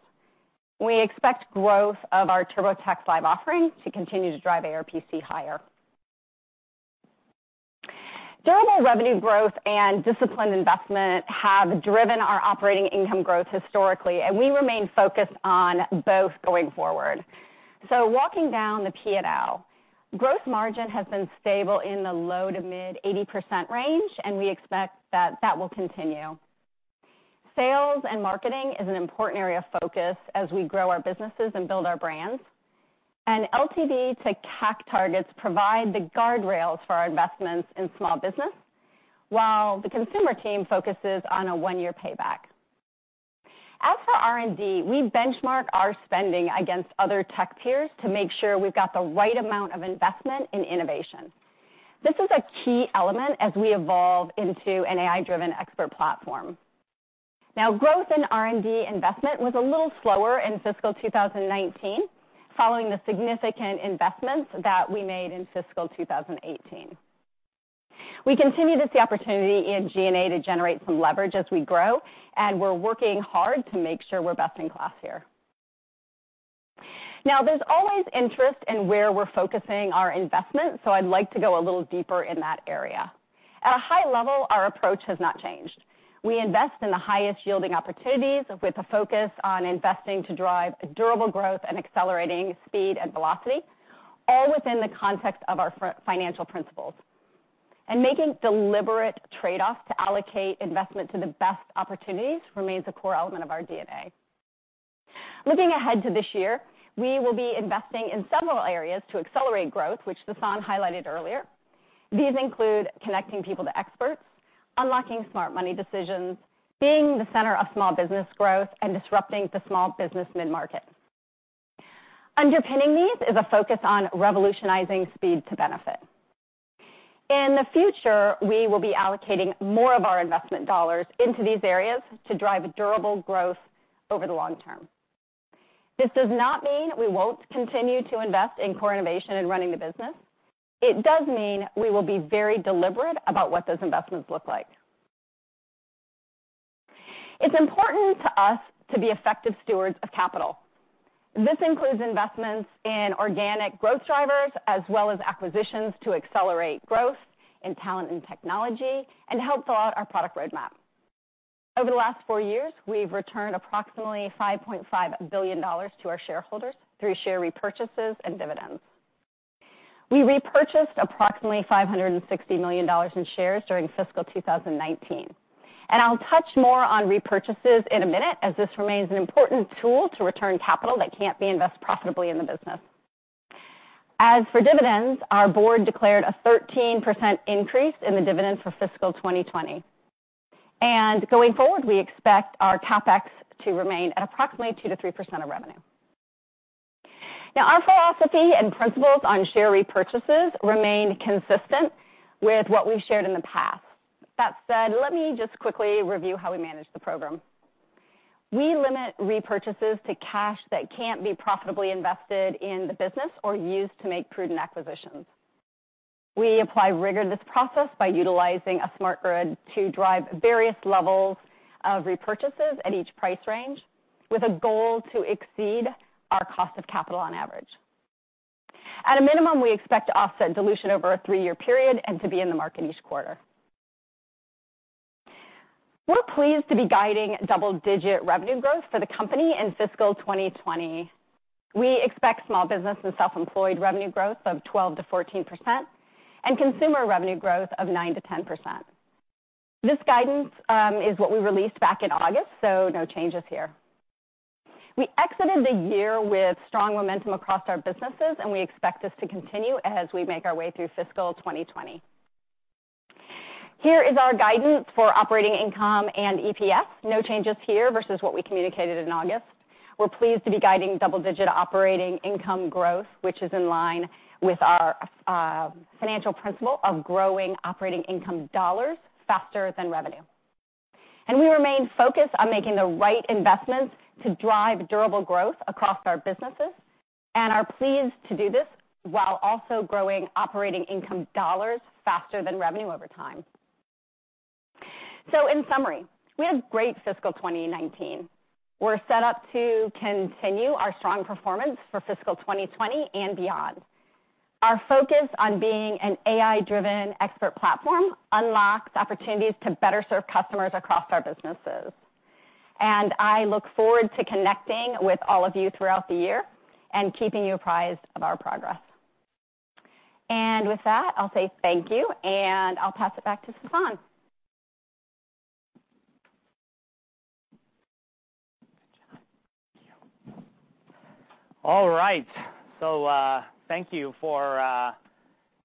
We expect growth of our TurboTax Live offering to continue to drive ARPC higher. Durable revenue growth and disciplined investment have driven our operating income growth historically, and we remain focused on both going forward. Walking down the P&L, gross margin has been stable in the low to mid 80% range, and we expect that that will continue. Sales and marketing is an important area of focus as we grow our businesses and build our brands. LTV to CAC targets provide the guardrails for our investments in small business, while the consumer team focuses on a one-year payback. As for R&D, we benchmark our spending against other tech peers to make sure we've got the right amount of investment in innovation. This is a key element as we evolve into an AI-driven expert platform. Growth in R&D investment was a little slower in fiscal 2019, following the significant investments that we made in fiscal 2018. We continue to see opportunity in G&A to generate some leverage as we grow, and we're working hard to make sure we're best in class here. There's always interest in where we're focusing our investment. I'd like to go a little deeper in that area. At a high level, our approach has not changed. We invest in the highest-yielding opportunities with a focus on investing to drive durable growth and accelerating speed and velocity, all within the context of our financial principles. Making deliberate trade-offs to allocate investment to the best opportunities remains a core element of our DNA. Looking ahead to this year, we will be investing in several areas to accelerate growth, which Sasan highlighted earlier. These include connecting people to experts, unlocking smart money decisions, being the center of small business growth, and disrupting the small business mid-market. Underpinning these is a focus on revolutionizing speed to benefit. In the future, we will be allocating more of our investment dollars into these areas to drive durable growth over the long term. This does not mean we won't continue to invest in core innovation and running the business. It does mean we will be very deliberate about what those investments look like. It's important to us to be effective stewards of capital. This includes investments in organic growth drivers, as well as acquisitions to accelerate growth in talent and technology, and to help fill out our product roadmap. Over the last four years, we've returned approximately $5.5 billion to our shareholders through share repurchases and dividends. We repurchased approximately $560 million in shares during fiscal 2019. I'll touch more on repurchases in a minute, as this remains an important tool to return capital that can't be invested profitably in the business. As for dividends, our board declared a 13% increase in the dividends for fiscal 2020. Going forward, we expect our CapEx to remain at approximately 2% to 3% of revenue. Now, our philosophy and principles on share repurchases remain consistent with what we've shared in the past. That said, let me just quickly review how we manage the program. We limit repurchases to cash that can't be profitably invested in the business or used to make prudent acquisitions. We apply rigor to this process by utilizing a smart grid to drive various levels of repurchases at each price range with a goal to exceed our cost of capital on average. At a minimum, we expect to offset dilution over a three-year period and to be in the market each quarter. We're pleased to be guiding double-digit revenue growth for the company in fiscal 2020. We expect small business and self-employed revenue growth of 12%-14% and consumer revenue growth of 9%-10%. This guidance is what we released back in August, no changes here. We exited the year with strong momentum across our businesses, we expect this to continue as we make our way through fiscal 2020. Here is our guidance for operating income and EPS. No changes here versus what we communicated in August. We're pleased to be guiding double-digit operating income growth, which is in line with our financial principle of growing operating income dollars faster than revenue. We remain focused on making the right investments to drive durable growth across our businesses and are pleased to do this while also growing operating income dollars faster than revenue over time. In summary, we had a great fiscal 2019. We're set up to continue our strong performance for fiscal 2020 and beyond. Our focus on being an AI-driven expert platform unlocks opportunities to better serve customers across our businesses. I look forward to connecting with all of you throughout the year and keeping you apprised of our progress. With that, I'll say thank you, and I'll pass it back to Sasan. Good job. Thank you. All right. Thank you for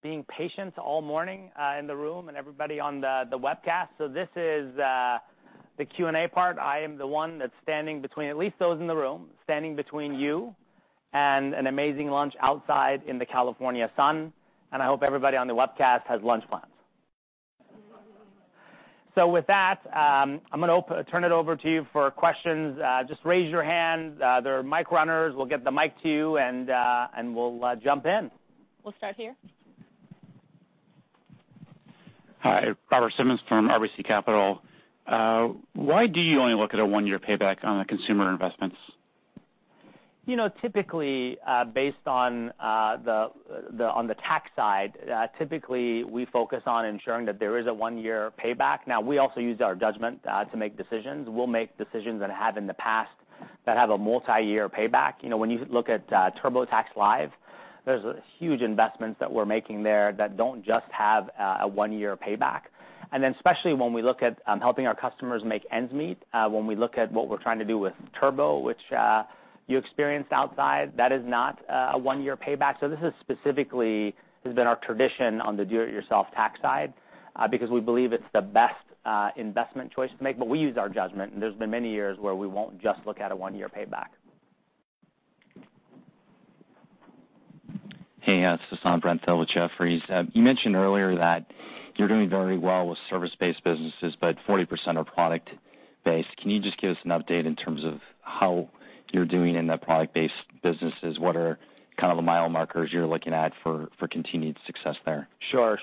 being patient all morning in the room and everybody on the webcast. This is the Q&A part. I am the one that's standing between, at least those in the room, standing between you and an amazing lunch outside in the California sun, and I hope everybody on the webcast has lunch plans. With that, I'm going to turn it over to you for questions. Just raise your hand. There are mic runners. We'll get the mic to you, and we'll jump in. We'll start here. Hi. Robert Simmons from RBC Capital. Why do you only look at a one-year payback on the consumer investments? Typically, based on the tax side, typically, we focus on ensuring that there is a one-year payback. We also use our judgment to make decisions. We'll make decisions, and have in the past, that have a multi-year payback. When you look at TurboTax Live, there's huge investments that we're making there that don't just have a one-year payback. Especially when we look at helping our customers make ends meet, when we look at what we're trying to do with Turbo, which you experienced outside, that is not a one-year payback. This specifically has been our tradition on the do-it-yourself tax side because we believe it's the best investment choice to make. We use our judgment, and there's been many years where we won't just look at a one-year payback. Hey, it's Sasan, Brent Thill with Jefferies. You mentioned earlier that you're doing very well with service-based businesses, 40% are product-based. Can you just give us an update in terms of how you're doing in the product-based businesses? What are kind of the mile markers you're looking at for continued success there? Sure.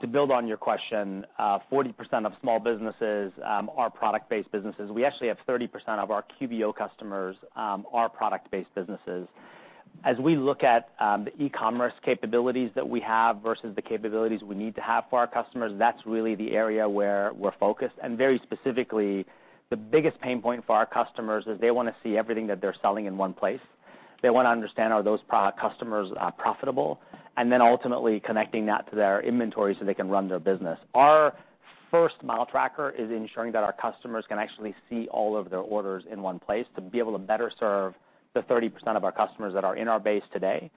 To build on your question, 40% of small businesses are product-based businesses. We actually have 30% of our QuickBooks Online customers are product-based businesses. As we look at the e-commerce capabilities that we have versus the capabilities we need to have for our customers, that's really the area where we're focused, and very specifically, the biggest pain point for our customers is they want to see everything that they're selling in one place. They want to understand, are those customers profitable? Then ultimately connecting that to their inventory so they can run their business. Our first mile tracker is ensuring that our customers can actually see all of their orders in one place to be able to better serve the 30% of our customers that are in our base today.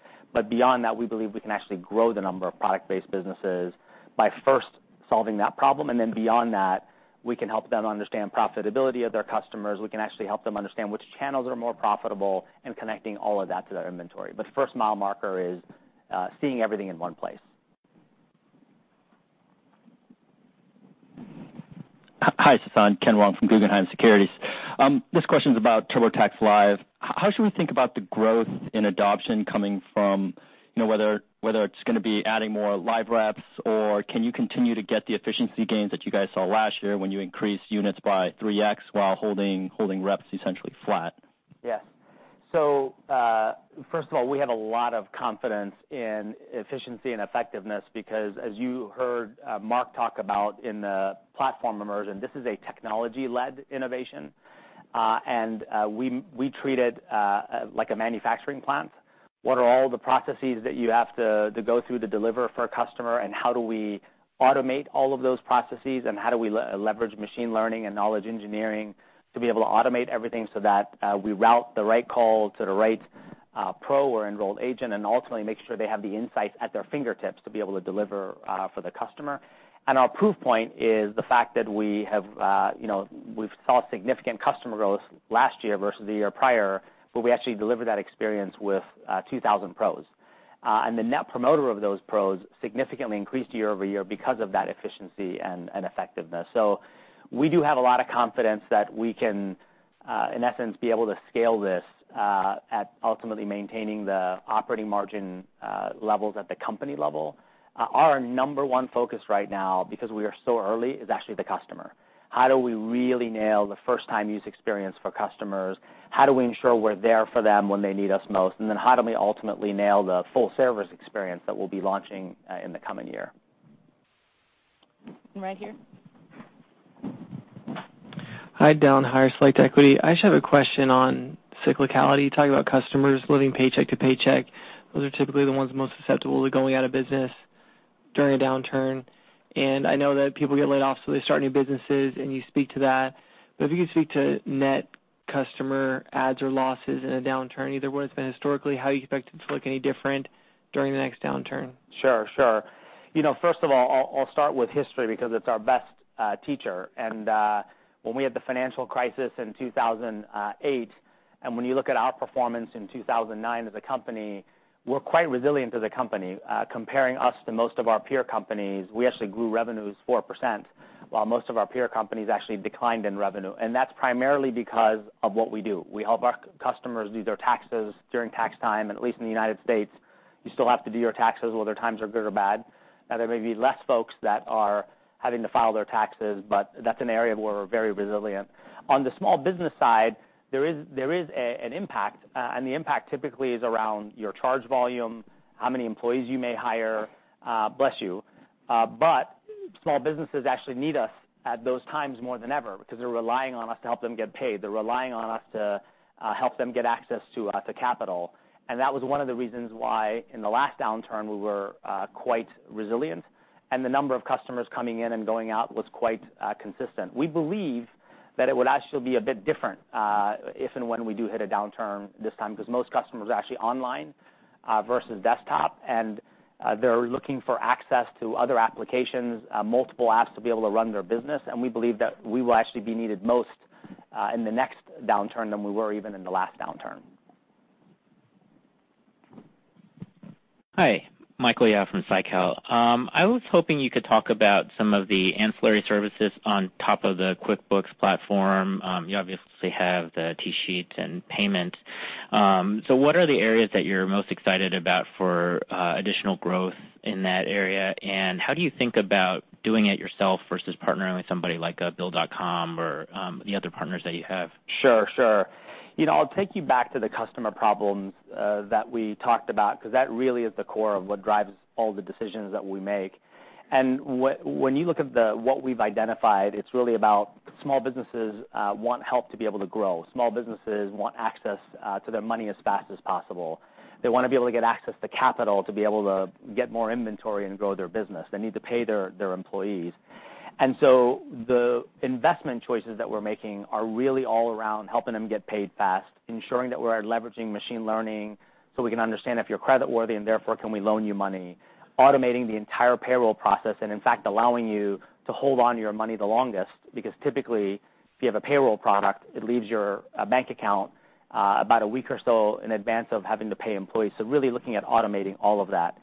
Beyond that, we believe we can actually grow the number of product-based businesses by first solving that problem, and then beyond that, we can help them understand profitability of their customers. We can actually help them understand which channels are more profitable and connecting all of that to their inventory. First mile marker is seeing everything in one place. Hi, Sasan. Ken Wong from Guggenheim Securities. This question's about TurboTax Live. How should we think about the growth in adoption coming from whether it's going to be adding more live reps, or can you continue to get the efficiency gains that you guys saw last year when you increased units by 3X while holding reps essentially flat? Yes. First of all, we have a lot of confidence in efficiency and effectiveness because as you heard Mark talk about in the platform immersion, this is a technology-led innovation. We treat it like a manufacturing plant. What are all the processes that you have to go through to deliver for a customer? How do we automate all of those processes? How do we leverage machine learning and knowledge engineering to be able to automate everything so that we route the right call to the right pro or enrolled agent and ultimately make sure they have the insights at their fingertips to be able to deliver for the customer? Our proof point is the fact that we've saw significant customer growth last year versus the year prior, but we actually delivered that experience with 2,000 pros. The net promoter of those pros significantly increased year-over-year because of that efficiency and effectiveness. We do have a lot of confidence that we can, in essence, be able to scale this at ultimately maintaining the operating margin levels at the company level. Our number 1 focus right now, because we are so early, is actually the customer. How do we really nail the first time use experience for customers? How do we ensure we're there for them when they need us most? Then how do we ultimately nail the full service experience that we'll be launching in the coming year? Right here. Hi, Dan Heyer, Select Equity. I just have a question on cyclicality. You talk about customers living paycheck to paycheck. Those are typically the ones most susceptible to going out of business during a downturn. I know that people get laid off, so they start new businesses, and you speak to that. If you could speak to net customer adds or losses in a downturn, either what it's been historically, how you expect it to look any different during the next downturn? Sure. First of all, I'll start with history because it's our best teacher. When we had the financial crisis in 2008, and when you look at our performance in 2009 as a company, we're quite resilient as a company. Comparing us to most of our peer companies, we actually grew revenues 4%, while most of our peer companies actually declined in revenue. That's primarily because of what we do. We help our customers do their taxes during tax time, and at least in the U.S., you still have to do your taxes whether times are good or bad. Now, there may be less folks that are having to file their taxes, but that's an area where we're very resilient. On the small business side, there is an impact, and the impact typically is around your charge volume, how many employees you may hire. Bless you. Small businesses actually need us at those times more than ever because they're relying on us to help them get paid. They're relying on us to help them get access to capital. That was one of the reasons why in the last downturn, we were quite resilient and the number of customers coming in and going out was quite consistent. We believe that it would actually be a bit different if and when we do hit a downturn this time, because most customers are actually online versus desktop, and they're looking for access to other applications, multiple apps to be able to run their business. We believe that we will actually be needed most in the next downturn than we were even in the last downturn. Hi, Michael Yao from SciCal. I was hoping you could talk about some of the ancillary services on top of the QuickBooks platform. You obviously have the TSheets and payment. What are the areas that you're most excited about for additional growth in that area, and how do you think about doing it yourself versus partnering with somebody like a Bill.com or the other partners that you have? Sure. I'll take you back to the customer problems that we talked about because that really is the core of what drives all the decisions that we make. When you look at what we've identified, it's really about small businesses want help to be able to grow. Small businesses want access to their money as fast as possible. They want to be able to get access to capital to be able to get more inventory and grow their business. They need to pay their employees. The investment choices that we're making are really all around helping them get paid fast, ensuring that we're leveraging machine learning so we can understand if you're creditworthy, and therefore, can we loan you money, automating the entire payroll process, and in fact, allowing you to hold on to your money the longest, because typically, if you have a payroll product, it leaves your bank account about a week or so in advance of having to pay employees. Really looking at automating all of that.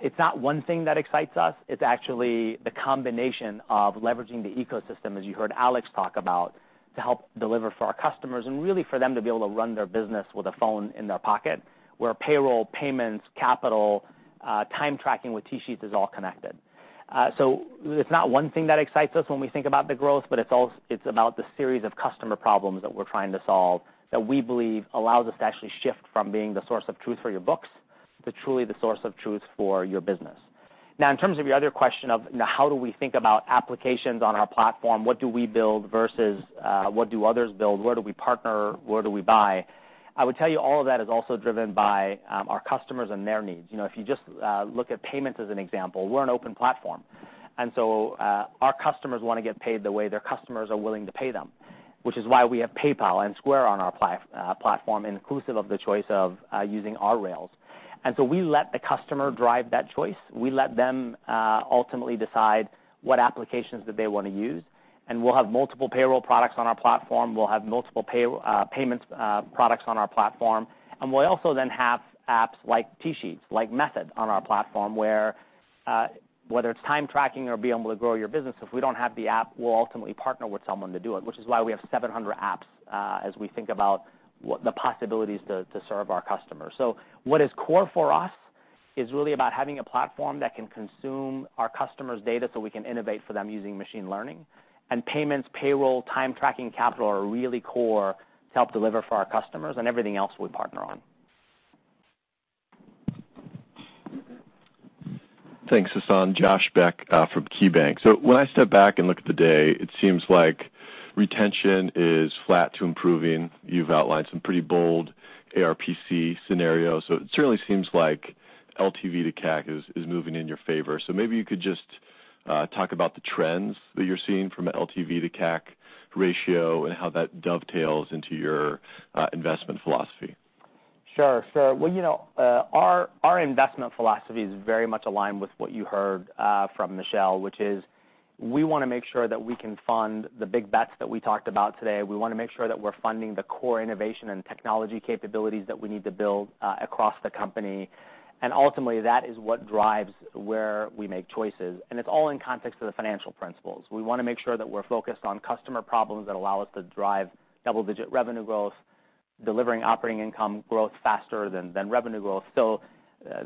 It's not one thing that excites us. It's actually the combination of leveraging the ecosystem, as you heard Alex talk about, to help deliver for our customers and really for them to be able to run their business with a phone in their pocket where payroll, payments, capital, time tracking with TSheets is all connected. It's not one thing that excites us when we think about the growth, but it's about the series of customer problems that we're trying to solve that we believe allows us to actually shift from being the source of truth for your books to truly the source of truth for your business. In terms of your other question of how do we think about applications on our platform, what do we build versus what do others build? Where do we partner? Where do we buy? I would tell you all of that is also driven by our customers and their needs. If you just look at payments as an example, we're an open platform. Our customers want to get paid the way their customers are willing to pay them, which is why we have PayPal and Square on our platform, inclusive of the choice of using our rails. We let the customer drive that choice. We let them ultimately decide what applications that they want to use. We'll have multiple payroll products on our platform. We'll also then have apps like TSheets, like Method on our platform, where whether it's time tracking or be able to grow your business, if we don't have the app, we'll ultimately partner with someone to do it, which is why we have 700 apps as we think about the possibilities to serve our customers. What is core for us is really about having a platform that can consume our customers' data so we can innovate for them using machine learning, and payments, payroll, time tracking, capital are really core to help deliver for our customers, and everything else we partner on. Thanks, Sasan. Josh Beck from KeyBanc. When I step back and look at the day, it seems like retention is flat to improving. You've outlined some pretty bold ARPC scenarios, so it certainly seems like LTV to CAC is moving in your favor. Maybe you could just talk about the trends that you're seeing from an LTV to CAC ratio and how that dovetails into your investment philosophy. Sure. Well, our investment philosophy is very much aligned with what you heard from Michelle, which is we want to make sure that we can fund the big bets that we talked about today. We want to make sure that we're funding the core innovation and technology capabilities that we need to build across the company. Ultimately, that is what drives where we make choices, and it's all in context of the financial principles. We want to make sure that we're focused on customer problems that allow us to drive double-digit revenue growth, delivering operating income growth faster than revenue growth.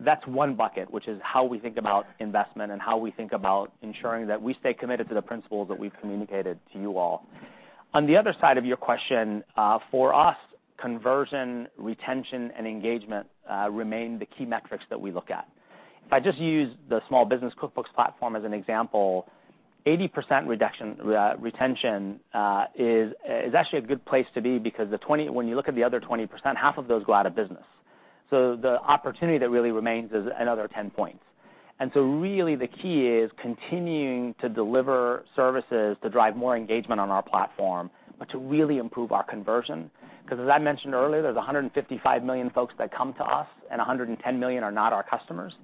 That's one bucket, which is how we think about investment and how we think about ensuring that we stay committed to the principles that we've communicated to you all. On the other side of your question, for us, conversion, retention, and engagement remain the key metrics that we look at. If I just use the small business QuickBooks platform as an example, 80% retention is actually a good place to be because when you look at the other 20%, half of those go out of business. The opportunity that really remains is another 10 points. Really the key is continuing to deliver services to drive more engagement on our platform, but to really improve our conversion. Because as I mentioned earlier, there's 155 million folks that come to us, and 110 million are not our customers.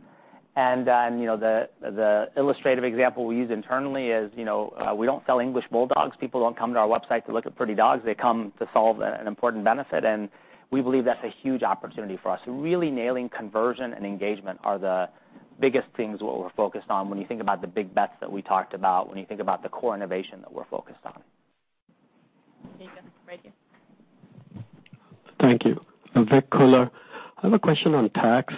The illustrative example we use internally is, we don't sell English bulldogs. People don't come to our website to look at pretty dogs. They come to solve an important benefit, and we believe that's a huge opportunity for us. Really nailing conversion and engagement are the biggest things what we're focused on when you think about the big bets that we talked about, when you think about the core innovation that we're focused on. [Jacob], right here. Thank you. Vic Kohler. I have a question on tax.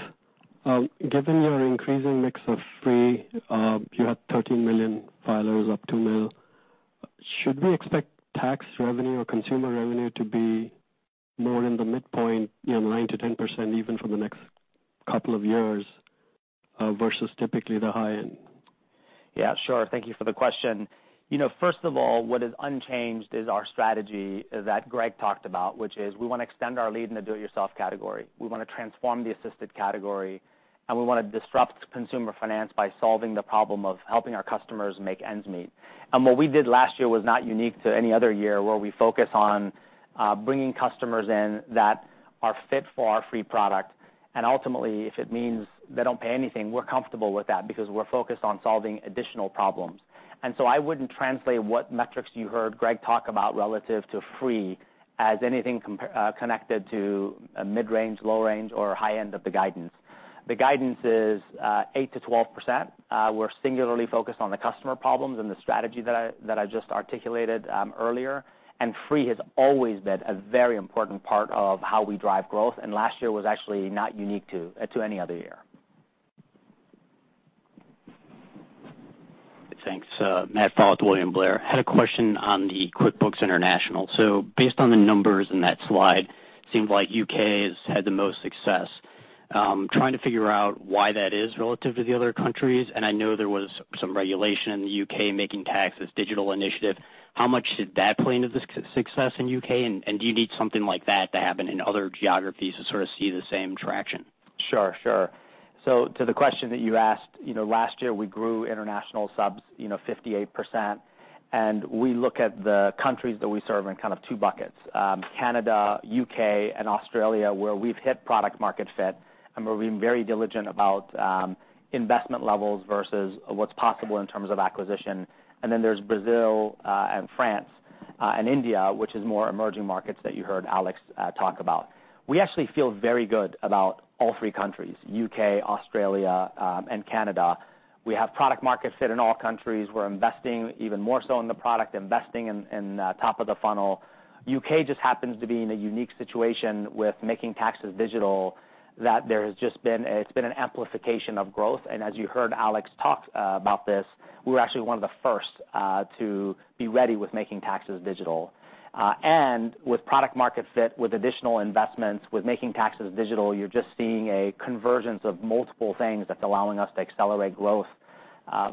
Given your increasing mix of free, you have 13 million filers up 2 million. Should we expect tax revenue or consumer revenue to be more in the midpoint, 9%-10%, even for the next couple of years, versus typically the high end? Thank you for the question. First of all, what is unchanged is our strategy that Greg talked about, which is we want to extend our lead in the Do-It-Yourself category. We want to transform the assisted category, and we want to disrupt consumer finance by solving the problem of helping our customers make ends meet. What we did last year was not unique to any other year, where we focus on bringing customers in that are fit for our free product. Ultimately, if it means they don't pay anything, we're comfortable with that because we're focused on solving additional problems. I wouldn't translate what metrics you heard Greg talk about relative to free as anything connected to a mid-range, low range, or high end of the guidance. The guidance is 8%-12%. We're singularly focused on the customer problems and the strategy that I just articulated earlier. Free has always been a very important part of how we drive growth, and last year was actually not unique to any other year. Thanks. Matt Pfau, William Blair. Had a question on the QuickBooks International. Based on the numbers in that slide, it seems like U.K. has had the most success. I'm trying to figure out why that is relative to the other countries, and I know there was some regulation in the U.K. Making Tax Digital initiative. How much did that play into the success in U.K., and do you need something like that to happen in other geographies to sort of see the same traction? Sure. To the question that you asked, last year, we grew international subs 58%, and we look at the countries that we serve in two buckets. Canada, U.K., and Australia, where we've hit product market fit, and where we're being very diligent about investment levels versus what's possible in terms of acquisition. There's Brazil and France, and India, which is more emerging markets that you heard Alex talk about. We actually feel very good about all three countries, U.K., Australia, and Canada. We have product market fit in all countries. We're investing even more so in the product, investing in top of the funnel. U.K. just happens to be in a unique situation with Making Tax Digital, that there's just been an amplification of growth. As you heard Alex talk about this, we're actually one of the first to be ready with Making Tax Digital. With product market fit, with additional investments, with Making Tax Digital, you're just seeing a convergence of multiple things that's allowing us to accelerate growth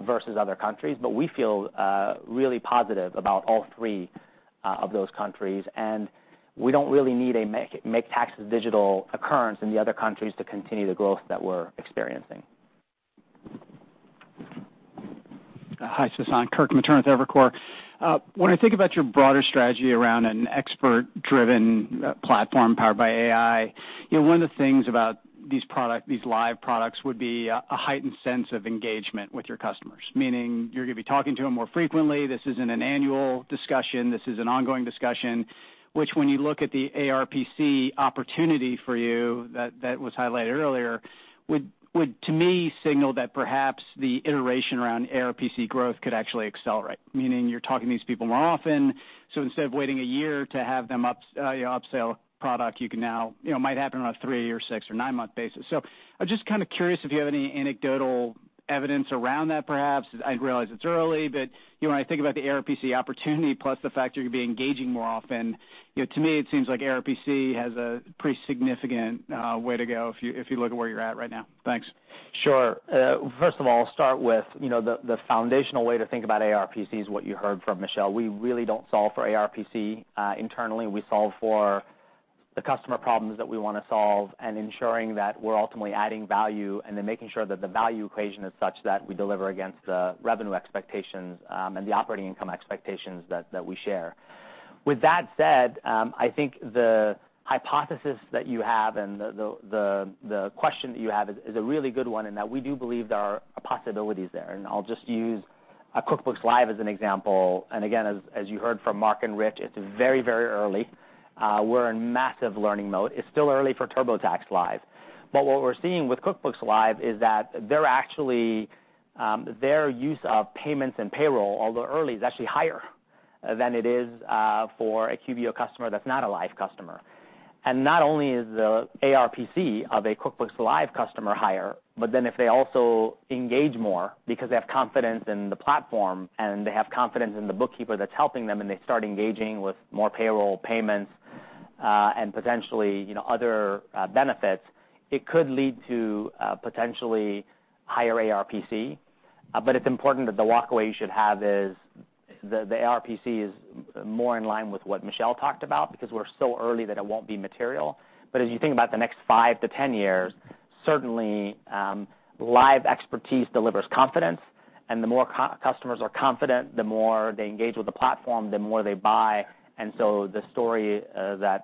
versus other countries. We feel really positive about all three of those countries, and we don't really need a Making Tax Digital occurrence in the other countries to continue the growth that we're experiencing. Hi, Sasan. Kirk Materne with Evercore. When I think about your broader strategy around an expert-driven platform powered by AI, one of the things about these live products would be a heightened sense of engagement with your customers, meaning you're going to be talking to them more frequently. This isn't an annual discussion. This is an ongoing discussion, which when you look at the ARPC opportunity for you that was highlighted earlier, would to me signal that perhaps the iteration around ARPC growth could actually accelerate, meaning you're talking to these people more often. Instead of waiting a year to have them upsell a product, it might happen on a 3 or 6 or 9-month basis. I'm just kind of curious if you have any anecdotal evidence around that, perhaps? I realize it's early, but when I think about the ARPC opportunity plus the fact you're going to be engaging more often, to me, it seems like ARPC has a pretty significant way to go if you look at where you're at right now. Thanks. Sure. First of all, I'll start with the foundational way to think about ARPC is what you heard from Michelle. We really don't solve for ARPC internally. We solve for the customer problems that we want to solve and ensuring that we're ultimately adding value and then making sure that the value equation is such that we deliver against the revenue expectations and the operating income expectations that we share. I think the hypothesis that you have and the question that you have is a really good one in that we do believe there are possibilities there, and I'll just use QuickBooks Live as an example. Again, as you heard from Mark and Rich, it's very early. We're in massive learning mode. It's still early for TurboTax Live. What we're seeing with QuickBooks Live is that their use of payments and payroll, although early, is actually higher than it is for a QBO customer that's not a Live customer. Not only is the ARPC of a QuickBooks Live customer higher, if they also engage more because they have confidence in the platform, and they have confidence in the bookkeeper that's helping them, and they start engaging with more payroll, payments, and potentially other benefits, it could lead to potentially higher ARPC. It's important that the walkway you should have is the ARPC is more in line with what Michelle talked about because we're so early that it won't be material. As you think about the next 5 to 10 years, certainly, Live expertise delivers confidence, and the more customers are confident, the more they engage with the platform, the more they buy. The story that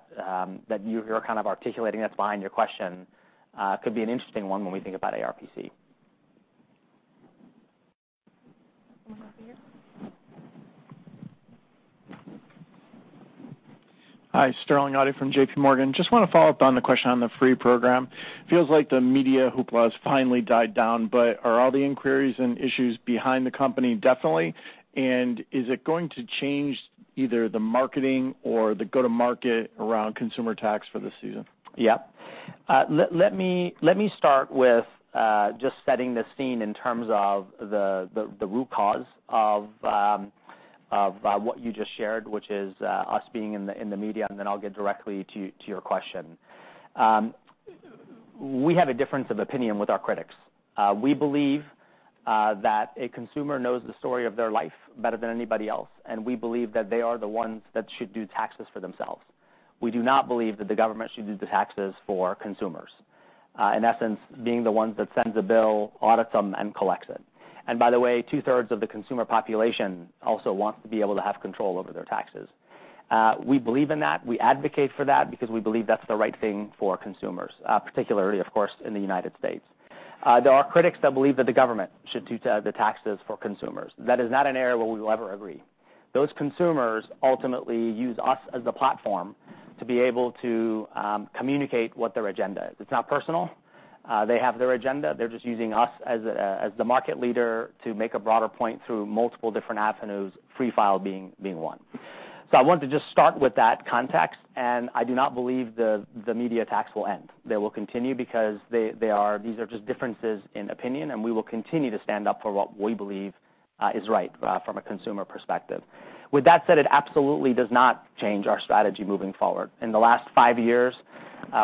you're kind of articulating that's behind your question could be an interesting one when we think about ARPC. One over here. Hi, Sterling Auty from J.P. Morgan. Just want to follow up on the question on the free program. Feels like the media hoopla has finally died down, but are all the inquiries and issues behind the company definitely? Is it going to change either the marketing or the go-to-market around consumer tax for this season? Yep. Let me start with just setting the scene in terms of the root cause of what you just shared, which is us being in the media, then I'll get directly to your question. We have a difference of opinion with our critics. We believe that a consumer knows the story of their life better than anybody else, and we believe that they are the ones that should do taxes for themselves. We do not believe that the government should do the taxes for consumers. In essence, being the ones that sends a bill, audits them, and collects it. By the way, two-thirds of the consumer population also wants to be able to have control over their taxes. We believe in that. We advocate for that because we believe that's the right thing for consumers, particularly, of course, in the U.S. There are critics that believe that the government should do the taxes for consumers. That is not an area where we will ever agree. Those consumers ultimately use us as the platform to be able to communicate what their agenda is. It's not personal. They have their agenda. They're just using us as the market leader to make a broader point through multiple different avenues, Free File being one. I wanted to just start with that context, and I do not believe the media attacks will end. They will continue because these are just differences in opinion, and we will continue to stand up for what we believe is right from a consumer perspective. With that said, it absolutely does not change our strategy moving forward. In the last five years,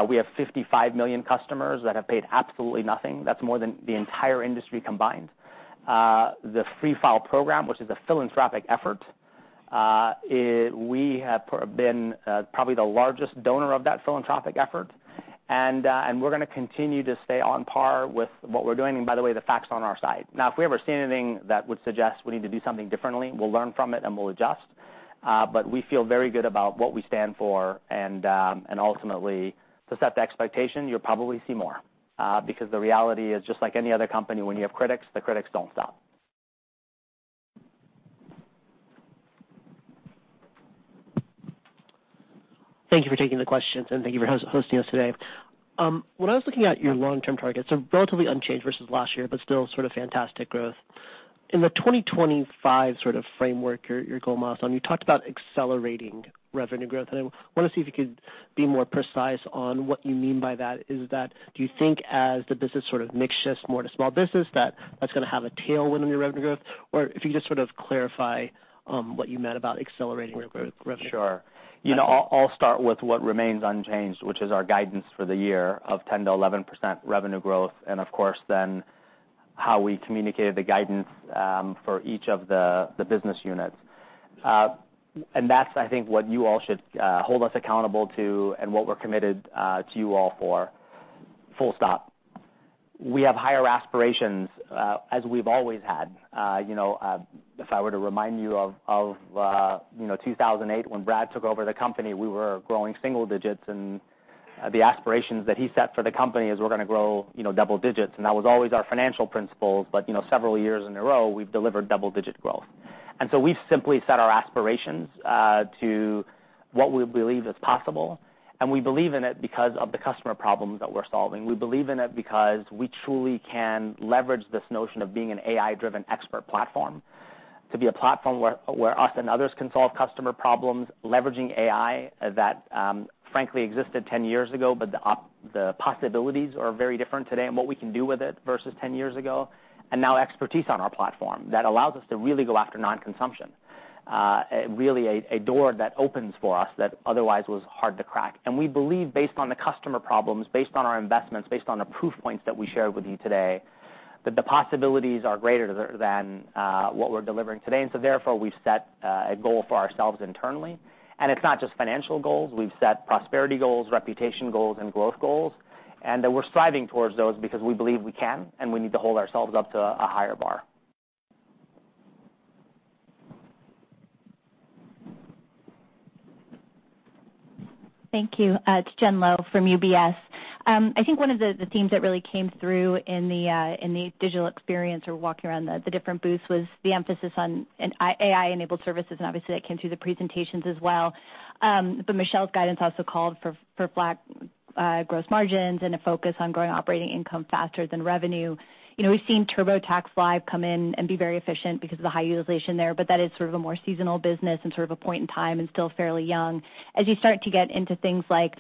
we have 55 million customers that have paid absolutely nothing. That's more than the entire industry combined. The Free File program, which is a philanthropic effort, we have been probably the largest donor of that philanthropic effort, and we're going to continue to stay on par with what we're doing. By the way, the fact's on our side. Now, if we ever see anything that would suggest we need to do something differently, we'll learn from it and we'll adjust. We feel very good about what we stand for, and ultimately, to set the expectation, you'll probably see more. The reality is just like any other company, when you have critics, the critics don't stop. Thank you for taking the questions, and thank you for hosting us today. When I was looking at your long-term targets, they're relatively unchanged versus last year, but still sort of fantastic growth. In the 2025 sort of framework, your goal milestone, you talked about accelerating revenue growth, and I want to see if you could be more precise on what you mean by that. Is that do you think as the business sort of mixes more to small business, that that's going to have a tailwind on your revenue growth? If you could just sort of clarify what you meant about accelerating revenue. Sure. I'll start with what remains unchanged, which is our guidance for the year of 10%-11% revenue growth, and of course then how we communicated the guidance for each of the business units. That's, I think, what you all should hold us accountable to and what we're committed to you all for, full stop. We have higher aspirations, as we've always had. If I were to remind you of 2008 when Brad took over the company, we were growing single digits, and the aspirations that he set for the company is we're going to grow double digits. That was always our financial principles, but several years in a row, we've delivered double-digit growth. So we've simply set our aspirations to what we believe is possible, and we believe in it because of the customer problems that we're solving. We believe in it because we truly can leverage this notion of being an AI-driven expert platform, to be a platform where us and others can solve customer problems, leveraging AI that frankly existed 10 years ago. The possibilities are very different today and what we can do with it versus 10 years ago. Now expertise on our platform that allows us to really go after non-consumption. Really a door that opens for us that otherwise was hard to crack. We believe based on the customer problems, based on our investments, based on the proof points that we shared with you today. That the possibilities are greater than what we're delivering today. Therefore, we've set a goal for ourselves internally. It's not just financial goals. We've set prosperity goals, reputation goals, and growth goals. That we're striving towards those because we believe we can, and we need to hold ourselves up to a higher bar. Thank you. It's Jen Lowe from UBS. I think one of the themes that really came through in the digital experience or walking around the different booths was the emphasis on AI-enabled services, and obviously, that came through the presentations as well. Michelle's guidance also called for flat gross margins and a focus on growing operating income faster than revenue. We've seen TurboTax Live come in and be very efficient because of the high utilization there, but that is sort of a more seasonal business and sort of a point in time and still fairly young. As you start to get into things like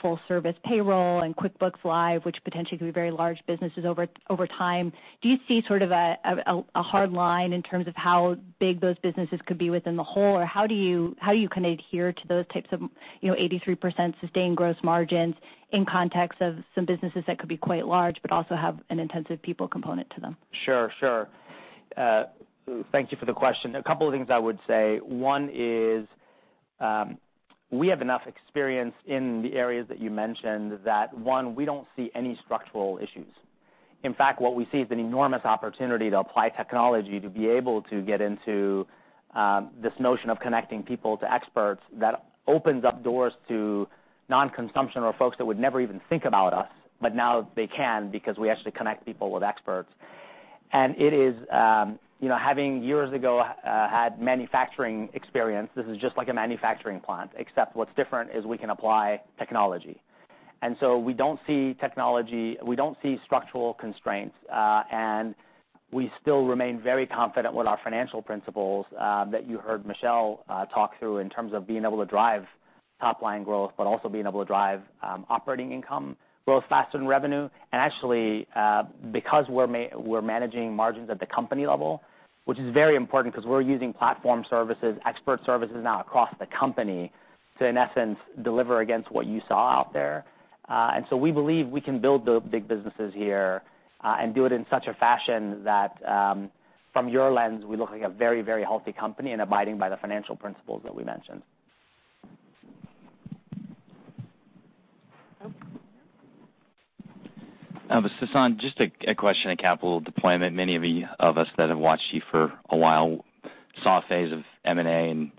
full service Payroll and QuickBooks Live, which potentially could be very large businesses over time, do you see sort of a hard line in terms of how big those businesses could be within the whole? How do you kind of adhere to those types of 83% sustained gross margins in context of some businesses that could be quite large but also have an intensive people component to them? Sure. Thank you for the question. A couple of things I would say. One is, we have enough experience in the areas that you mentioned that, one, we don't see any structural issues. In fact, what we see is an enormous opportunity to apply technology to be able to get into this notion of connecting people to experts. That opens up doors to non-consumption or folks that would never even think about us, but now they can because we actually connect people with experts. It is, having years ago, had manufacturing experience, this is just like a manufacturing plant, except what's different is we can apply technology. We don't see structural constraints, and we still remain very confident with our financial principles that you heard Michelle talk through in terms of being able to drive top-line growth, but also being able to drive operating income growth faster than revenue. Actually, because we're managing margins at the company level, which is very important because we're using platform services, expert services now across the company to, in essence, deliver against what you saw out there. We believe we can build the big businesses here, and do it in such a fashion that from your lens, we look like a very healthy company and abiding by the financial principles that we mentioned. Sasan, just a question on capital deployment. Many of us that have watched you for a while saw a phase of M&A and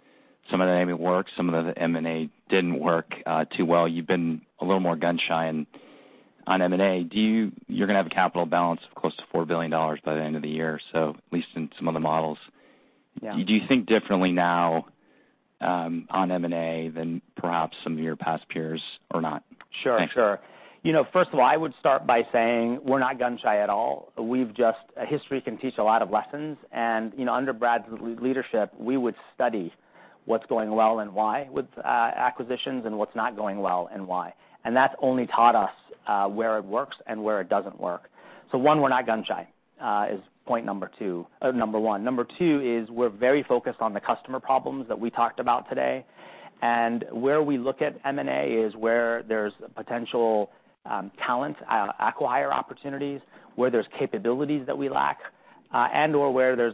some of the M&A worked, some of the M&A didn't work too well. You've been a little more gun-shy on M&A. You're going to have a capital balance of close to $4 billion by the end of the year or so, at least in some of the models. Yeah. Do you think differently now on M&A than perhaps some of your past peers or not? Sure. Thanks. I would start by saying we're not gun-shy at all. History can teach a lot of lessons. Under Brad's leadership, we would study what's going well and why with acquisitions and what's not going well and why. That's only taught us where it works and where it doesn't work. One, we're not gun-shy, is point number one. Number two is we're very focused on the customer problems that we talked about today, and where we look at M&A is where there's potential talent acquire opportunities, where there's capabilities that we lack, and/or where there's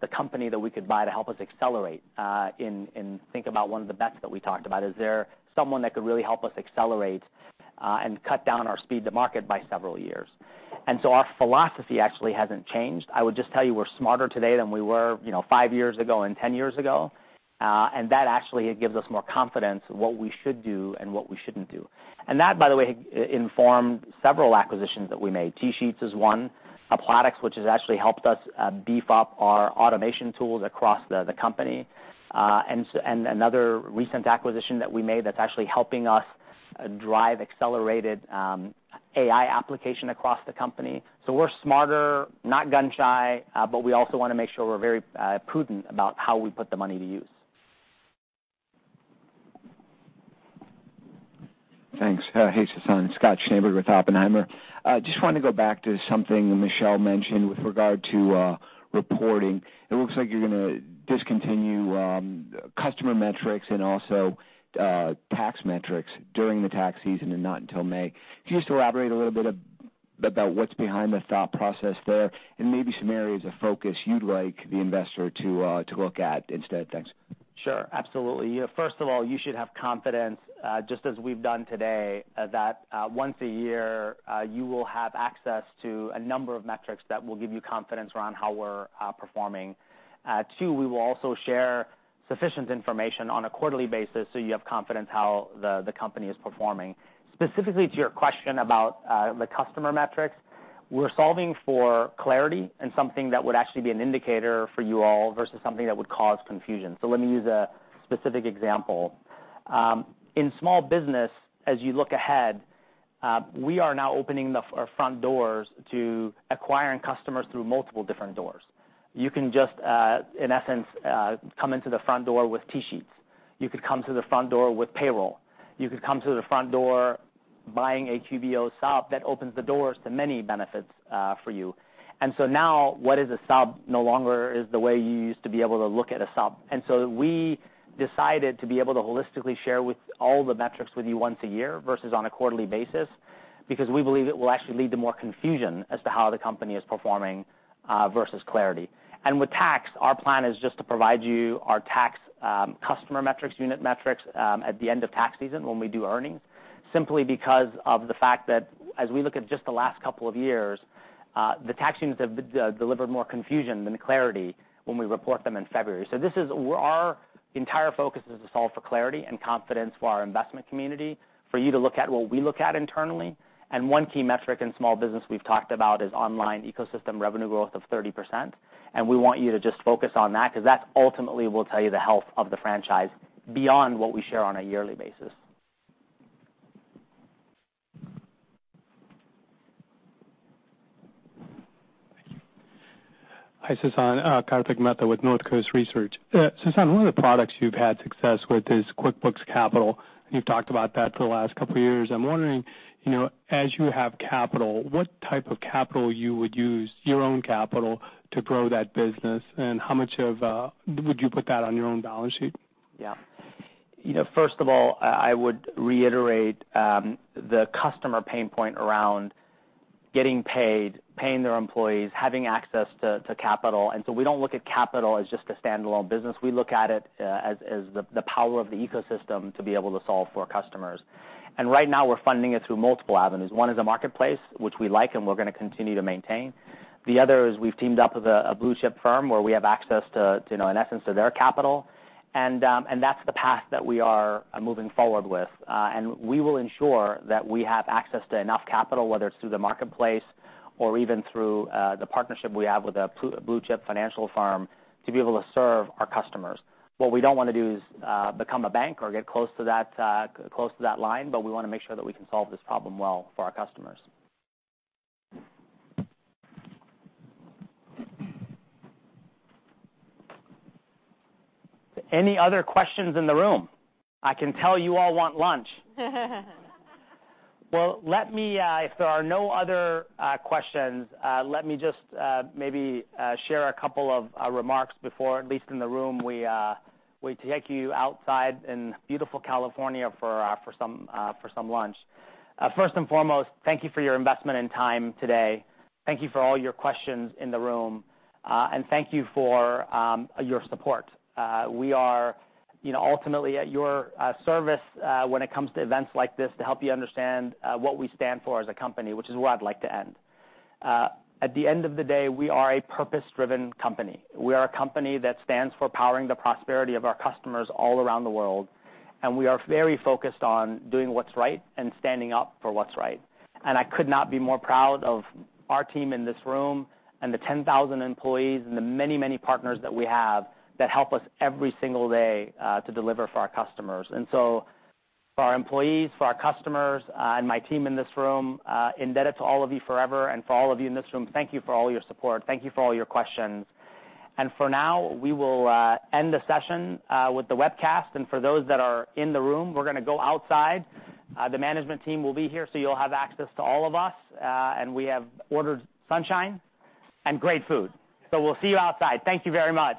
the company that we could buy to help us accelerate and think about one of the bets that we talked about. Is there someone that could really help us accelerate and cut down our speed to market by several years? Our philosophy actually hasn't changed. I would just tell you we're smarter today than we were five years ago and 10 years ago. That actually gives us more confidence in what we should do and what we shouldn't do. That, by the way, informed several acquisitions that we made. TSheets is one. [Apploi], which has actually helped us beef up our automation tools across the company. Another recent acquisition that we made that's actually helping us drive accelerated AI application across the company. We're smarter, not gun-shy, but we also want to make sure we're very prudent about how we put the money to use. Thanks. Hey, Sasan. It's Scott Schneeberger with Oppenheimer. Just wanted to go back to something Michelle mentioned with regard to reporting. It looks like you're going to discontinue customer metrics and also tax metrics during the tax season, and not until May. Can you just elaborate a little bit about what's behind the thought process there and maybe some areas of focus you'd like the investor to look at instead? Thanks. Sure, absolutely. First of all, you should have confidence, just as we've done today, that once a year, you will have access to a number of metrics that will give you confidence around how we're performing. Two, we will also share sufficient information on a quarterly basis so you have confidence how the company is performing. Specifically to your question about the customer metrics, we're solving for clarity and something that would actually be an indicator for you all versus something that would cause confusion. Let me use a specific example. In small business, as you look ahead, we are now opening our front doors to acquiring customers through multiple different doors. You can just, in essence, come into the front door with TSheets. You could come to the front door with Payroll. You could come to the front door buying a QBO sub that opens the doors to many benefits for you. Now, what is a sub no longer is the way you used to be able to look at a sub. We decided to be able to holistically share with all the metrics with you once a year versus on a quarterly basis, because we believe it will actually lead to more confusion as to how the company is performing versus clarity. With tax, our plan is just to provide you our tax customer metrics, unit metrics, at the end of tax season when we do earnings, simply because of the fact that as we look at just the last couple of years, the tax units have delivered more confusion than clarity when we report them in February. Our entire focus is to solve for clarity and confidence for our investment community, for you to look at what we look at internally. One key metric in small business we've talked about is online ecosystem revenue growth of 30%. We want you to just focus on that because that ultimately will tell you the health of the franchise beyond what we share on a yearly basis. Thank you. Hi, Sasan. Kartik Mehta with Northcoast Research. Sasan, one of the products you've had success with is QuickBooks Capital, and you've talked about that for the last couple of years. I'm wondering, as you have capital, what type of capital you would use, your own capital, to grow that business, and how much of would you put that on your own balance sheet? First of all, I would reiterate the customer pain point around getting paid, paying their employees, having access to capital. We don't look at capital as just a standalone business. We look at it as the power of the ecosystem to be able to solve for our customers. Right now, we're funding it through multiple avenues. One is a marketplace, which we like and we're going to continue to maintain. The other is we've teamed up with a blue-chip firm where we have access, in essence, to their capital. That's the path that we are moving forward with. We will ensure that we have access to enough capital, whether it's through the marketplace or even through the partnership we have with a blue-chip financial firm to be able to serve our customers. What we don't want to do is become a bank or get close to that line, but we want to make sure that we can solve this problem well for our customers. Any other questions in the room? I can tell you all want lunch. Well, if there are no other questions, let me just maybe share a couple of remarks before, at least in the room, we take you outside in beautiful California for some lunch. First and foremost, thank you for your investment and time today. Thank you for all your questions in the room, and thank you for your support. We are ultimately at your service when it comes to events like this to help you understand what we stand for as a company, which is where I'd like to end. At the end of the day, we are a purpose-driven company. We are a company that stands for powering the prosperity of our customers all around the world, and we are very focused on doing what's right and standing up for what's right. I could not be more proud of our team in this room and the 10,000 employees and the many, many partners that we have that help us every single day to deliver for our customers. For our employees, for our customers, and my team in this room, indebted to all of you forever, and for all of you in this room, thank you for all your support. Thank you for all your questions. For now, we will end the session with the webcast, and for those that are in the room, we're gonna go outside. The management team will be here, so you'll have access to all of us. We have ordered sunshine and great food. We'll see you outside. Thank you very much.